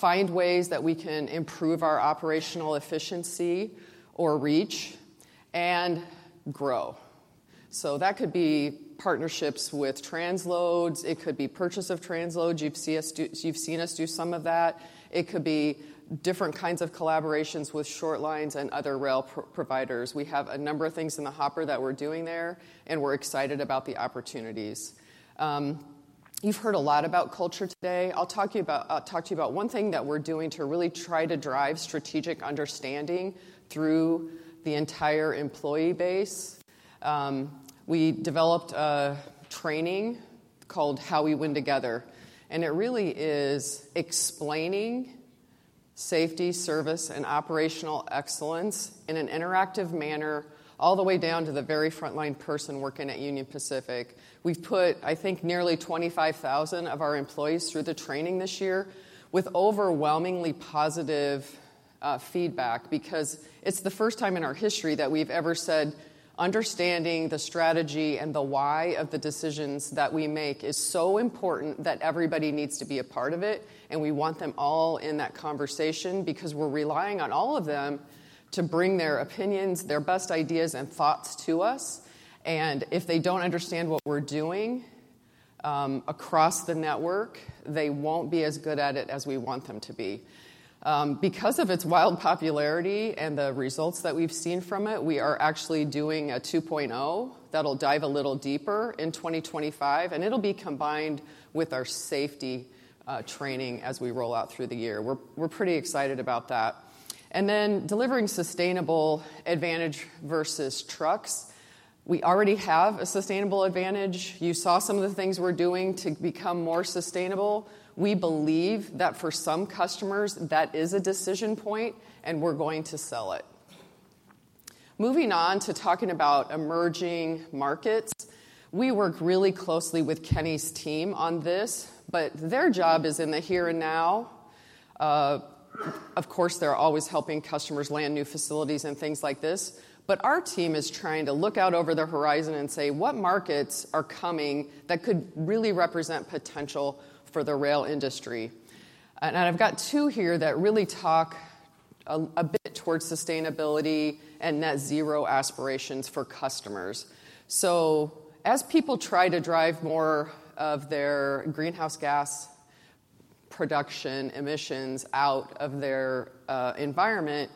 find ways that we can improve our operational efficiency or reach and grow. So that could be partnerships with transloads. It could be purchase of transloads. You've seen us do some of that. It could be different kinds of collaborations with short lines and other rail providers. We have a number of things in the hopper that we're doing there, and we're excited about the opportunities. You've heard a lot about culture today. I'll talk to you about one thing that we're doing to really try to drive strategic understanding through the entire employee base. We developed a training called How We Win Together, and it really is explaining safety, service, and operational excellence in an interactive manner, all the way down to the very frontline person working at Union Pacific. We've put, I think, nearly 25,000 of our employees through the training this year, with overwhelmingly positive feedback, because it's the first time in our history that we've ever said: understanding the strategy and the why of the decisions that we make is so important that everybody needs to be a part of it, and we want them all in that conversation because we're relying on all of them to bring their opinions, their best ideas, and thoughts to us, and if they don't understand what we're doing across the network, they won't be as good at it as we want them to be. Because of its wild popularity and the results that we've seen from it, we are actually doing a two-point-oh that'll dive a little deeper in 2025, and it'll be combined with our safety training as we roll out through the year. We're pretty excited about that. And then, delivering sustainable advantage versus trucks. We already have a sustainable advantage. You saw some of the things we're doing to become more sustainable. We believe that for some customers, that is a decision point, and we're going to sell it. Moving on to talking about emerging markets, we work really closely with Kenny's team on this, but their job is in the here and now. Of course, they're always helping customers land new facilities and things like this, but our team is trying to look out over the horizon and say, "What markets are coming that could really represent potential for the rail industry?" And I've got two here that really talk a bit towards sustainability and net zero aspirations for customers. So as people try to drive more of their greenhouse gas production emissions out of their environment,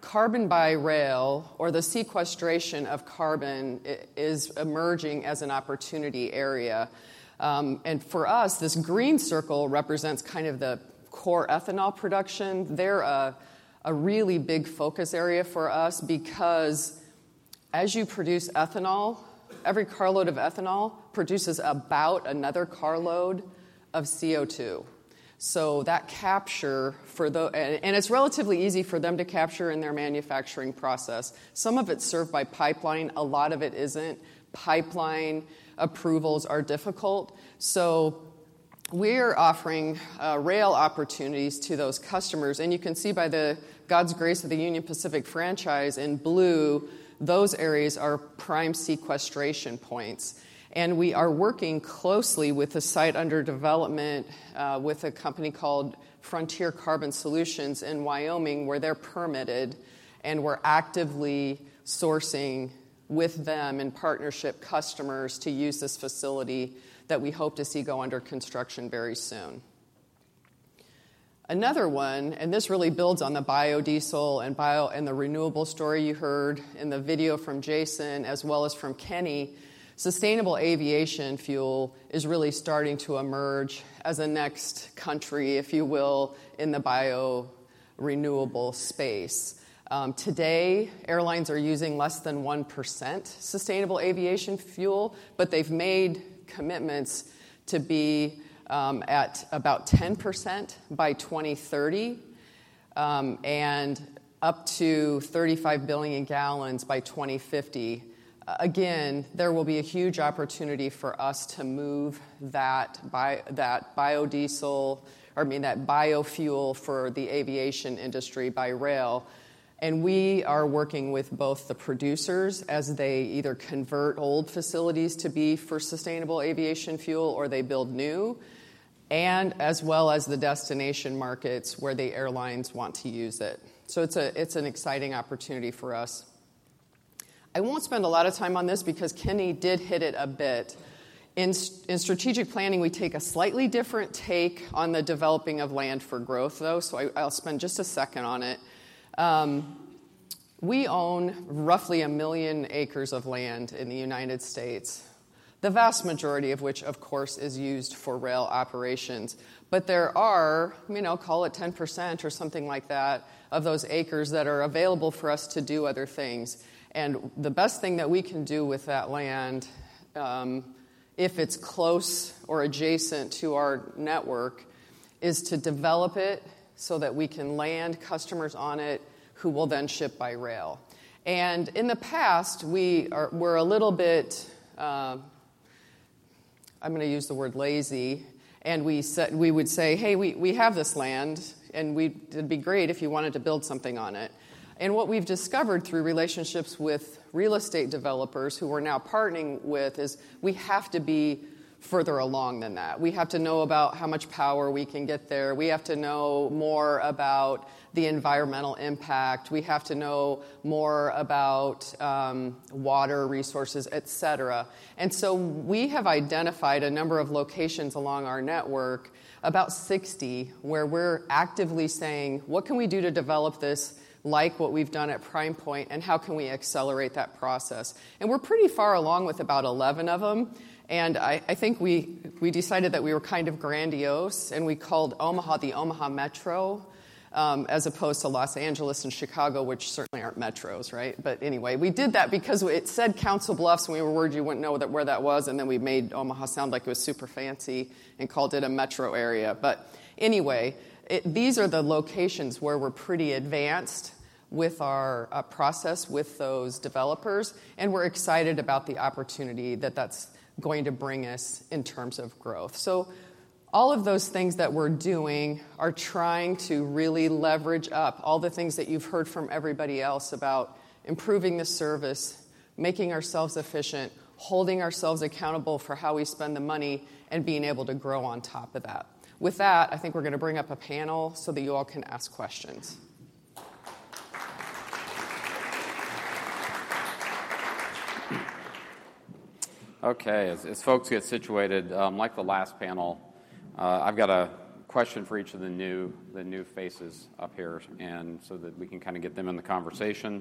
carbon by rail or the sequestration of carbon is emerging as an opportunity area. And for us, this green circle represents kind of the core ethanol production. They're a really big focus area for us because as you produce ethanol, every carload of ethanol produces about another carload of CO2. So that capture and it's relatively easy for them to capture in their manufacturing process. Some of it's served by pipeline. A lot of it isn't. Pipeline approvals are difficult, so we are offering rail opportunities to those customers, and you can see by the good graces of the Union Pacific franchise in blue, those areas are prime sequestration points. And we are working closely with a site under development with a company called Frontier Carbon Solutions in Wyoming, where they're permitted, and we're actively sourcing, with them in partnership, customers to use this facility that we hope to see go under construction very soon. Another one, and this really builds on the biodiesel and bio- and the renewable story you heard in the video from Jason as well as from Kenny. Sustainable aviation fuel is really starting to emerge as a next category, if you will, in the bio-renewable space. Today, airlines are using less than 1% sustainable aviation fuel, but they've made commitments to be at about 10% by 2030, and up to 35 billion gallons by 2050. Again, there will be a huge opportunity for us to move that biodiesel or, I mean, that biofuel for the aviation industry by rail, and we are working with both the producers as they either convert old facilities to be for sustainable aviation fuel or they build new and as well as the destination markets where the airlines want to use it. So it's an exciting opportunity for us. I won't spend a lot of time on this because Kenny did hit it a bit. In strategic planning, we take a slightly different take on the developing of land for growth, though, so I, I'll spend just a second on it. We own roughly a million acres of land in the United States, the vast majority of which, of course, is used for rail operations. But there are, I mean, I'll call it 10% or something like that, of those acres that are available for us to do other things, and the best thing that we can do with that land, if it's close or adjacent to our network, is to develop it so that we can land customers on it, who will then ship by rail. And in the past, we were a little bit, I'm gonna use the word lazy, and we would say, "Hey, we have this land, and it'd be great if you wanted to build something on it." And what we've discovered through relationships with real estate developers, who we're now partnering with, is we have to be further along than that. We have to know about how much power we can get there. We have to know more about the environmental impact. We have to know more about water resources, et cetera. And so we have identified a number of locations along our network, about 60, where we're actively saying: What can we do to develop this, like what we've done at Prime Pointe, and how can we accelerate that process? And we're pretty far along with about 11 of them, and I think we decided that we were kind of grandiose, and we called Omaha the Omaha Metro, as opposed to Los Angeles and Chicago, which certainly aren't metros, right? But anyway, we did that because it said Council Bluffs, and we were worried you wouldn't know where that was, and then we made Omaha sound like it was super fancy and called it a metro area. But anyway, these are the locations where we're pretty advanced with our process with those developers, and we're excited about the opportunity that that's going to bring us in terms of growth. So all of those things that we're doing are trying to really leverage up all the things that you've heard from everybody else about improving the service, making ourselves efficient, holding ourselves accountable for how we spend the money, and being able to grow on top of that. With that, I think we're gonna bring up a panel so that you all can ask questions. Okay, as folks get situated, like the last panel, I've got a question for each of the new faces up here, and so that we can kinda get them in the conversation.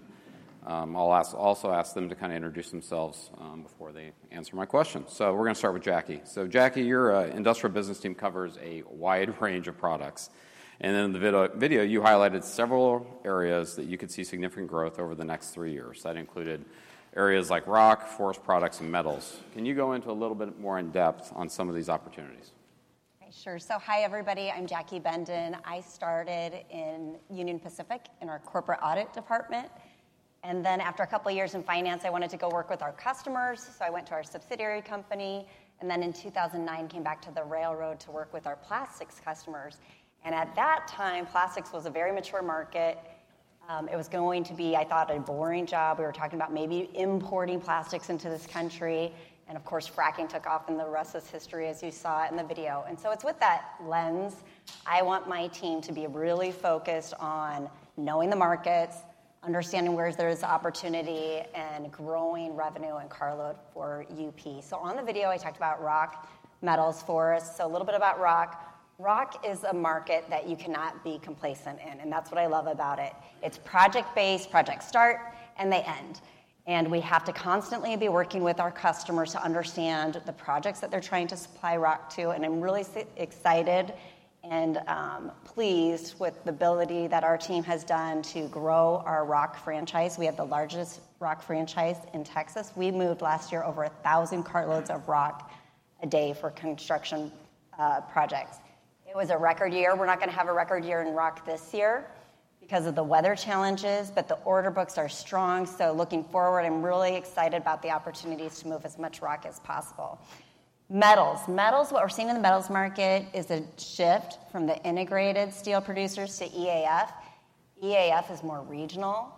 I'll also ask them to kinda introduce themselves before they answer my question. So we're gonna start with Jackie. So, Jackie, your industrial business team covers a wide range of products, and in the video, you highlighted several areas that you could see significant growth over the next three years. That included areas like rock, forest products, and metals. Can you go into a little bit more in depth on some of these opportunities? Okay, sure. So hi, everybody, I'm Jackie Bendon. I started in Union Pacific, in our corporate audit department, and then after a couple of years in finance, I wanted to go work with our customers, so I went to our subsidiary company, and then in 2009, came back to the railroad to work with our plastics customers. And at that time, plastics was a very mature market. It was going to be, I thought, a boring job. We were talking about maybe importing plastics into this country, and of course, fracking took off, and the rest is history, as you saw it in the video. And so it's with that lens, I want my team to be really focused on knowing the markets, understanding where there's opportunity, and growing revenue and caseload for UP. So on the video, I talked about rock, metals, forests. A little bit about rock. Rock is a market that you cannot be complacent in, and that's what I love about it. It's project-based, projects start, and they end, and we have to constantly be working with our customers to understand the projects that they're trying to supply rock to. I'm really excited and pleased with the ability that our team has done to grow our rock franchise. We have the largest rock franchise in Texas. We moved, last year, over a thousand carloads of rock a day for construction projects. It was a record year. We're not gonna have a record year in rock this year because of the weather challenges, but the order books are strong. Looking forward, I'm really excited about the opportunities to move as much rock as possible. Metals. Metals, what we're seeing in the metals market is a shift from the integrated steel producers to EAF. EAF is more regional,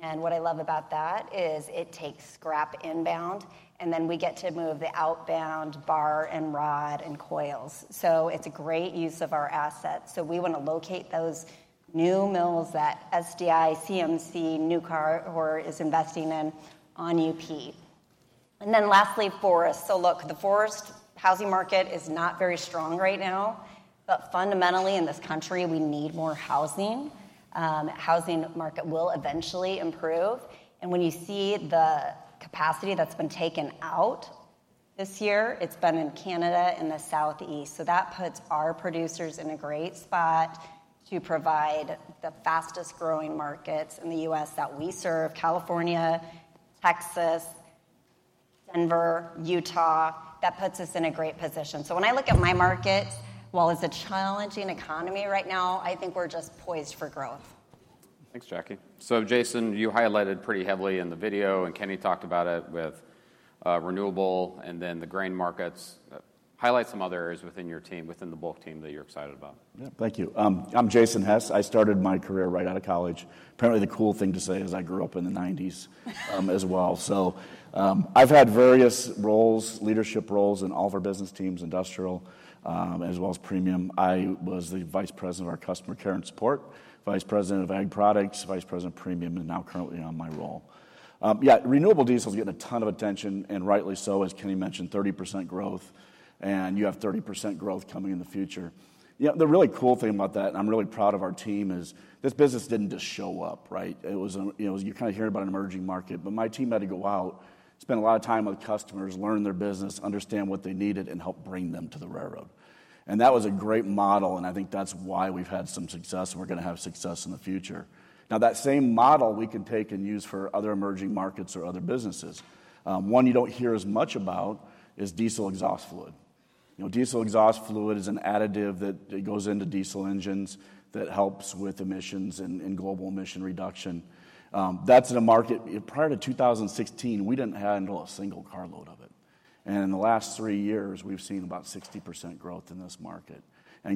and what I love about that is it takes scrap inbound, and then we get to move the outbound bar and rod and coils, so it's a great use of our assets, so we want to locate those new mills that SDI, CMC, Nucor is investing in on UP, and then lastly, forests, so look, the forest housing market is not very strong right now, but fundamentally, in this country, we need more housing. Housing market will eventually improve, and when you see the capacity that's been taken out this year, it's been in Canada and the Southeast, so that puts our producers in a great spot to provide the fastest-growing markets in the U.S. that we serve, California, Texas, Denver, Utah. That puts us in a great position. So when I look at my market, while it's a challenging economy right now, I think we're just poised for growth. Thanks, Jackie. So, Jason, you highlighted pretty heavily in the video, and Kenny talked about it renewable, and then the grain markets. Highlight some other areas within your team, within the bulk team, that you're excited about. Yeah. Thank you. I'm Jason Hess. I started my career right out of college. Apparently, the cool thing to say is I grew up in the nineties as well. So, I've had various roles, leadership roles, in all of our business teams, industrial, as well as premium. I was the Vice President of our customer care and support, Vice President of ag products, Vice President of premium, and now currently on my role. Yeah, renewable diesel is getting a ton of attention, and rightly so. As Kenny mentioned, 30% growth, and you have 30% growth coming in the future. Yeah, the really cool thing about that, and I'm really proud of our team, is this business didn't just show up, right? It was, you know, you kinda hear about an emerging market, but my team had to go out, spend a lot of time with customers, learn their business, understand what they needed, and help bring them to the railroad. And that was a great model, and I think that's why we've had some success, and we're gonna have success in the future. Now, that same model we can take and use for other emerging markets or other businesses. One you don't hear as much about is diesel exhaust fluid. You know, diesel exhaust fluid is an additive that goes into diesel engines that helps with emissions and global emission reduction. That's in a market. Prior to two thousand and sixteen, we didn't handle a single carload of it, and in the last three years, we've seen about 60% growth in this market.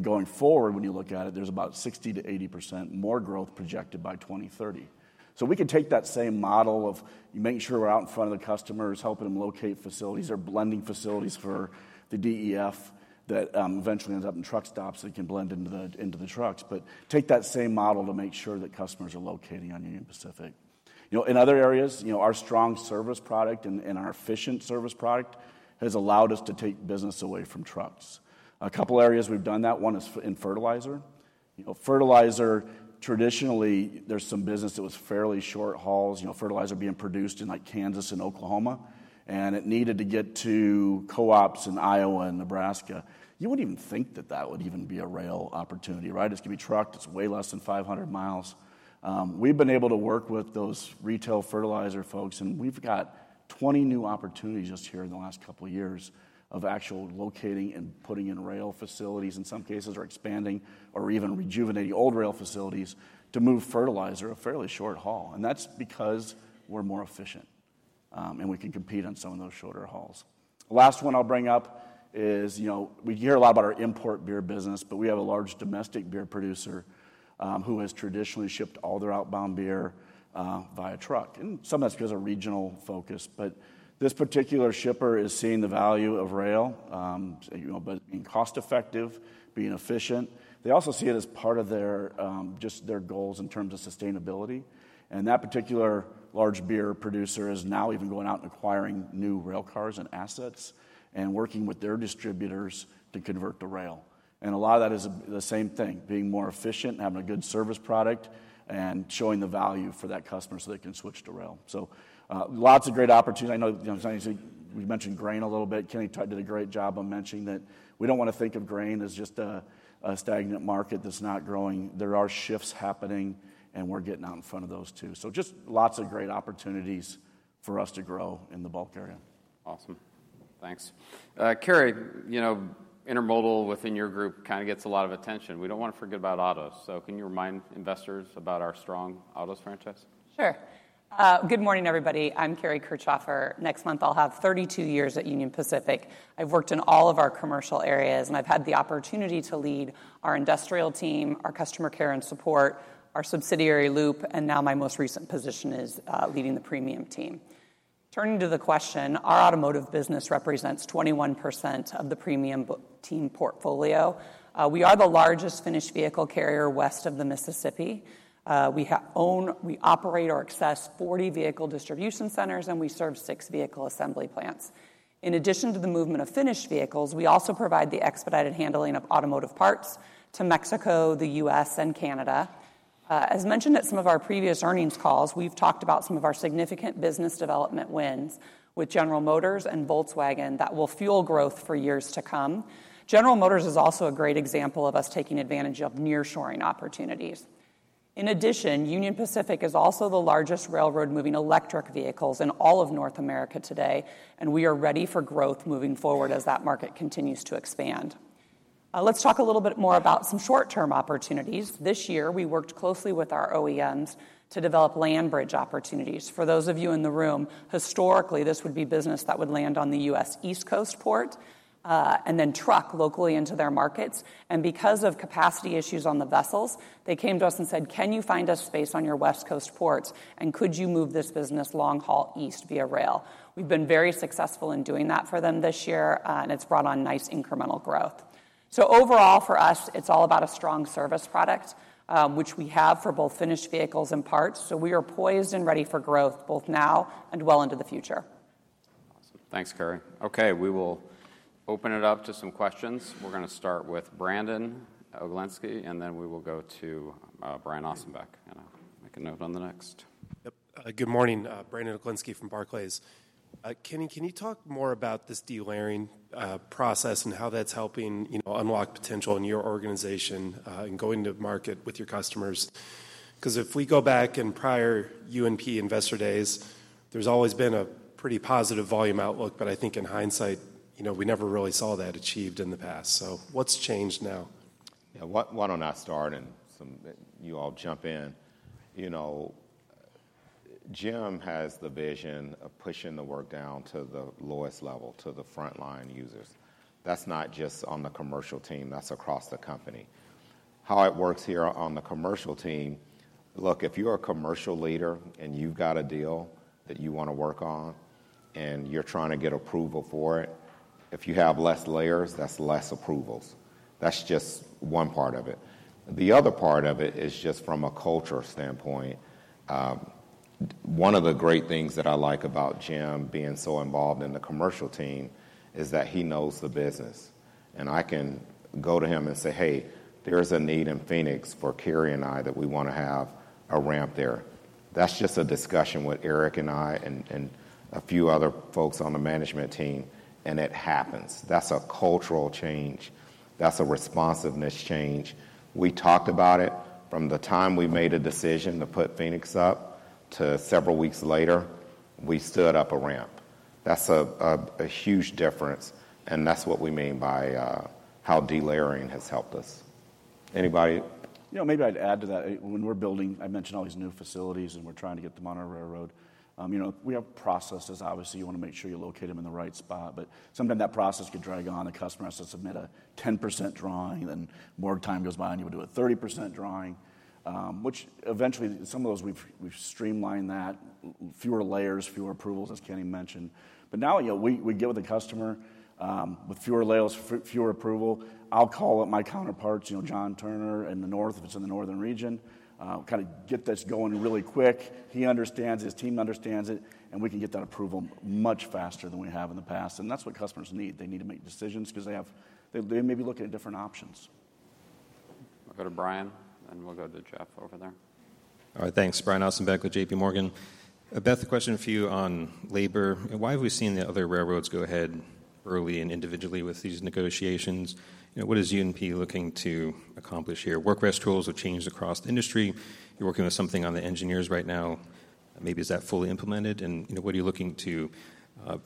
Going forward, when you look at it, there's about 60%-80% more growth projected by 2030. So we can take that same model of making sure we're out in front of the customers, helping them locate facilities or blending facilities for the DEF, that eventually ends up in truck stops, so it can blend into the trucks. But take that same model to make sure that customers are locating on Union Pacific. You know, in other areas, you know, our strong service product and our efficient service product has allowed us to take business away from trucks. A couple areas we've done that, one is in fertilizer. You know, fertilizer, traditionally, there's some business that was fairly short hauls. You know, fertilizer being produced in, like, Kansas and Oklahoma, and it needed to get to co-ops in Iowa and Nebraska. You wouldn't even think that that would even be a rail opportunity, right? It's gonna be trucked. It's way less than 500 miles. We've been able to work with those retail fertilizer folks, and we've got 20 new opportunities just here in the last couple of years of actual locating and putting in rail facilities, in some cases, or expanding or even rejuvenating old rail facilities to move fertilizer a fairly short haul. And that's because we're more efficient, and we can compete on some of those shorter hauls. The last one I'll bring up is, you know, we hear a lot about our import beer business, but we have a large domestic beer producer, who has traditionally shipped all their outbound beer, via truck, and some of that's because of regional focus. But this particular shipper is seeing the value of rail, you know, by being cost-effective, being efficient. They also see it as part of their, just their goals in terms of sustainability. And that particular large beer producer is now even going out and acquiring new rail cars and assets and working with their distributors to convert to rail. And a lot of that is the same thing, being more efficient and having a good service product and showing the value for that customer so they can switch to rail. So, lots of great opportunities. I know, you know, we mentioned grain a little bit. Kenny did a great job of mentioning that we don't want to think of grain as just a stagnant market that's not growing. There are shifts happening, and we're getting out in front of those, too. So just lots of great opportunities for us to grow in the bulk area. Awesome. Thanks. Kari, you know, intermodal within your group kinda gets a lot of attention. We don't want to forget about autos, so can you remind investors about our strong autos franchise? Sure. Good morning, everybody. I'm Kari Kirchhoefer. Next month, I'll have 32 years at Union Pacific. I've worked in all of our commercial areas, and I've had the opportunity to lead our industrial team, our customer care and support, our subsidiary, Loup, and now my most recent position is leading the premium team. Turning to the question, our automotive business represents 21% of the premium team portfolio. We are the largest finished vehicle Karir west of the Mississippi. We own, we operate or access 40 vehicle distribution centers, and we serve 6 vehicle assembly plants. In addition to the movement of finished vehicles, we also provide the expedited handling of automotive parts to Mexico, the U.S., and Canada. As mentioned at some of our previous earnings calls, we've talked about some of our significant business development wins with General Motors and Volkswagen that will fuel growth for years to come. General Motors is also a great example of us taking advantage of nearshoring opportunities. In addition, Union Pacific is also the largest railroad moving electric vehicles in all of North America today, and we are ready for growth moving forward as that market continues to expand. Let's talk a little bit more about some short-term opportunities. This year, we worked closely with our OEMs to develop land bridge opportunities. For those of you in the room, historically, this would be business that would land on the U.S. East Coast port, and then truck locally into their markets, and because of capacity issues on the vessels, they came to us and said, "Can you find us space on your West Coast ports, and could you move this business long haul east via rail?" We've been very successful in doing that for them this year, and it's brought on nice incremental growth. So overall, for us, it's all about a strong service product, which we have for both finished vehicles and parts, so we are poised and ready for growth both now and well into the future. Awesome. Thanks, Kari. Okay, we will open it up to some questions. We're gonna start with Brandon Oglenski, and then we will go to Brian Ossenbeck, and I'll make a note on the next. Yep, good morning. Brandon Oglenski from Barclays. Kenny, can you talk more about this delayering process and how that's helping, you know, unlock potential in your organization, and going to market with your customers? 'Cause if we go back in prior UNP investor days, there's always been a pretty positive volume outlook, but I think in hindsight, you know, we never really saw that achieved in the past. So what's changed now?... Yeah, why, why don't I start, and you all jump in? You know, Jim has the vision of pushing the work down to the lowest level, to the frontline users. That's not just on the commercial team, that's across the company. How it works here on the commercial team: look, if you're a commercial leader and you've got a deal that you wanna work on, and you're trying to get approval for it, if you have less layers, that's less approvals. That's just one part of it. The other part of it is just from a culture standpoint. One of the great things that I like about Jim being so involved in the commercial team is that he knows the business, and I can go to him and say, "Hey, there's a need in Phoenix for Kari and I, that we wanna have a ramp there." That's just a discussion with Eric and I and a few other folks on the management team, and it happens. That's a cultural change. That's a responsiveness change. We talked about it from the time we made a decision to put Phoenix up to several weeks later, we stood up a ramp. That's a huge difference, and that's what we mean by how delayering has helped us. Anybody? You know, maybe I'd add to that. When we're building, I mentioned all these new facilities, and we're trying to get them on our railroad. You know, we have processes. Obviously, you wanna make sure you locate them in the right spot, but sometimes that process could drag on. The customer has to submit a 10% drawing, then more time goes by, and you would do a 30% drawing, which eventually some of those we've streamlined that. Fewer layers, fewer approvals, as Kenny mentioned. But now, you know, we deal with the customer with fewer layers, fewer approvals. I'll call up my counterparts, you know, John Turner in the North, if it's in the Northern Region, kind of get this going really quick. He understands, his team understands it, and we can get that approval much faster than we have in the past, and that's what customers need. They need to make decisions 'cause they have—they may be looking at different options. We'll go to Brian, then we'll go to Jeff over there. All right, thanks. Brian Ossenbeck with J.P. Morgan. Beth, a question for you on labor. Why have we seen the other railroads go ahead early and individually with these negotiations? You know, what is UNP looking to accomplish here? Work rest rules have changed across the industry. You're working with something on the engineers right now. Maybe is that fully implemented, and you know, what are you looking to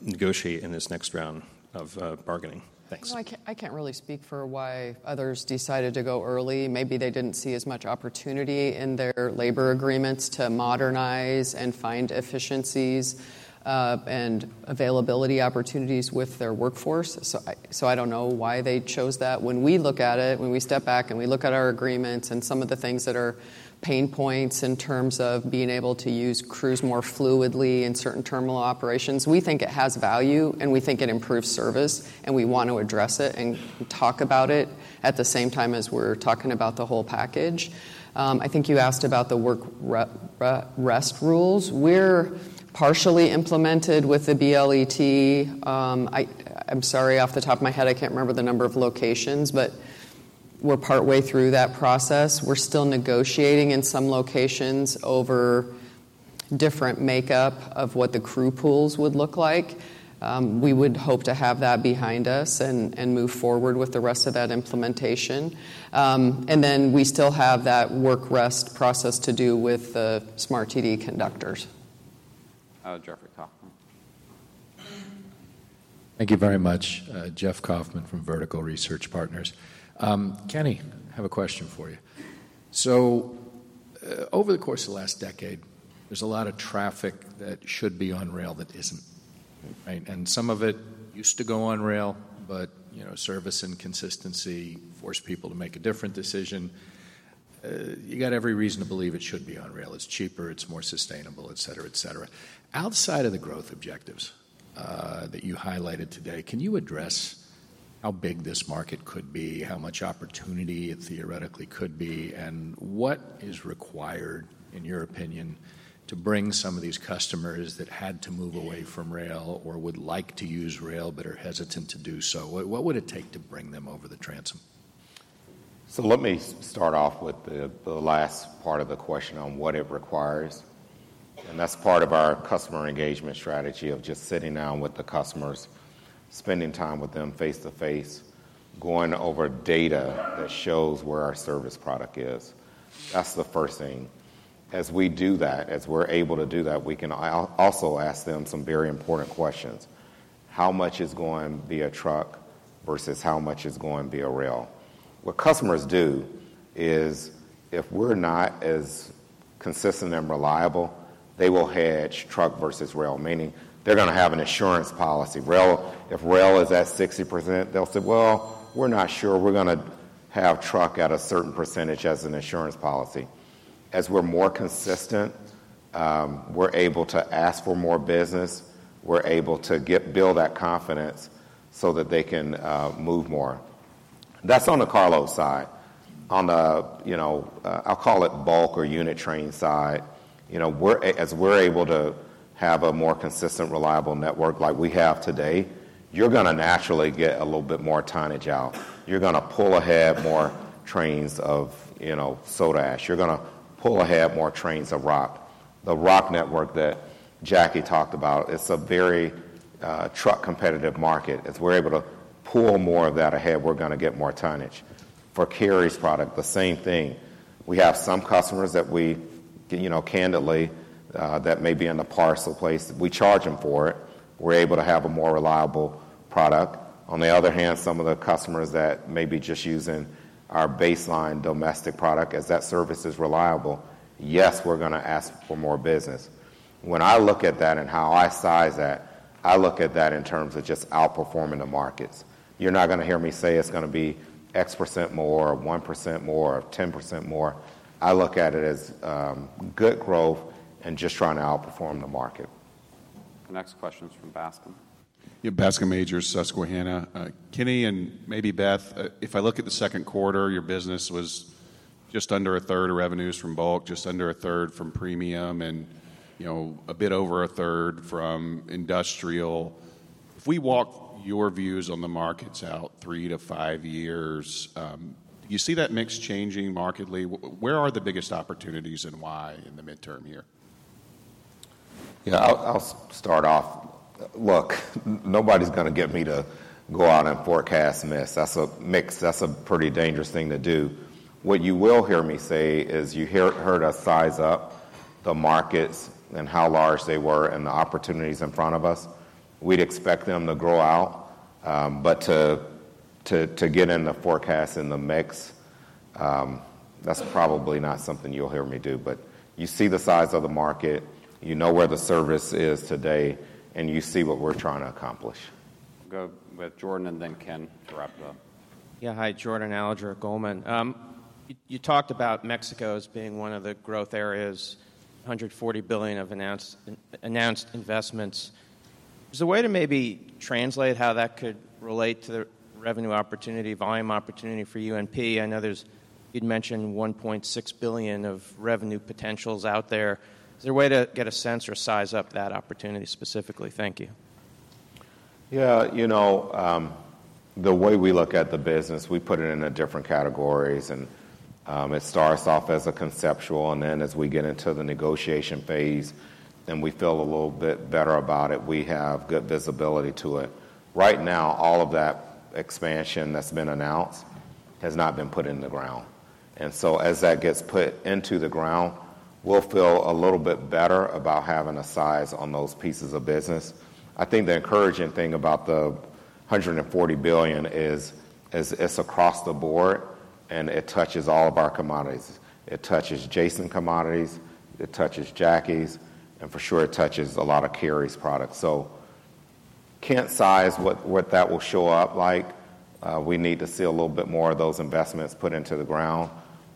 negotiate in this next round of bargaining? Thanks. I can't really speak for why others decided to go early. Maybe they didn't see as much opportunity in their labor agreements to modernize and find efficiencies, and availability opportunities with their workforce. So I, so I don't know why they chose that. When we look at it, when we step back and we look at our agreements and some of the things that are pain points in terms of being able to use crews more fluidly in certain terminal operations, we think it has value, and we think it improves service, and we want to address it and talk about it at the same time as we're talking about the whole package. I think you asked about the work rest rules. We're partially implemented with the BLET. I'm sorry, off the top of my head, I can't remember the number of locations, but we're partway through that process. We're still negotiating in some locations over different makeup of what the crew pools would look like. We would hope to have that behind us and move forward with the rest of that implementation, and then we still have that work rest process to do with the SMART TD conductors. Jeffrey Kauffman. Thank you very much. Jeff Kauffman from Vertical Research Partners. Kenny, I have a question for you. So, over the course of the last decade, there's a lot of traffic that should be on rail that isn't, right? And some of it used to go on rail, but, you know, service inconsistency forced people to make a different decision. You got every reason to believe it should be on rail. It's cheaper, it's more sustainable, et cetera, et cetera. Outside of the growth objectives that you highlighted today, can you address how big this market could be, how much opportunity it theoretically could be, and what is required, in your opinion, to bring some of these customers that had to move away from rail or would like to use rail but are hesitant to do so? What would it take to bring them over the transom? So let me start off with the last part of the question on what it requires, and that's part of our customer engagement strategy of just sitting down with the customers, spending time with them face to face, going over data that shows where our service product is. That's the first thing. As we do that, as we're able to do that, we can also ask them some very important questions. How much is going via truck versus how much is going via rail? What customers do is, if we're not as consistent and reliable, they will hedge truck versus rail, meaning they're gonna have an insurance policy. Rail. If rail is at 60%, they'll say: "Well, we're not sure. We're gonna have truck at a certain percentage as an insurance policy." As we're more consistent, we're able to ask for more business, we're able to build that confidence so that they can move more. That's on the cargo side. On the, you know, I'll call it bulk or unit train side, you know, as we're able to have a more consistent, reliable network like we have today, you're gonna naturally get a little bit more tonnage out. You're gonna pull ahead more trains of, you know, soda ash. You're gonna pull ahead more trains of rock. The rock network that Jackie talked about, it's a very truck-competitive market. As we're able to pull more of that ahead, we're gonna get more tonnage. For Kari's product, the same thing.... We have some customers that we, you know, candidly, that may be in the parcel place, we charge them for it. We're able to have a more reliable product. On the other hand, some of the customers that may be just using our baseline domestic product, as that service is reliable, yes, we're gonna ask for more business. When I look at that and how I size that, I look at that in terms of just outperforming the markets. You're not gonna hear me say it's gonna be X% more, or 1% more, or 10% more. I look at it as, good growth and just trying to outperform the market. The next question is from Bascom. Yeah, Bascom Majors, Susquehanna. Kenny, and maybe Beth, if I look at the second quarter, your business was just under a third of revenues from bulk, just under a third from premium, and, you know, a bit over a third from industrial. If we walk your views on the markets out three to five years, do you see that mix changing markedly? Where are the biggest opportunities and why in the midterm year? Yeah, I'll start off. Look, nobody's gonna get me to go out and forecast this. That's a mix. That's a pretty dangerous thing to do. What you will hear me say is, you heard us size up the markets and how large they were and the opportunities in front of us. We'd expect them to grow out, but to get in the forecast and the mix, that's probably not something you'll hear me do. But you see the size of the market, you know where the service is today, and you see what we're trying to accomplish. Go with Jordan and then Ken to wrap up. Yeah, hi, Jordan Alliger Goldman. You talked about Mexico as being one of the growth areas, $140 billion of announced investments. Is there a way to maybe translate how that could relate to the revenue opportunity, volume opportunity for UNP? I know there's... You'd mentioned $1.6 billion of revenue potentials out there. Is there a way to get a sense or size up that opportunity specifically? Thank you. Yeah, you know, the way we look at the business, we put it into different categories, and it starts off as a conceptual, and then as we get into the negotiation phase, then we feel a little bit better about it, we have good visibility to it. Right now, all of that expansion that's been announced has not been put in the ground. And so as that gets put into the ground, we'll feel a little bit better about having a size on those pieces of business. I think the encouraging thing about the $140 billion is it's across the board and it touches all of our commodities. It touches Jason commodities, it touches Jackie's, and for sure it touches a lot of Kerry's products. So can't size what that will show up like. We need to see a little bit more of those investments put into the ground,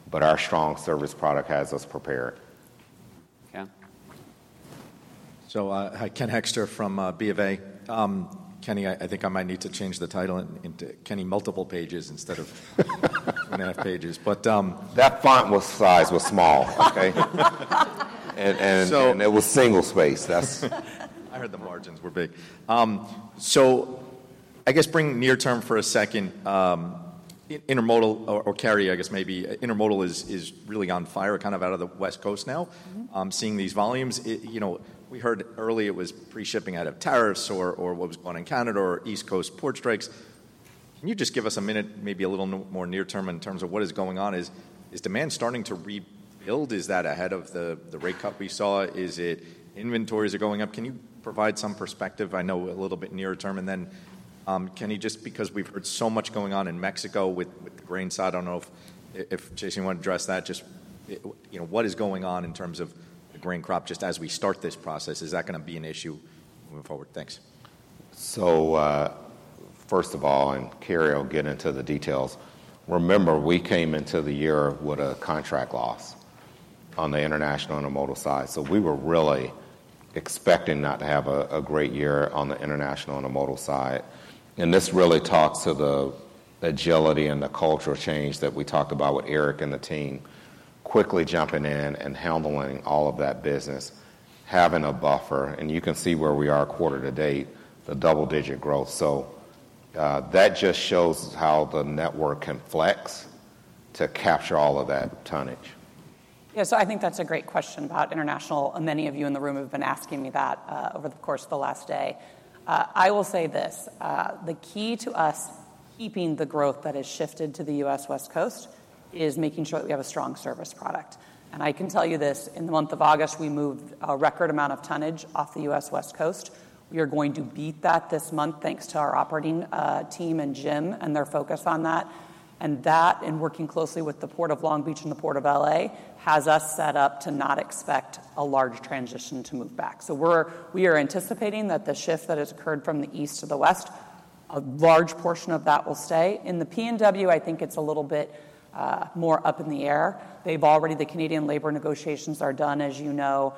but our strong service product has us prepared. Ken? Hi, Ken Hoexter from B of A. Kenny, I think I might need to change the title into Kenny Multiple Pages instead of and a half pages. But, That font size was small, okay? So- It was single-spaced. That's- I heard the margins were big. So I guess bringing near term for a second, in intermodal or carry, I guess maybe intermodal is really on fire, kind of out of the West Coast now. Mm-hmm. Seeing these volumes, it, you know, we heard early it was pre-shipping out of tariffs or what was going on in Canada or East Coast port strikes. Can you just give us a minute, maybe a little more near term in terms of what is going on? Is demand starting to rebuild? Is that ahead of the rate cut we saw? Is it inventories are going up? Can you provide some perspective, I know, a little bit near term? And then, Kenny, just because we've heard so much going on in Mexico with the grain side, I don't know if Jason, you want to address that, just, you know, what is going on in terms of the grain crop just as we start this process? Is that gonna be an issue moving forward? Thanks. First of all, Kerry will get into the details. Remember, we came into the year with a contract loss on the international intermodal side. We were really expecting not to have a great year on the international intermodal side. And this really talks to the agility and the cultural change that we talked about with Eric and the team, quickly jumping in and handling all of that business, having a buffer, and you can see where we are quarter to date, the double-digit growth. That just shows how the network can flex to capture all of that tonnage. Yeah, so I think that's a great question about international, and many of you in the room have been asking me that over the course of the last day. I will say this, the key to us keeping the growth that has shifted to the U.S. West Coast is making sure that we have a strong service product. And I can tell you this, in the month of August, we moved a record amount of tonnage off the U.S. West Coast. We are going to beat that this month, thanks to our operating team and Jim, and they're focused on that. And that, and working closely with the Port of Long Beach and the Port of LA, has us set up to not expect a large transition to move back. We are anticipating that the shift that has occurred from the east to the west, a large portion of that will stay. In the PNW, I think it's a little bit more up in the air. The Canadian labor negotiations are done, as you know.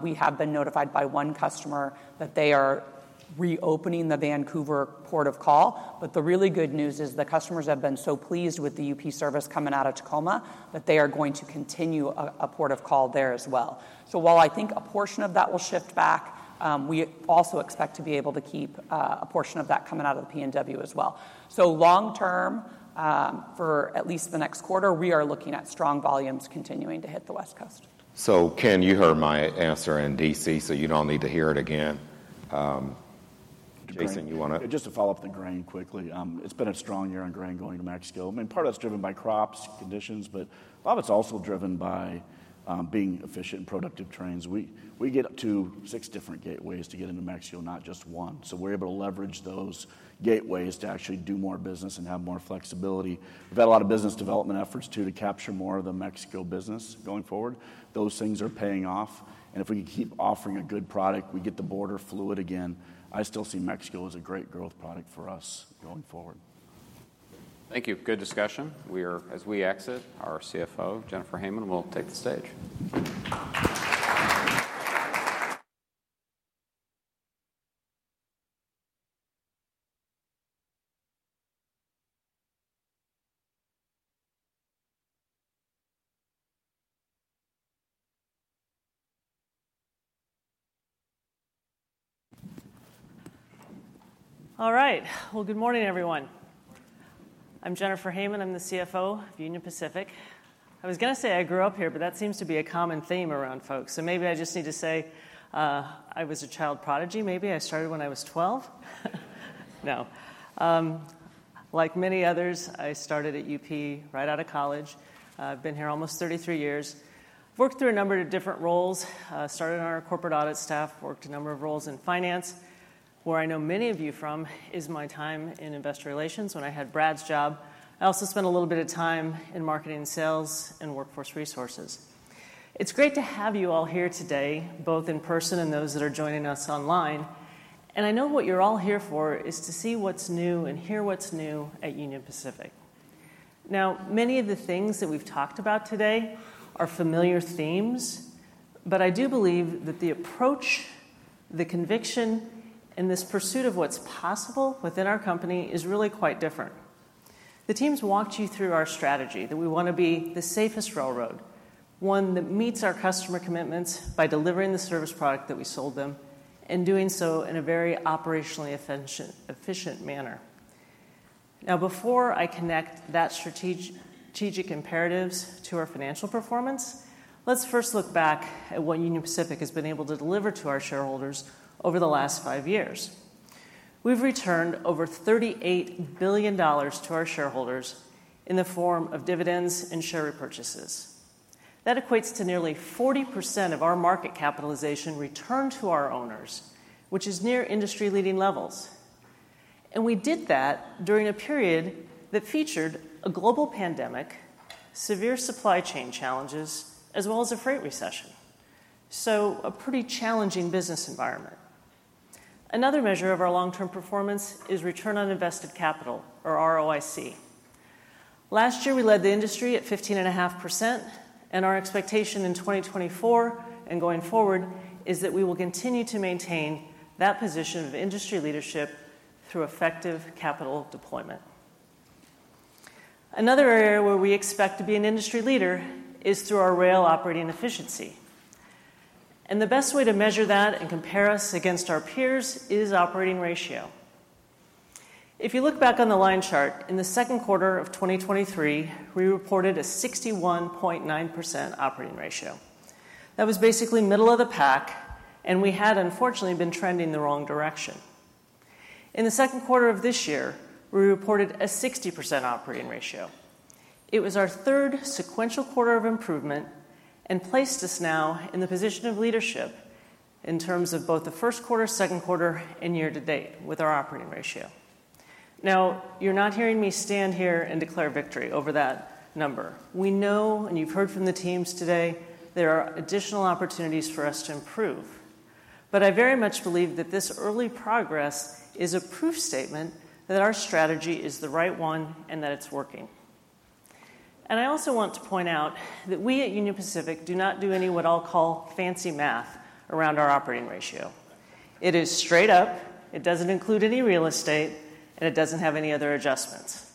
We have been notified by one customer that they are reopening the Vancouver port of call. But the really good news is, the customers have been so pleased with the UP service coming out of Tacoma, that they are going to continue a port of call there as well. So while I think a portion of that will shift back, we also expect to be able to keep a portion of that coming out of the PNW as well. So long term, for at least the next quarter, we are looking at strong volumes continuing to hit the West Coast. So Ken, you heard my answer in DC, so you don't need to hear it again.... Jason, you wanna? Just to follow up the grain quickly. It's been a strong year on grain going to Mexico. I mean, part of that's driven by crop conditions, but a lot of it's also driven by being efficient and productive trains. We get up to six different gateways to get into Mexico, not just one. So we're able to leverage those gateways to actually do more business and have more flexibility. We've had a lot of business development efforts, too, to capture more of the Mexico business going forward. Those things are paying off, and if we can keep offering a good product, we get the border fluid again. I still see Mexico as a great growth product for us going forward. Thank you. Good discussion. As we exit, our CFO, Jennifer Hamann, will take the stage. All right. Good morning, everyone. I'm Jennifer Hamann, I'm the CFO of Union Pacific. I was gonna say I grew up here, but that seems to be a common theme around folks, so maybe I just need to say I was a child prodigy. Maybe I started when I was 12. No. Like many others, I started at UP right out of college. I've been here almost 33 years. Worked through a number of different roles. Started on our corporate audit staff, worked a number of roles in finance. Where I know many of you from is my time in investor relations when I had Brad's job. I also spent a little bit of time in marketing and sales and workforce resources. It's great to have you all here today, both in person and those that are joining us online, and I know what you're all here for is to see what's new and hear what's new at Union Pacific. Now, many of the things that we've talked about today are familiar themes, but I do believe that the approach, the conviction, and this pursuit of what's possible within our company is really quite different. The teams walked you through our strategy, that we wanna be the safest railroad, one that meets our customer commitments by delivering the service product that we sold them, and doing so in a very operationally efficient manner. Now, before I connect that strategic imperatives to our financial performance, let's first look back at what Union Pacific has been able to deliver to our shareholders over the last five years. We've returned over $38 billion to our shareholders in the form of dividends and share repurchases. That equates to nearly 40% of our market capitalization returned to our owners, which is near industry-leading levels, and we did that during a period that featured a global pandemic, severe supply chain challenges, as well as a freight recession, so a pretty challenging business environment. Another measure of our long-term performance is return on invested capital, or ROIC. Last year, we led the industry at 15.5%, and our expectation in 2024 and going forward is that we will continue to maintain that position of industry leadership through effective capital deployment. Another area where we expect to be an industry leader is through our rail operating efficiency, and the best way to measure that and compare us against our peers is operating ratio. If you look back on the line chart, in the second quarter of 2023, we reported a 61.9% operating ratio. That was basically middle of the pack, and we had, unfortunately, been trending in the wrong direction. In the second quarter of this year, we reported a 60% operating ratio. It was our third sequential quarter of improvement and placed us now in the position of leadership in terms of both the first quarter, second quarter, and year to date with our operating ratio. Now, you're not hearing me stand here and declare victory over that number. We know, and you've heard from the teams today, there are additional opportunities for us to improve. But I very much believe that this early progress is a proof statement that our strategy is the right one and that it's working. And I also want to point out that we at Union Pacific do not do any, what I'll call, fancy math around our operating ratio. It is straight up, it doesn't include any real estate, and it doesn't have any other adjustments.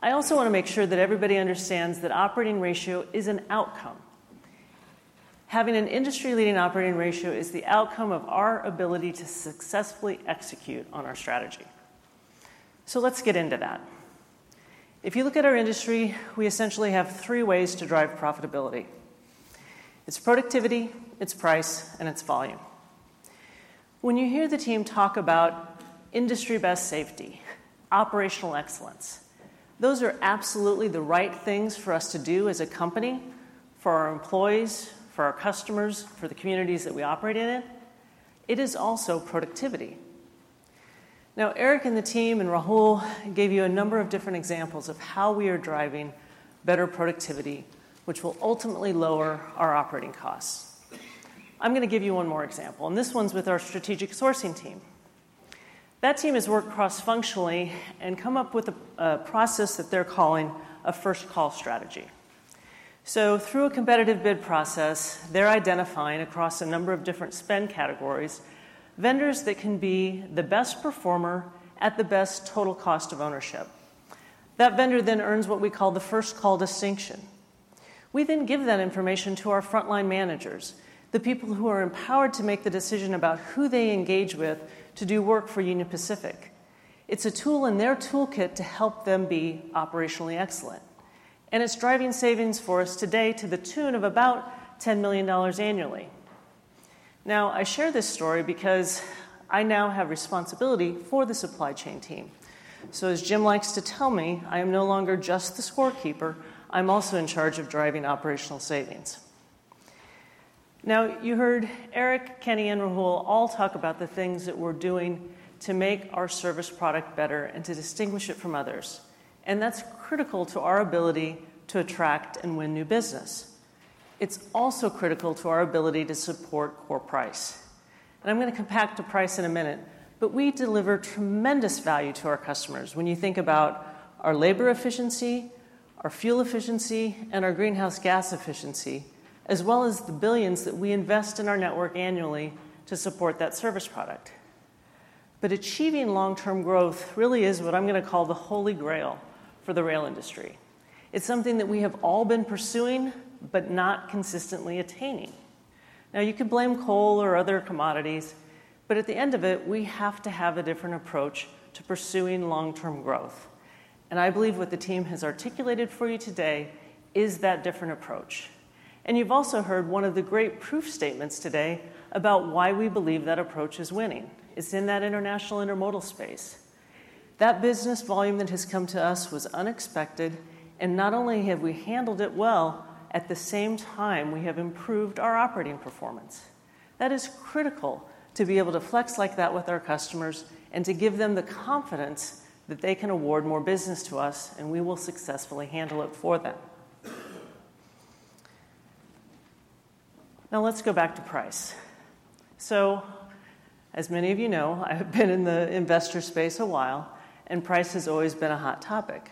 I also want to make sure that everybody understands that operating ratio is an outcome. Having an industry-leading operating ratio is the outcome of our ability to successfully execute on our strategy. So let's get into that. If you look at our industry, we essentially have three ways to drive profitability: It's productivity, it's price, and it's volume. When you hear the team talk about industry-best safety, operational excellence, those are absolutely the right things for us to do as a company, for our employees, for our customers, for the communities that we operate in. It is also productivity. Now, Eric and the team and Rahul gave you a number of different examples of how we are driving better productivity, which will ultimately lower our operating costs. I'm gonna give you one more example, and this one's with our strategic sourcing team. That team has worked cross-functionally and come up with a process that they're calling a First Call strategy. So through a competitive bid process, they're identifying, across a number of different spend categories, vendors that can be the best performer at the best total cost of ownership. That vendor then earns what we call the First Call distinction. We then give that information to our frontline managers, the people who are empowered to make the decision about who they engage with to do work for Union Pacific. It's a tool in their toolkit to help them be operationally excellent... And it's driving savings for us today to the tune of about $10 million annually. Now, I share this story because I now have responsibility for the supply chain team. So as Jim likes to tell me, I am no longer just the scorekeeper. I'm also in charge of driving operational savings. Now, you heard Eric, Kenny, and Rahul all talk about the things that we're doing to make our service product better and to distinguish it from others, and that's critical to our ability to attract and win new business. It's also critical to our ability to support core price. And I'm gonna come back to price in a minute, but we deliver tremendous value to our customers when you think about our labor efficiency, our fuel efficiency, and our greenhouse gas efficiency, as well as the billions that we invest in our network annually to support that service product. But achieving long-term growth really is what I'm gonna call the holy grail for the rail industry. It's something that we have all been pursuing, but not consistently attaining. Now, you could blame coal or other commodities, but at the end of it, we have to have a different approach to pursuing long-term growth, and I believe what the team has articulated for you today is that different approach. And you've also heard one of the great proof statements today about why we believe that approach is winning. It's in that international intermodal space. That business volume that has come to us was unexpected, and not only have we handled it well, at the same time, we have improved our operating performance. That is critical to be able to flex like that with our customers and to give them the confidence that they can award more business to us, and we will successfully handle it for them. Now, let's go back to price. So as many of you know, I've been in the investor space a while, and price has always been a hot topic.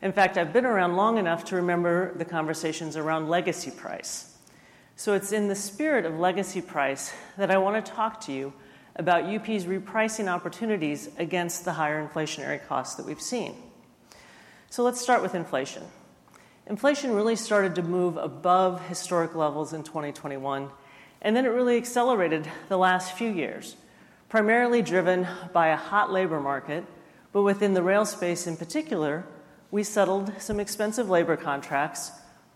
In fact, I've been around long enough to remember the conversations around legacy price. So it's in the spirit of legacy price that I wanna talk to you about UP's repricing opportunities against the higher inflationary costs that we've seen. So let's start with inflation. Inflation really started to move above historic levels in twenty twenty-one, and then it really accelerated the last few years, primarily driven by a hot labor market, but within the rail space in particular, we settled some expensive labor contracts,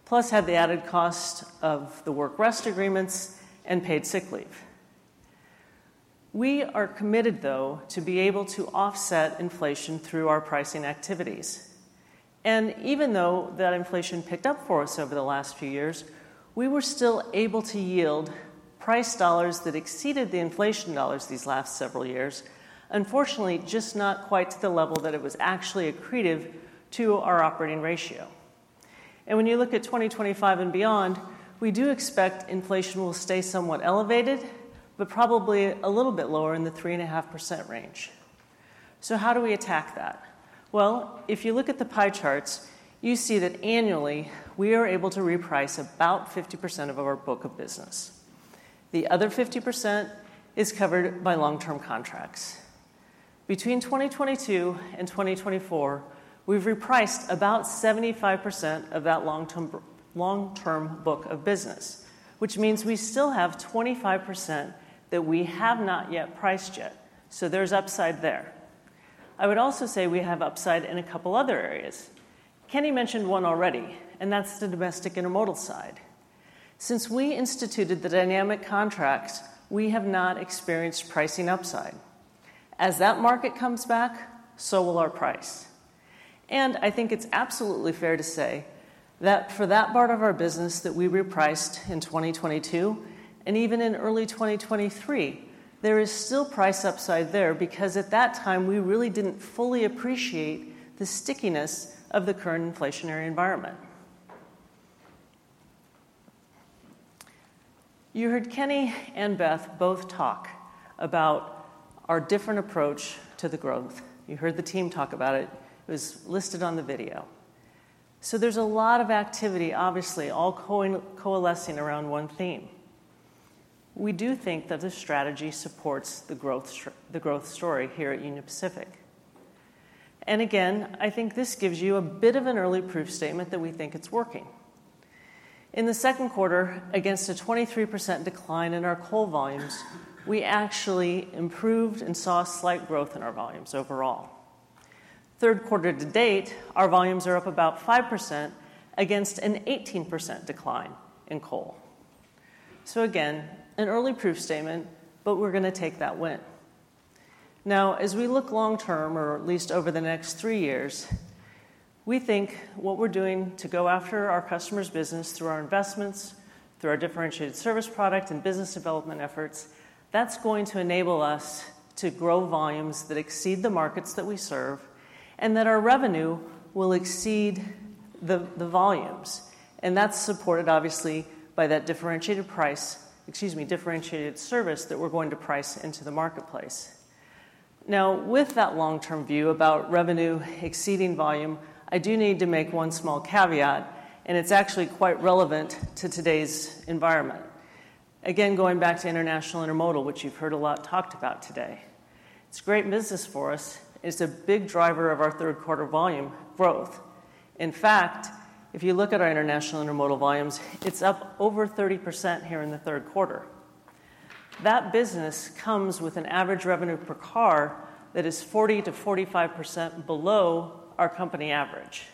plus had the added cost of the work rest agreements and paid sick leave. We are committed, though, to be able to offset inflation through our pricing activities, and even though that inflation picked up for us over the last few years, we were still able to yield price dollars that exceeded the inflation dollars these last several years. Unfortunately, just not quite to the level that it was actually accretive to our operating ratio, and when you look at twenty twenty-five and beyond, we do expect inflation will stay somewhat elevated, but probably a little bit lower in the 3.5% range. So how do we attack that? Well, if you look at the pie charts, you see that annually, we are able to reprice about 50% of our book of business. The other 50% is covered by long-term contracts. Between 2022 and 2024, we've repriced about 75% of that long-term book of business, which means we still have 25% that we have not yet priced. So there's upside there. I would also say we have upside in a couple other areas. Kenny mentioned one already, and that's the domestic intermodal side. Since we instituted the dynamic contracts, we have not experienced pricing upside. As that market comes back, so will our price. I think it's absolutely fair to say that for that part of our business that we repriced in 2022 and even in early 2023, there is still price upside there because, at that time, we really didn't fully appreciate the stickiness of the current inflationary environment. You heard Kenny and Beth both talk about our different approach to the growth. You heard the team talk about it. It was listed on the video. So there's a lot of activity, obviously, all coalescing around one theme. We do think that this strategy supports the growth story here at Union Pacific. And again, I think this gives you a bit of an early proof statement that we think it's working. In the second quarter, against a 23% decline in our coal volumes, we actually improved and saw slight growth in our volumes overall. Third quarter to date, our volumes are up about 5% against an 18% decline in coal, so again, an early proof statement, but we're gonna take that win. Now, as we look long-term, or at least over the next three years, we think what we're doing to go after our customers' business through our investments, through our differentiated service product and business development efforts, that's going to enable us to grow volumes that exceed the markets that we serve and that our revenue will exceed the volumes. And that's supported, obviously, by that differentiated price, excuse me, differentiated service that we're going to price into the marketplace. Now, with that long-term view about revenue exceeding volume, I do need to make one small caveat, and it's actually quite relevant to today's environment. Again, going back to international intermodal, which you've heard a lot talked about today. It's a great business for us. It's a big driver of our third quarter volume growth. In fact, if you look at our international intermodal volumes, it's up over 30% here in the third quarter. That business comes with an average revenue per car that is 40%-45% below our company average.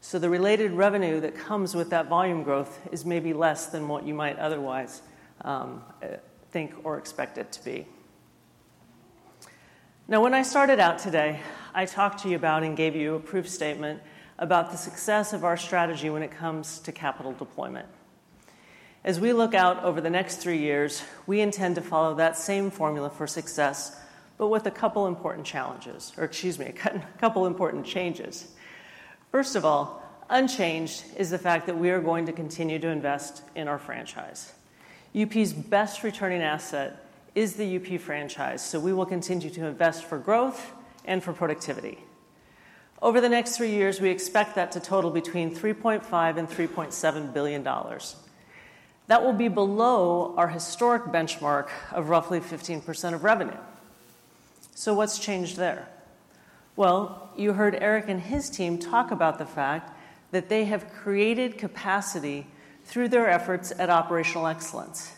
So the related revenue that comes with that volume growth is maybe less than what you might otherwise think or expect it to be. Now, when I started out today, I talked to you about and gave you a proof statement about the success of our strategy when it comes to capital deployment. As we look out over the next three years, we intend to follow that same formula for success, but with a couple important challenges, or excuse me, a couple important changes. First of all, unchanged is the fact that we are going to continue to invest in our franchise. UP's best returning asset is the UP franchise, so we will continue to invest for growth and for productivity. Over the next three years, we expect that to total between $3.5 and $3.7 billion. That will be below our historic benchmark of roughly 15% of revenue. So what's changed there? Well, you heard Eric and his team talk about the fact that they have created capacity through their efforts at operational excellence,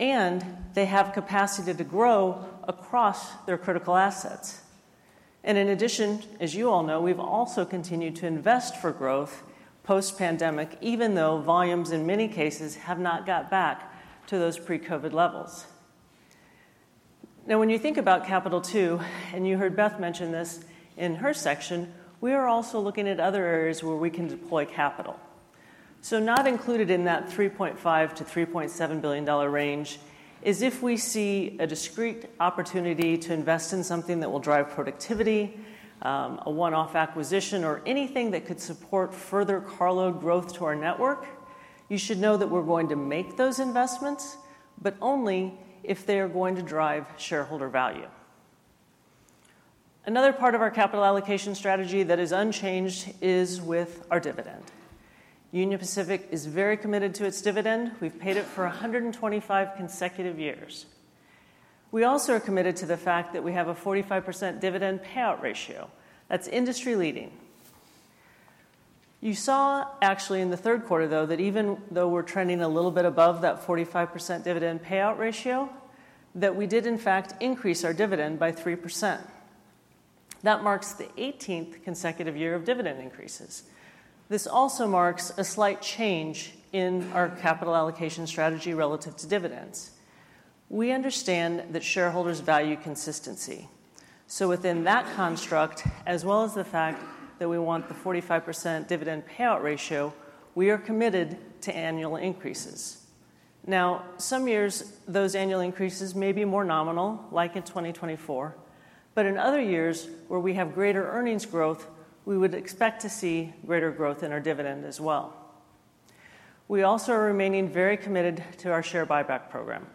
and they have capacity to grow across their critical assets. And in addition, as you all know, we've also continued to invest for growth post-pandemic, even though volumes in many cases have not got back to those pre-COVID levels. Now, when you think about capital, too, and you heard Beth mention this in her section, we are also looking at other areas where we can deploy capital. So not included in that $3.5-$3.7 billion range is if we see a discrete opportunity to invest in something that will drive productivity, a one-off acquisition, or anything that could support further carload growth to our network. You should know that we're going to make those investments, but only if they are going to drive shareholder value. Another part of our capital allocation strategy that is unchanged is with our dividend. Union Pacific is very committed to its dividend. We've paid it for a hundred and twenty-five consecutive years. We also are committed to the fact that we have a 45% dividend payout ratio. That's industry-leading. You saw actually in the third quarter, though, that even though we're trending a little bit above that 45% dividend payout ratio, that we did in fact increase our dividend by 3%. That marks the 18th consecutive year of dividend increases. This also marks a slight change in our capital allocation strategy relative to dividends. We understand that shareholders value consistency, so within that construct, as well as the fact that we want the 45% dividend payout ratio, we are committed to annual increases. Now, some years, those annual increases may be more nominal, like in 2024, but in other years where we have greater earnings growth, we would expect to see greater growth in our dividend as well. We also are remaining very committed to our share buyback program.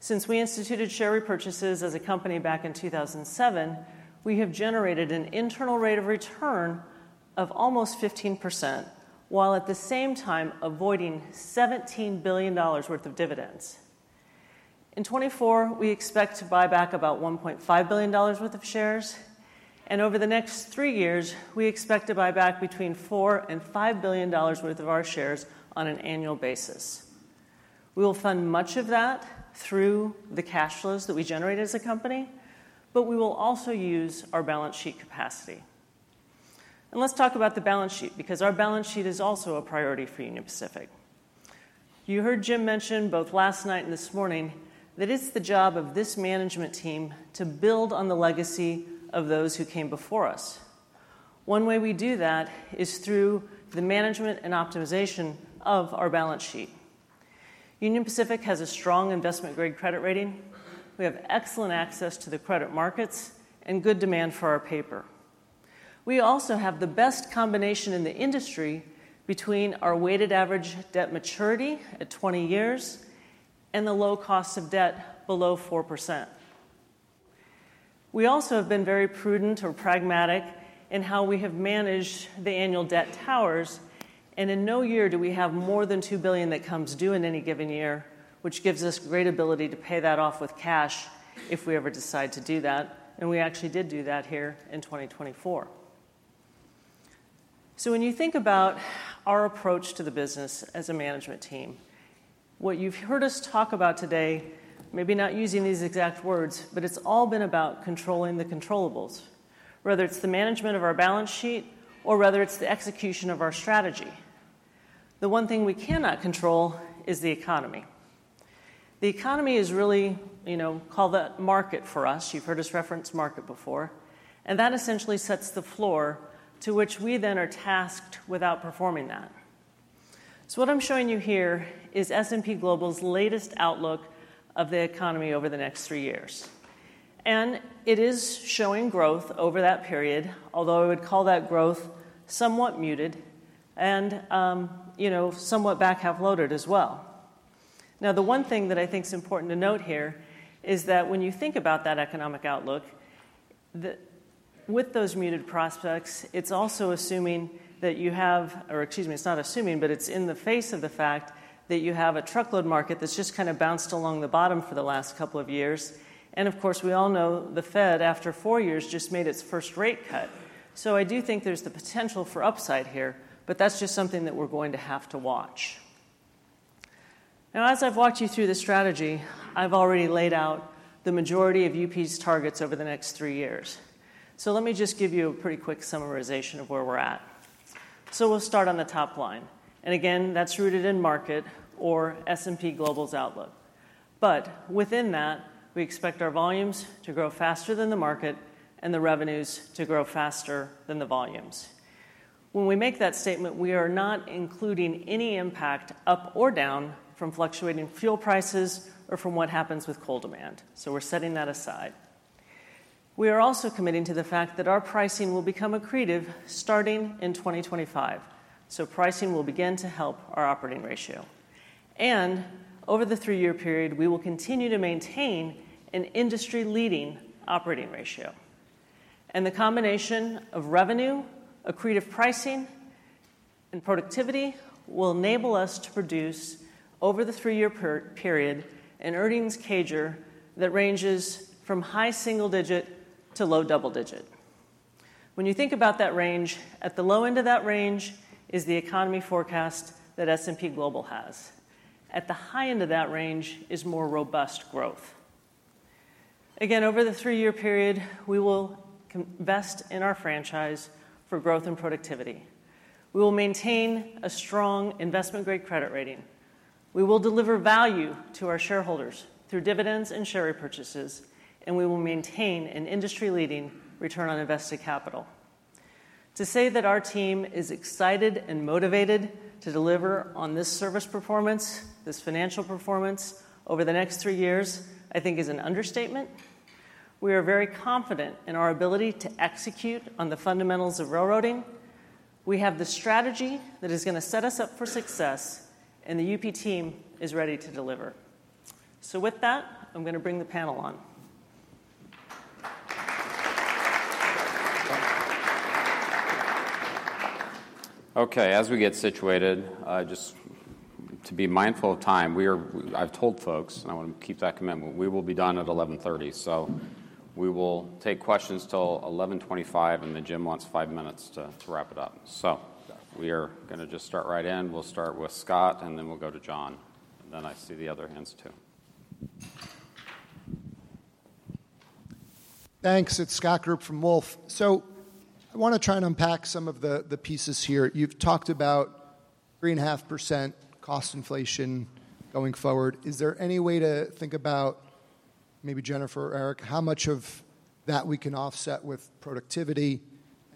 Since we instituted share repurchases as a company back in 2007, we have generated an internal rate of return of almost 15%, while at the same time avoiding $17 billion worth of dividends. In 2024, we expect to buy back about $1.5 billion worth of shares, and over the next three years, we expect to buy back between $4 and $5 billion worth of our shares on an annual basis. We will fund much of that through the cash flows that we generate as a company, but we will also use our balance sheet capacity. And let's talk about the balance sheet, because our balance sheet is also a priority for Union Pacific. You heard Jim mention, both last night and this morning, that it's the job of this management team to build on the legacy of those who came before us. One way we do that is through the management and optimization of our balance sheet. Union Pacific has a strong investment-grade credit rating. We have excellent access to the credit markets and good demand for our paper. We also have the best combination in the industry between our weighted average debt maturity at 20 years and the low cost of debt below 4%. We also have been very prudent or pragmatic in how we have managed the annual debt towers, and in no year do we have more than $2 billion that comes due in any given year, which gives us great ability to pay that off with cash if we ever decide to do that, and we actually did do that here in twenty twenty-four. So when you think about our approach to the business as a management team, what you've heard us talk about today, maybe not using these exact words, but it's all been about controlling the controllables, whether it's the management of our balance sheet or whether it's the execution of our strategy. The one thing we cannot control is the economy. The economy is really, you know, call that market for us. You've heard us reference market before, and that essentially sets the floor to which we then are tasked with outperforming that. So what I'm showing you here is S&P Global's latest outlook of the economy over the next three years, and it is showing growth over that period, although I would call that growth somewhat muted and, you know, somewhat back-half loaded as well. Now, the one thing that I think is important to note here is that when you think about that economic outlook, the, with those muted prospects, it's also assuming that you have, or excuse me, it's not assuming, but it's in the face of the fact that you have a truckload market that's just kind of bounced along the bottom for the last couple of years, and of course, we all know the Fed, after four years, just made its first rate cut. So I do think there's the potential for upside here, but that's just something that we're going to have to watch... Now, as I've walked you through the strategy, I've already laid out the majority of UP's targets over the next three years. So let me just give you a pretty quick summarization of where we're at. So we'll start on the top line, and again, that's rooted in market or S&P Global's outlook. But within that, we expect our volumes to grow faster than the market and the revenues to grow faster than the volumes. When we make that statement, we are not including any impact, up or down, from fluctuating fuel prices or from what happens with coal demand. So we're setting that aside. We are also committing to the fact that our pricing will become accretive starting in twenty twenty-five, so pricing will begin to help our operating ratio. And over the three-year period, we will continue to maintain an industry-leading operating ratio. And the combination of revenue, accretive pricing, and productivity will enable us to produce, over the three-year period, an earnings CAGR that ranges from high single digit to low double digit. When you think about that range, at the low end of that range is the economy forecast that S&P Global has. At the high end of that range is more robust growth. Again, over the three-year period, we will commit to invest in our franchise for growth and productivity. We will maintain a strong investment-grade credit rating. We will deliver value to our shareholders through dividends and share repurchases, and we will maintain an industry-leading return on invested capital. To say that our team is excited and motivated to deliver on this service performance, this financial performance, over the next three years, I think is an understatement. We are very confident in our ability to execute on the fundamentals of railroading. We have the strategy that is gonna set us up for success, and the UP team is ready to deliver. So with that, I'm gonna bring the panel on. Okay, as we get situated, just to be mindful of time, we are. I've told folks, and I wanna keep that commitment, we will be done at 11:30 A.M. So we will take questions till 11:25 A.M., and then Jim wants five minutes to wrap it up. So we are gonna just start right in. We'll start with Scott, and then we'll go to John, and then I see the other hands, too. Thanks. It's Scott Group from Wolfe. So I wanna try and unpack some of the pieces here. You've talked about 3.5% cost inflation going forward. Is there any way to think about, maybe Jennifer or Eric, how much of that we can offset with productivity?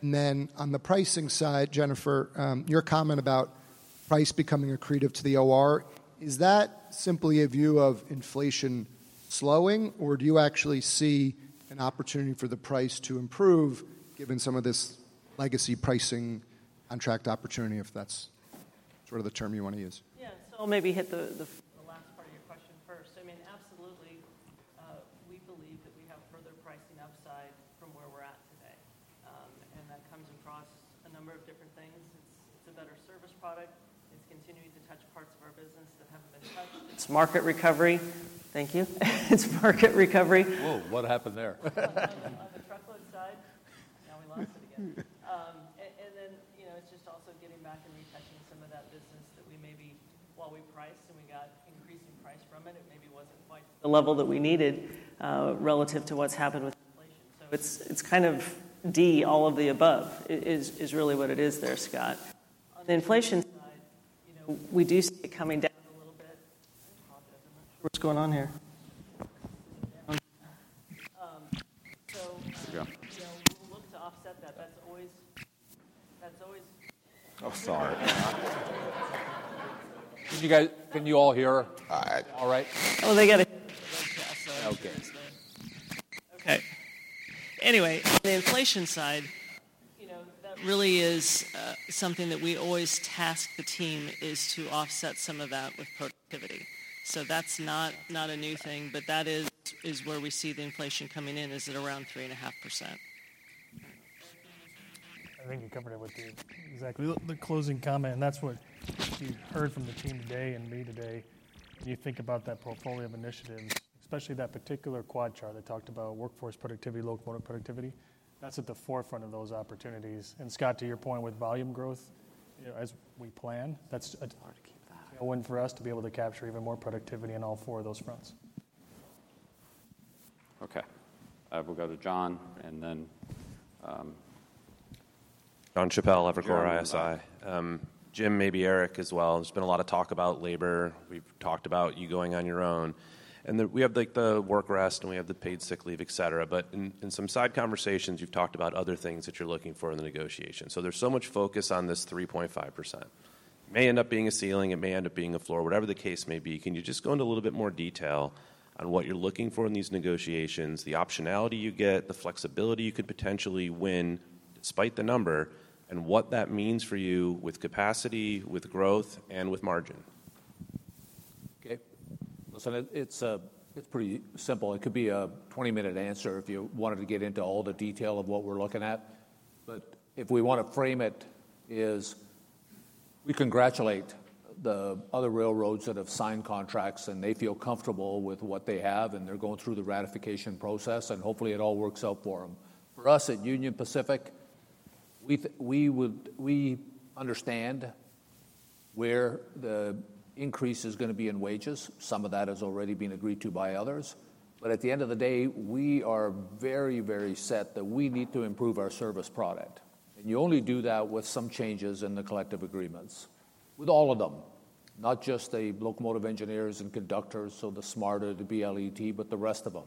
And then on the pricing side, Jennifer, your comment about price becoming accretive to the OR, is that simply a view of inflation slowing, or do you actually see an opportunity for the price to improve given some of this legacy pricing on tracked opportunity, if that's sort of the term you wanna use? Yeah. So I'll maybe hit the last part of your question first. I mean, absolutely, we believe that we have further pricing upside from where we're at today, and that comes across a number of different things. It's a better service product. It's continuing to touch parts of our business that haven't been touched. It's market recovery. Thank you. It's market recovery. Whoa! What happened there? On the truckload side. Now we lost it again. And then, you know, it's just also getting back and retouching some of that business that we maybe, while we priced and we got increasing price from it, it maybe wasn't quite the level that we needed, relative to what's happened with inflation. So it's kind of D, all of the above, really what it is there, Scott. On the inflation side, you know, we do see it coming down a little bit. I'm not sure what's going on here. So Yeah. You know, we'll look to offset that. That's always- Oh, sorry. Can you all hear her? All right. All right. They got it. Okay. Okay. Anyway, on the inflation side, you know, that really is something that we always task the team is to offset some of that with productivity. So that's not a new thing, but that is where we see the inflation coming in, is at around 3.5%. I think you covered it with the exactly. The closing comment, and that's what you heard from the team today and me today. When you think about that portfolio of initiatives, especially that particular quad chart that talked about workforce productivity, locomotive productivity, that's at the forefront of those opportunities. And, Scott, to your point with volume growth, you know, as we plan, that's- It's hard to keep that.... a win for us to be able to capture even more productivity in all four of those fronts. Okay. We'll go to John, and then. Jon Chappell, Evercore ISI. John, uh- Jim, maybe Eric as well, there's been a lot of talk about labor. We've talked about you going on your own, and we have, like, the work rest, and we have the paid sick leave, et cetera. But in some side conversations, you've talked about other things that you're looking for in the negotiation. So there's so much focus on this 3.5%. May end up being a ceiling, it may end up being a floor, whatever the case may be. Can you just go into a little bit more detail on what you're looking for in these negotiations, the optionality you get, the flexibility you could potentially win despite the number, and what that means for you with capacity, with growth, and with margin? Okay. Listen, it's pretty simple. It could be a 20-minute answer if you wanted to get into all the detail of what we're looking at. But if we wanna frame it, is we congratulate the other railroads that have signed contracts, and they feel comfortable with what they have, and they're going through the ratification process, and hopefully, it all works out for them. For us at Union Pacific- ... We would, we understand where the increase is going to be in wages. Some of that has already been agreed to by others. But at the end of the day, we are very, very set that we need to improve our service product, and you only do that with some changes in the collective agreements. With all of them, not just the locomotive engineers and conductors, so the SMART, the BLET, but the rest of them.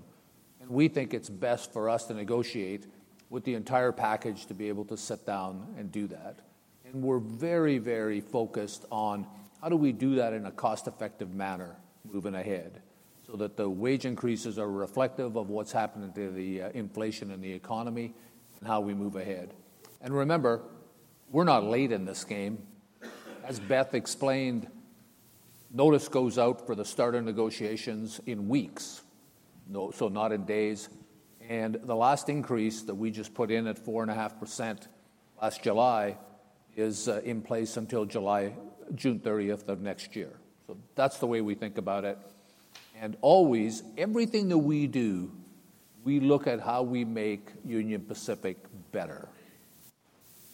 And we think it's best for us to negotiate with the entire package to be able to sit down and do that. And we're very, very focused on how do we do that in a cost-effective manner moving ahead, so that the wage increases are reflective of what's happening to the, inflation and the economy and how we move ahead. And remember, we're not late in this game. As Beth explained, notice goes out for the start of negotiations in weeks, no, so not in days. And the last increase that we just put in at 4.5% last July is in place until July, June thirtieth of next year. So that's the way we think about it. And always, everything that we do, we look at how we make Union Pacific better.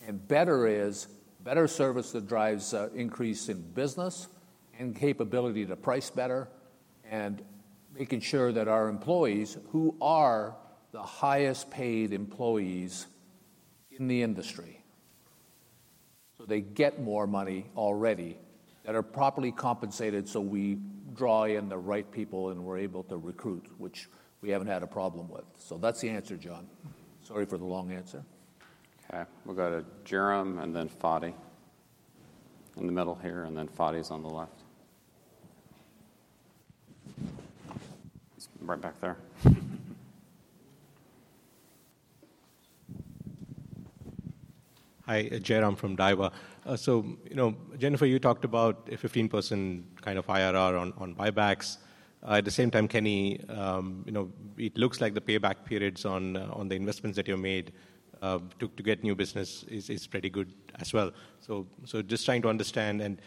And better is better service that drives increase in business and capability to price better, and making sure that our employees, who are the highest-paid employees in the industry, so they get more money already, that are properly compensated, so we draw in the right people and we're able to recruit, which we haven't had a problem with. So that's the answer, John. Sorry for the long answer. Okay, we'll go to Jairam and then Fadi. In the middle here, and then Fadi's on the left. He's right back there. Hi, Jairam from Daiwa. So, you know, Jennifer, you talked about a 15% kind of IRR on buybacks. At the same time, Kenny, you know, it looks like the payback periods on the investments that you made to get new business is pretty good as well. So just trying to understand, and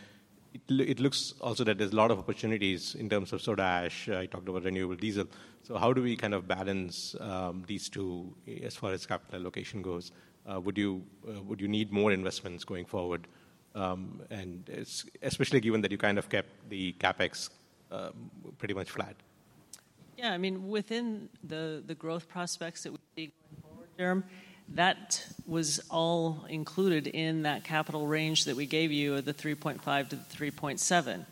it looks also that there's a lot of opportunities in terms of soda ash. You talked about renewable diesel. So how do we kind of balance these two as far as capital allocation goes? Would you need more investments going forward, and especially given that you kind of kept the CapEx pretty much flat? Yeah, I mean, within the growth prospects that we see going forward, Jairam, that was all included in that capital range that we gave you of $3.5 billion-$3.7 billion.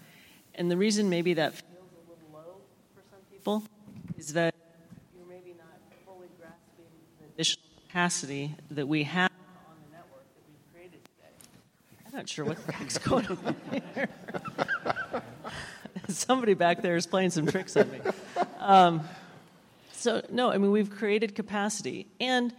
And the reason maybe that feels a little low for some people is that you're maybe not fully grasping the additional capacity that we have on the network that we've created today. I'm not sure what the heck is going on here. Somebody back there is playing some tricks on me. So no, I mean, we've created capacity, and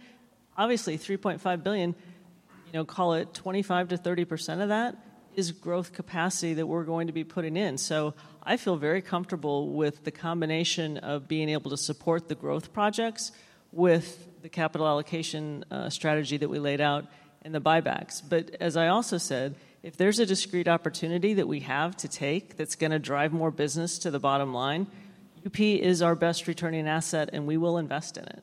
obviously, $3.5 billion, you know, call it 25%-30% of that is growth capacity that we're going to be putting in. So I feel very comfortable with the combination of being able to support the growth projects with the capital allocation strategy that we laid out in the buybacks. But as I also said, if there's a discrete opportunity that we have to take that's gonna drive more business to the bottom line, UP is our best returning asset, and we will invest in it.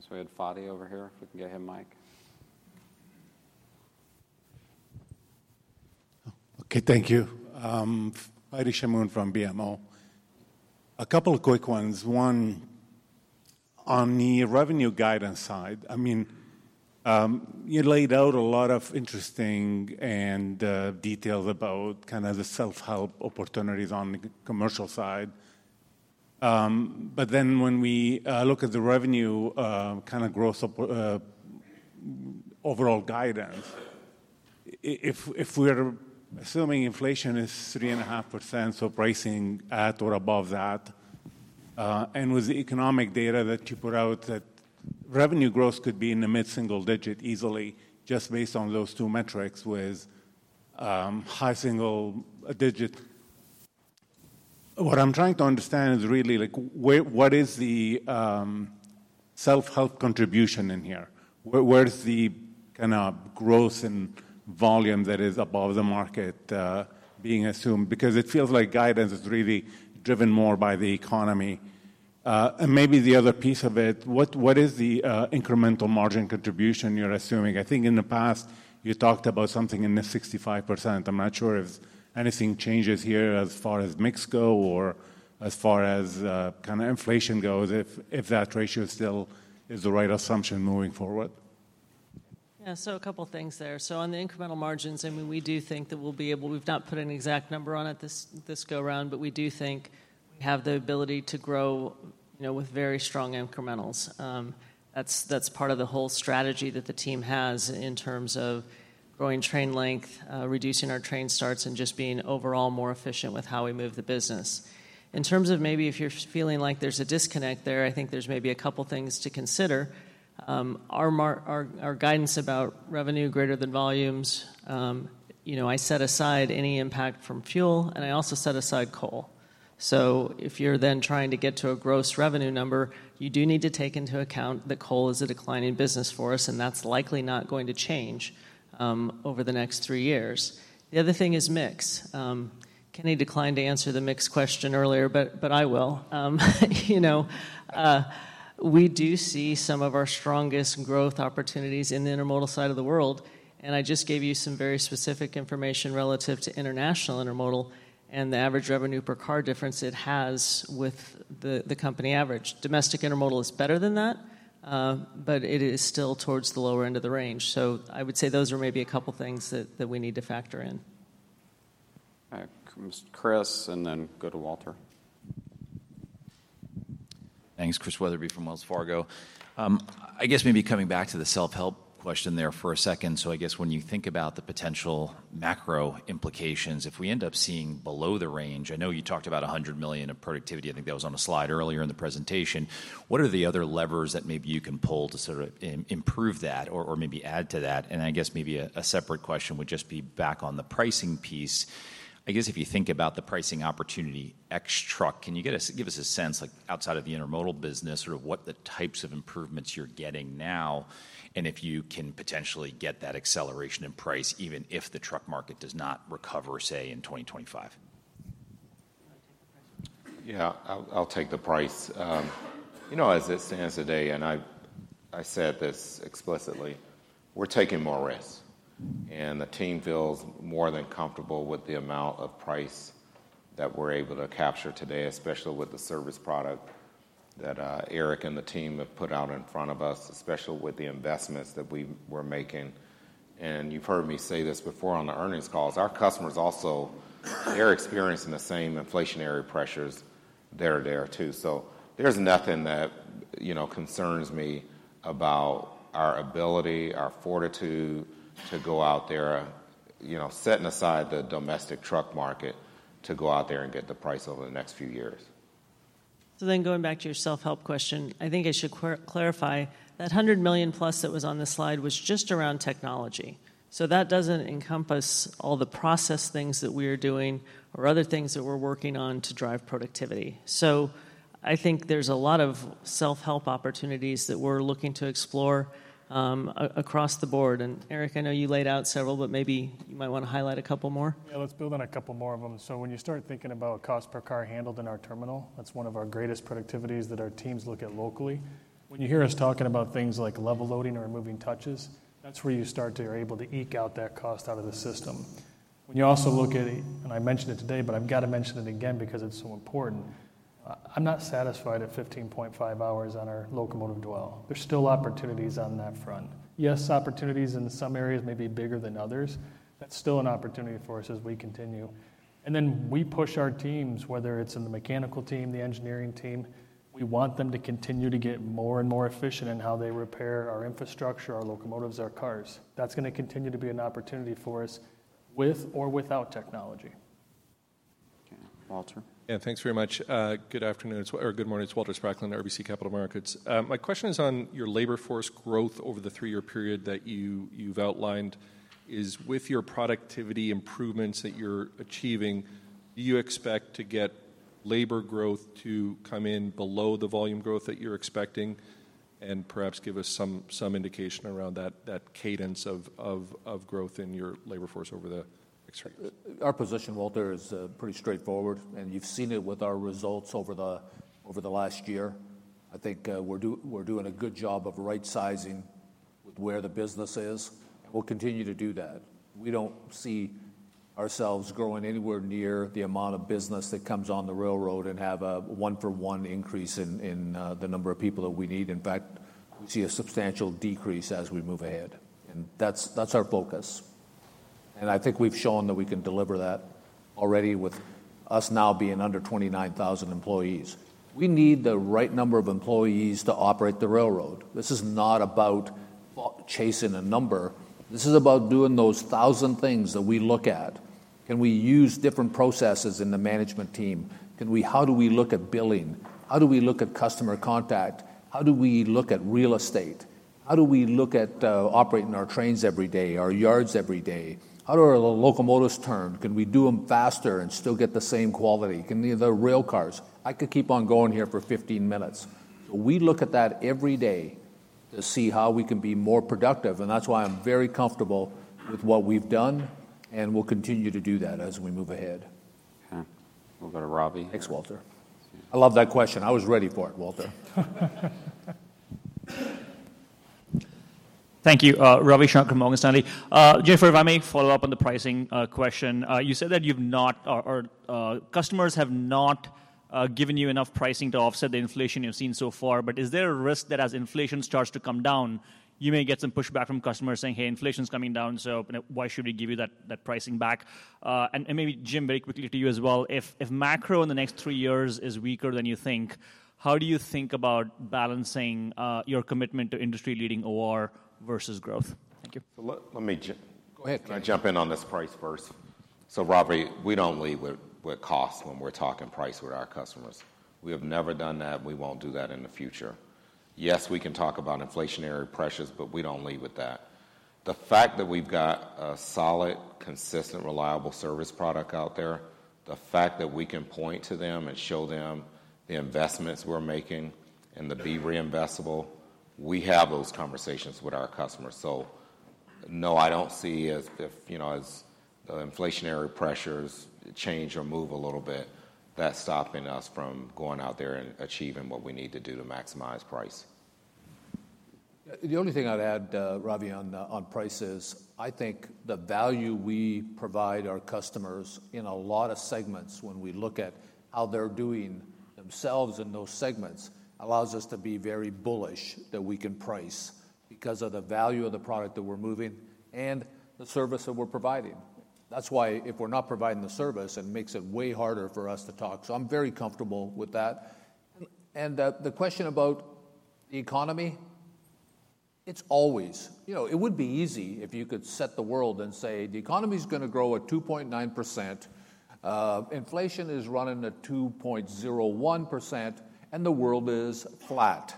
So we had Fadi over here, if we can get him mic. Oh, okay. Thank you. Fadi Chamoun from BMO. A couple of quick ones. One, on the revenue guidance side, I mean, you laid out a lot of interesting and details about kind of the self-help opportunities on the commercial side. But then when we look at the revenue kind of growth overall guidance, if, if we're assuming inflation is 3.5%, so pricing at or above that, and with the economic data that you put out, that revenue growth could be in the mid-single digit easily, just based on those two metrics with high single digit. What I'm trying to understand is really like, where, what is the self-help contribution in here? Where, where is the kind of growth in volume that is above the market being assumed? Because it feels like guidance is really driven more by the economy, and maybe the other piece of it, what is the incremental margin contribution you're assuming? I think in the past, you talked about something in the 65%. I'm not sure if anything changes here as far as mix goes or as far as kind of inflation goes, if that ratio still is the right assumption moving forward. Yeah, so a couple of things there. So on the incremental margins, I mean, we do think that we'll be able-- we've not put an exact number on it this go around, but we do think we have the ability to grow, you know, with very strong incrementals. That's part of the whole strategy that the team has in terms of growing train length, reducing our train starts, and just being overall more efficient with how we move the business. In terms of maybe if you're feeling like there's a disconnect there, I think there's maybe a couple things to consider. Our guidance about revenue greater than volumes, you know, I set aside any impact from fuel, and I also set aside coal. So if you're then trying to get to a gross revenue number, you do need to take into account that coal is a declining business for us, and that's likely not going to change over the next three years. The other thing is mix. Kenny declined to answer the mixed question earlier, but I will. You know, we do see some of our strongest growth opportunities in the intermodal side of the world, and I just gave you some very specific information relative to international intermodal and the average revenue per car difference it has with the company average. Domestic intermodal is better than that, but it is still towards the lower end of the range. So I would say those are maybe a couple things that we need to factor in. All right, Chris, and then go to Walter. Thanks. Chris Wetherbee from Wells Fargo. I guess maybe coming back to the self-help question there for a second. So I guess when you think about the potential macro implications, if we end up seeing below the range, I know you talked about $100 million of productivity. I think that was on a slide earlier in the presentation. What are the other levers that maybe you can pull to sort of improve that or maybe add to that? And I guess maybe a separate question would just be back on the pricing piece. I guess if you think about the pricing opportunity ex truck, can you give us a sense, like outside of the intermodal business, sort of what the types of improvements you're getting now, and if you can potentially get that acceleration in price, even if the truck market does not recover, say, in twenty twenty-five? Yeah, I'll, I'll take the price. You know, as it stands today, and I've, I said this explicitly, we're taking more risks, and the team feels more than comfortable with the amount of price that we're able to capture today, especially with the service product that, Eric and the team have put out in front of us, especially with the investments that we were making, and you've heard me say this before on the earnings calls, our customers also, they're experiencing the same inflationary pressures they're there, too, so there's nothing that, you know, concerns me about our ability, our fortitude to go out there, you know, setting aside the domestic truck market, to go out there and get the price over the next few years. So then going back to your self-help question, I think I should clarify. That $100 million plus that was on the slide was just around technology. So that doesn't encompass all the process things that we are doing or other things that we're working on to drive productivity. So I think there's a lot of self-help opportunities that we're looking to explore across the board. And Eric, I know you laid out several, but maybe you might want to highlight a couple more. Yeah, let's build on a couple more of them. So when you start thinking about cost per car handled in our terminal, that's one of our greatest productivities that our teams look at locally. When you hear us talking about things like level loading or removing touches, that's where you start to... you're able to eke out that cost out of the system. When you also look at, and I mentioned it today, but I've got to mention it again because it's so important. I'm not satisfied at fifteen point five hours on our locomotive dwell. There's still opportunities on that front. Yes, opportunities in some areas may be bigger than others. That's still an opportunity for us as we continue. And then we push our teams, whether it's in the team, the engineering team, we want them to continue to get more and more efficient in how they repair our infrastructure, our locomotives, our cars. That's gonna continue to be an opportunity for us with or without technology. Walter? Yeah, thanks very much. Good afternoon, or good morning. It's Walter Spracklen, RBC Capital Markets. My question is on your labor force growth over the three-year period that you've outlined. With your productivity improvements that you're achieving, do you expect to get labor growth to come in below the volume growth that you're expecting? And perhaps give us some indication around that cadence of growth in your labor force over the next few years. Our position, Walter, is pretty straightforward, and you've seen it with our results over the last year. I think we're doing a good job of right-sizing with where the business is, and we'll continue to do that. We don't see ourselves growing anywhere near the amount of business that comes on the railroad and have a one-for-one increase in the number of people that we need. In fact, we see a substantial decrease as we move ahead, and that's our focus. I think we've shown that we can deliver that already with us now being under twenty-nine thousand employees. We need the right number of employees to operate the railroad. This is not about chasing a number. This is about doing those thousand things that we look at. Can we use different processes in the management team? Can we? How do we look at billing? How do we look at customer contact? How do we look at real estate? How do we look at operating our trains every day, our yards every day? How do our locomotives turn? Can we do them faster and still get the same quality? Can the rail cars? I could keep on going here for fifteen minutes. We look at that every day to see how we can be more productive, and that's why I'm very comfortable with what we've done, and we'll continue to do that as we move ahead. We'll go to Ravi. Thanks, Walter. I love that question. I was ready for it, Walter. Thank you. Ravi Shanker from Morgan Stanley. Jennifer, if I may follow up on the pricing question. You said that customers have not given you enough pricing to offset the inflation you've seen so far, but is there a risk that as inflation starts to come down, you may get some pushback from customers saying, "Hey, inflation's coming down, so why should we give you that pricing back?" and maybe Jim, very quickly to you as well, if macro in the next three years is weaker than you think, how do you think about balancing your commitment to industry-leading OR versus growth? Thank you. So let me j- Go ahead, Kenny. Can I jump in on this price first? So, Ravi, we don't lead with cost when we're talking price with our customers. We have never done that, and we won't do that in the future. Yes, we can talk about inflationary pressures, but we don't lead with that. The fact that we've got a solid, consistent, reliable service product out there, the fact that we can point to them and show them the investments we're making and thereby reinvestable, we have those conversations with our customers. So-... No, I don't see as if, you know, as the inflationary pressures change or move a little bit, that's stopping us from going out there and achieving what we need to do to maximize price. The only thing I'd add, Ravi, on price is, I think the value we provide our customers in a lot of segments when we look at how they're doing themselves in those segments, allows us to be very bullish that we can price because of the value of the product that we're moving and the service that we're providing. That's why if we're not providing the service, it makes it way harder for us to talk, so I'm very comfortable with that. And the question about the economy, it's always you know, it would be easy if you could set the world and say, "The economy's gonna grow at 2.9%, inflation is running at 2.01%, and the world is flat."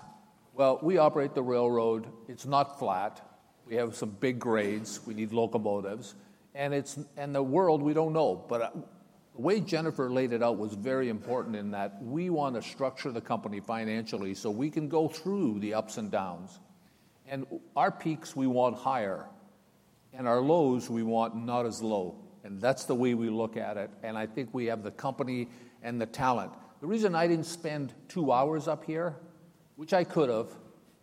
Well, we operate the railroad, it's not flat. We have some big grades, we need locomotives, and the world, we don't know, but the way Jennifer laid it out was very important in that we wanna structure the company financially so we can go through the ups and downs, and our peaks, we want higher, and our lows, we want not as low, and that's the way we look at it, and I think we have the company and the talent. The reason I didn't spend two hours up here, which I could have,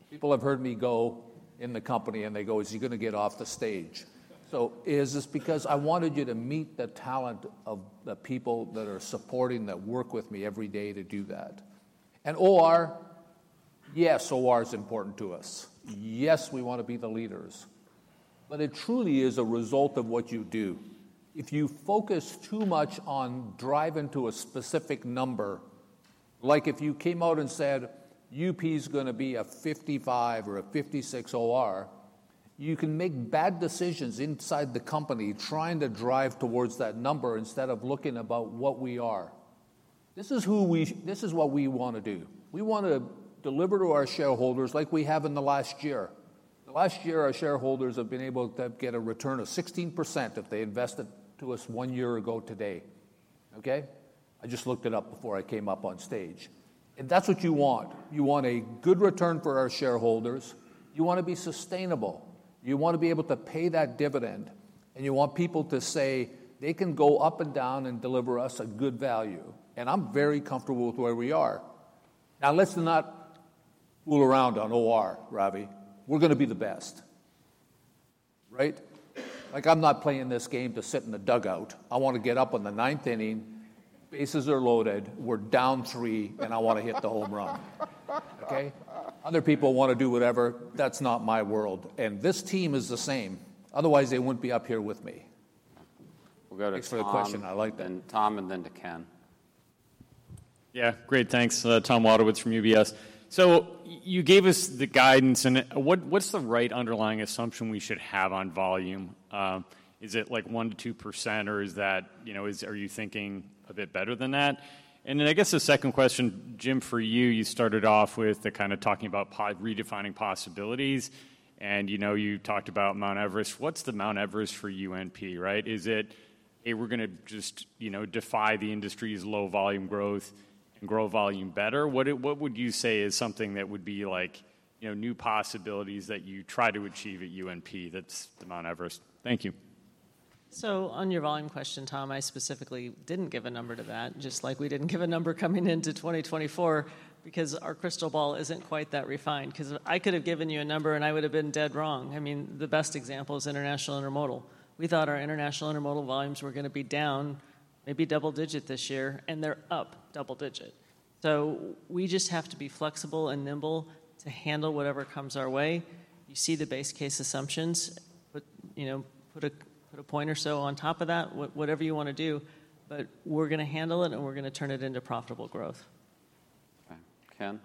people have heard me go in the company, and they go, "Is he gonna get off the stage?" So it's because I wanted you to meet the talent of the people that are supporting, that work with me every day to do that, and OR, yes, OR is important to us. Yes, we wanna be the leaders, but it truly is a result of what you do. If you focus too much on driving to a specific number, like if you came out and said, "UP's gonna be a fifty-five or a fifty-six OR," you can make bad decisions inside the company trying to drive towards that number instead of looking about what we are. This is what we wanna do. We wanna deliver to our shareholders like we have in the last year. The last year, our shareholders have been able to get a return of 16% if they invested to us one year ago today, okay? I just looked it up before I came up on stage, and that's what you want. You want a good return for our shareholders. You wanna be sustainable. You wanna be able to pay that dividend, and you want people to say, "They can go up and down and deliver us a good value," and I'm very comfortable with where we are. Now, let's not fool around on OR, Ravi. We're gonna be the best, right? Like, I'm not playing this game to sit in the dugout. I want to get up in the ninth inning, bases are loaded, we're down three and I want to hit the home run, okay? Other people wanna do whatever, that's not my world, and this team is the same, otherwise they wouldn't be up here with me. We'll go to Tom- Thanks for the question. I like that. Then Tom, and then to Ken. Yeah, great, thanks. Tom Wadewitz from UBS. So you gave us the guidance, and what, what's the right underlying assumption we should have on volume? Is it, like, 1%-2%, or is that, you know, are you thinking a bit better than that? And then I guess the second question, Jim, for you, you started off with the kind of talking about redefining possibilities, and, you know, you talked about Mount Everest. What's the Mount Everest for UNP, right? Is it, "Hey, we're gonna just, you know, defy the industry's low volume growth and grow volume better?" What would you say is something that would be like, you know, new possibilities that you try to achieve at UNP that's the Mount Everest? Thank you. So on your volume question, Tom, I specifically didn't give a number to that, just like we didn't give a number coming into 2024, because our crystal ball isn't quite that refined. 'Cause I could have given you a number, and I would have been dead wrong. I mean, the best example is international intermodal. We thought our international intermodal volumes were gonna be down, maybe double digit this year, and they're up double digit. So we just have to be flexible and nimble to handle whatever comes our way. You see the base case assumptions, but, you know, put a point or so on top of that, whatever you wanna do, but we're gonna handle it, and we're gonna turn it into profitable growth. Okay. Ken?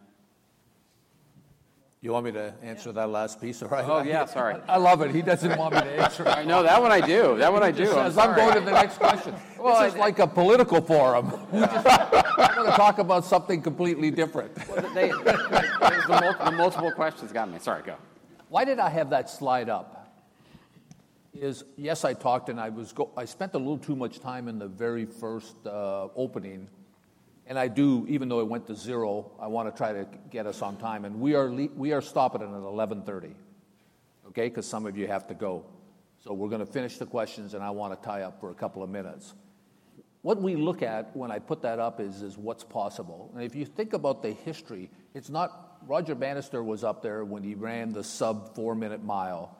You want me to answer that last piece or? Oh, yeah, sorry. I love it. He doesn't want me to answer. I know. That one I do. That one I do. He says, "I'm going to the next question. Well- This is like a political forum. I'm gonna talk about something completely different. Today, the multiple questions got me. Sorry, go. Why did I have that slide up? Yes, I talked, and I spent a little too much time in the very first opening, and even though it went to zero, I wanna try to get us on time, and we are stopping at 11:30 A.M., okay? 'Cause some of you have to go. So we're gonna finish the questions, and I wanna tie up for a couple of minutes. What we look at when I put that up is what's possible. And if you think about the history, Roger Bannister was up there when he ran the sub four-minute mile,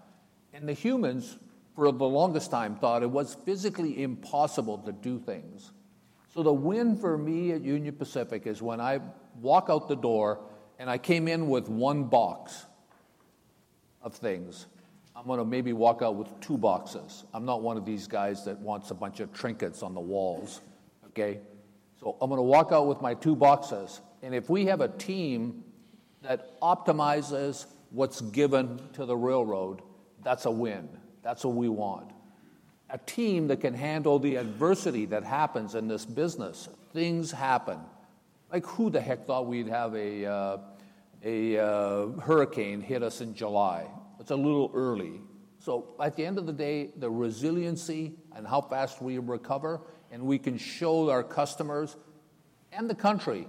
and the humans, for the longest time, thought it was physically impossible to do things. So the win for me at Union Pacific is when I walk out the door, and I came in with one box of things, I'm gonna maybe walk out with two boxes. I'm not one of these guys that wants a bunch of trinkets on the walls, okay? So I'm gonna walk out with my two boxes, and if we have a team that optimizes what's given to the railroad, that's a win. That's what we want. A team that can handle the adversity that happens in this business. Things happen. Like, who the heck thought we'd have a hurricane hit us in July? It's a little early. So at the end of the day, the resiliency and how fast we recover, and we can show our customers-... and the country,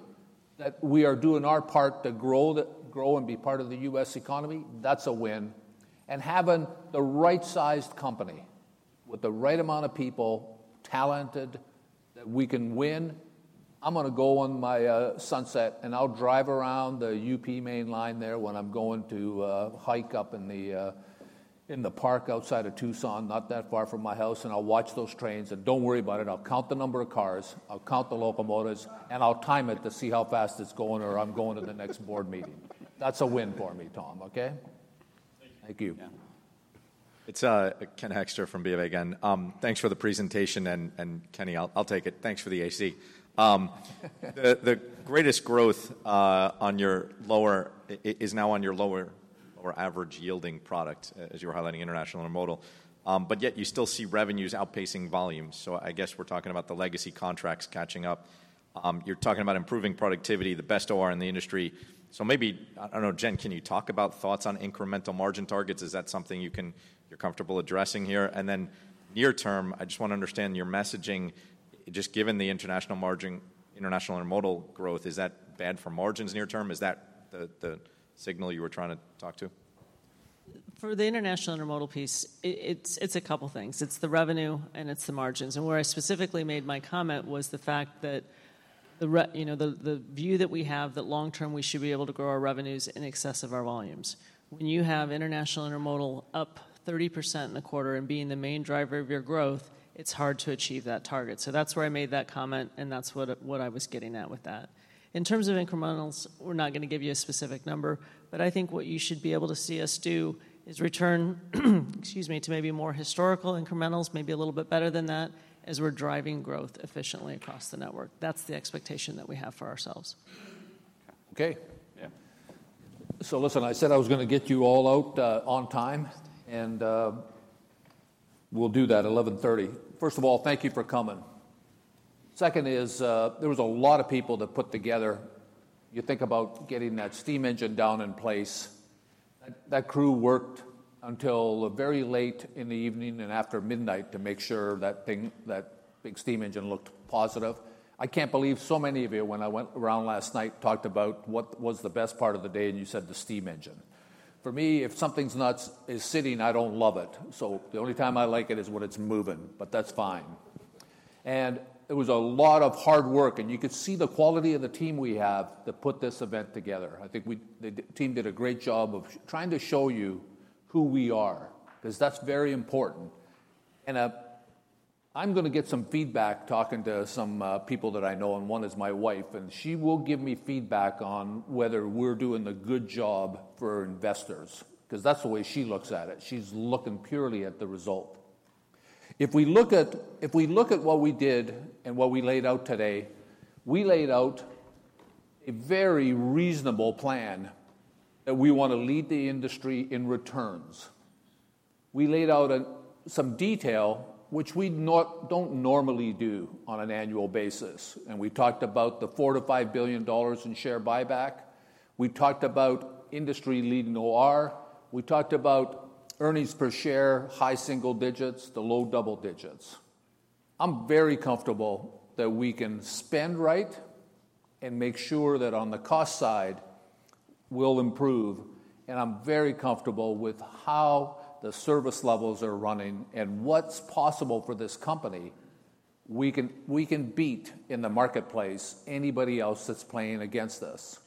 that we are doing our part to grow and be part of the U.S. economy, that's a win. And having the right-sized company, with the right amount of people, talented, that we can win. I'm gonna go on my sunset, and I'll drive around the UP main line there when I'm going to hike up in the park outside of Tucson, not that far from my house, and I'll watch those trains. And don't worry about it, I'll count the number of cars, I'll count the locomotives, and I'll time it to see how fast it's going or I'm going to the next board meeting. That's a win for me, Tom. Okay? Thank you. Yeah. It's Ken Hoexter from BofA again. Thanks for the presentation, and Kenny, I'll take it. Thanks for the AC. The greatest growth on your lower is now on your lower or average yielding product, as you were highlighting international intermodal. But yet you still see revenues outpacing volumes, so I guess we're talking about the legacy contracts catching up. You're talking about improving productivity, the best OR in the industry. So maybe, I don't know, Jen, can you talk about thoughts on incremental margin targets? Is that something you can you're comfortable addressing here? And then near term, I just wanna understand your messaging, just given the international margin, international intermodal growth, is that bad for margins near term? Is that the signal you were trying to talk to? For the international intermodal piece, it's a couple things. It's the revenue, and it's the margins. Where I specifically made my comment was the fact that you know, the view that we have, that long term, we should be able to grow our revenues in excess of our volumes. When you have international intermodal up 30% in a quarter and being the main driver of your growth, it's hard to achieve that target. That's where I made that comment, and that's what I was getting at with that. In terms of incrementals, we're not gonna give you a specific number, but I think what you should be able to see us do is return, excuse me, to maybe more historical incrementals, maybe a little bit better than that, as we're driving growth efficiently across the network. That's the expectation that we have for ourselves. Okay. Yeah. So listen, I said I was gonna get you all out on time, and we'll do that, 11:30 P.M. First of all, thank you for coming. Second is, there was a lot of people that put together. You think about getting that steam engine down in place. That, that crew worked until very late in the evening and after midnight to make sure that thing, that big steam engine, looked positive. I can't believe so many of you, when I went around last night, talked about what was the best part of the day, and you said the steam engine. For me, if something's not sitting, I don't love it, so the only time I like it is when it's moving, but that's fine. It was a lot of hard work, and you could see the quality of the team we have that put this event together. I think we, the team did a great job of trying to show you who we are, 'cause that's very important. I'm gonna get some feedback talking to some people that I know, and one is my wife, and she will give me feedback on whether we're doing a good job for investors, 'cause that's the way she looks at it. She's looking purely at the result. If we look at what we did and what we laid out today, we laid out a very reasonable plan that we wanna lead the industry in returns. We laid out some detail, which we don't normally do on an annual basis, and we talked about the $4 billion-$5 billion in share buyback, we talked about industry-leading OR, we talked about earnings per share, high single digits to low double digits. I'm very comfortable that we can spend right and make sure that on the cost side, we'll improve, and I'm very comfortable with how the service levels are running and what's possible for this company. We can beat in the marketplace anybody else that's playing against us.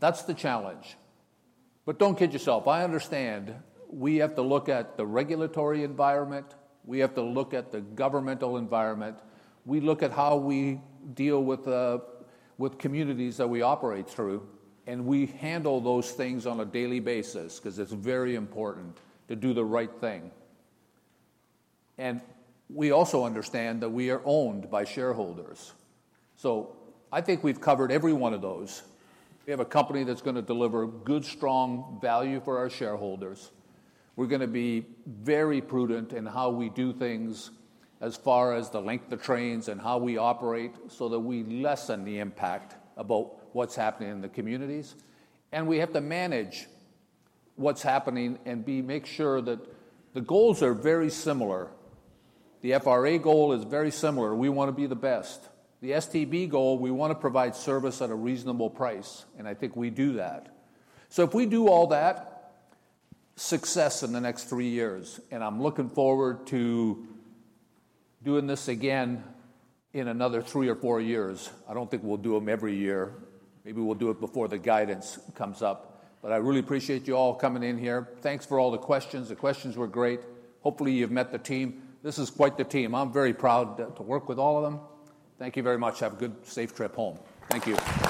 That's the challenge. Don't kid yourself. I understand we have to look at the regulatory environment. We have to look at the governmental environment. We look at how we deal with the, with communities that we operate through. And we handle those things on a daily basis, 'cause it's very important to do the right thing. We also understand that we are owned by shareholders. I think we've covered every one of those. We have a company that's gonna deliver good, strong value for our shareholders. We're gonna be very prudent in how we do things, as far as the length of trains and how we operate, so that we lessen the impact about what's happening in the communities. We have to manage what's happening and make sure that the goals are very similar. The FRA goal is very similar. We wanna be the best. The STB goal, we wanna provide service at a reasonable price, and I think we do that. So if we do all that, success in the next three years, and I'm looking forward to doing this again in another three or four years. I don't think we'll do them every year. Maybe we'll do it before the guidance comes up. But I really appreciate you all coming in here. Thanks for all the questions. The questions were great. Hopefully, you've met the team. This is quite the team. I'm very proud to work with all of them. Thank you very much. Have a good, safe trip home. Thank you.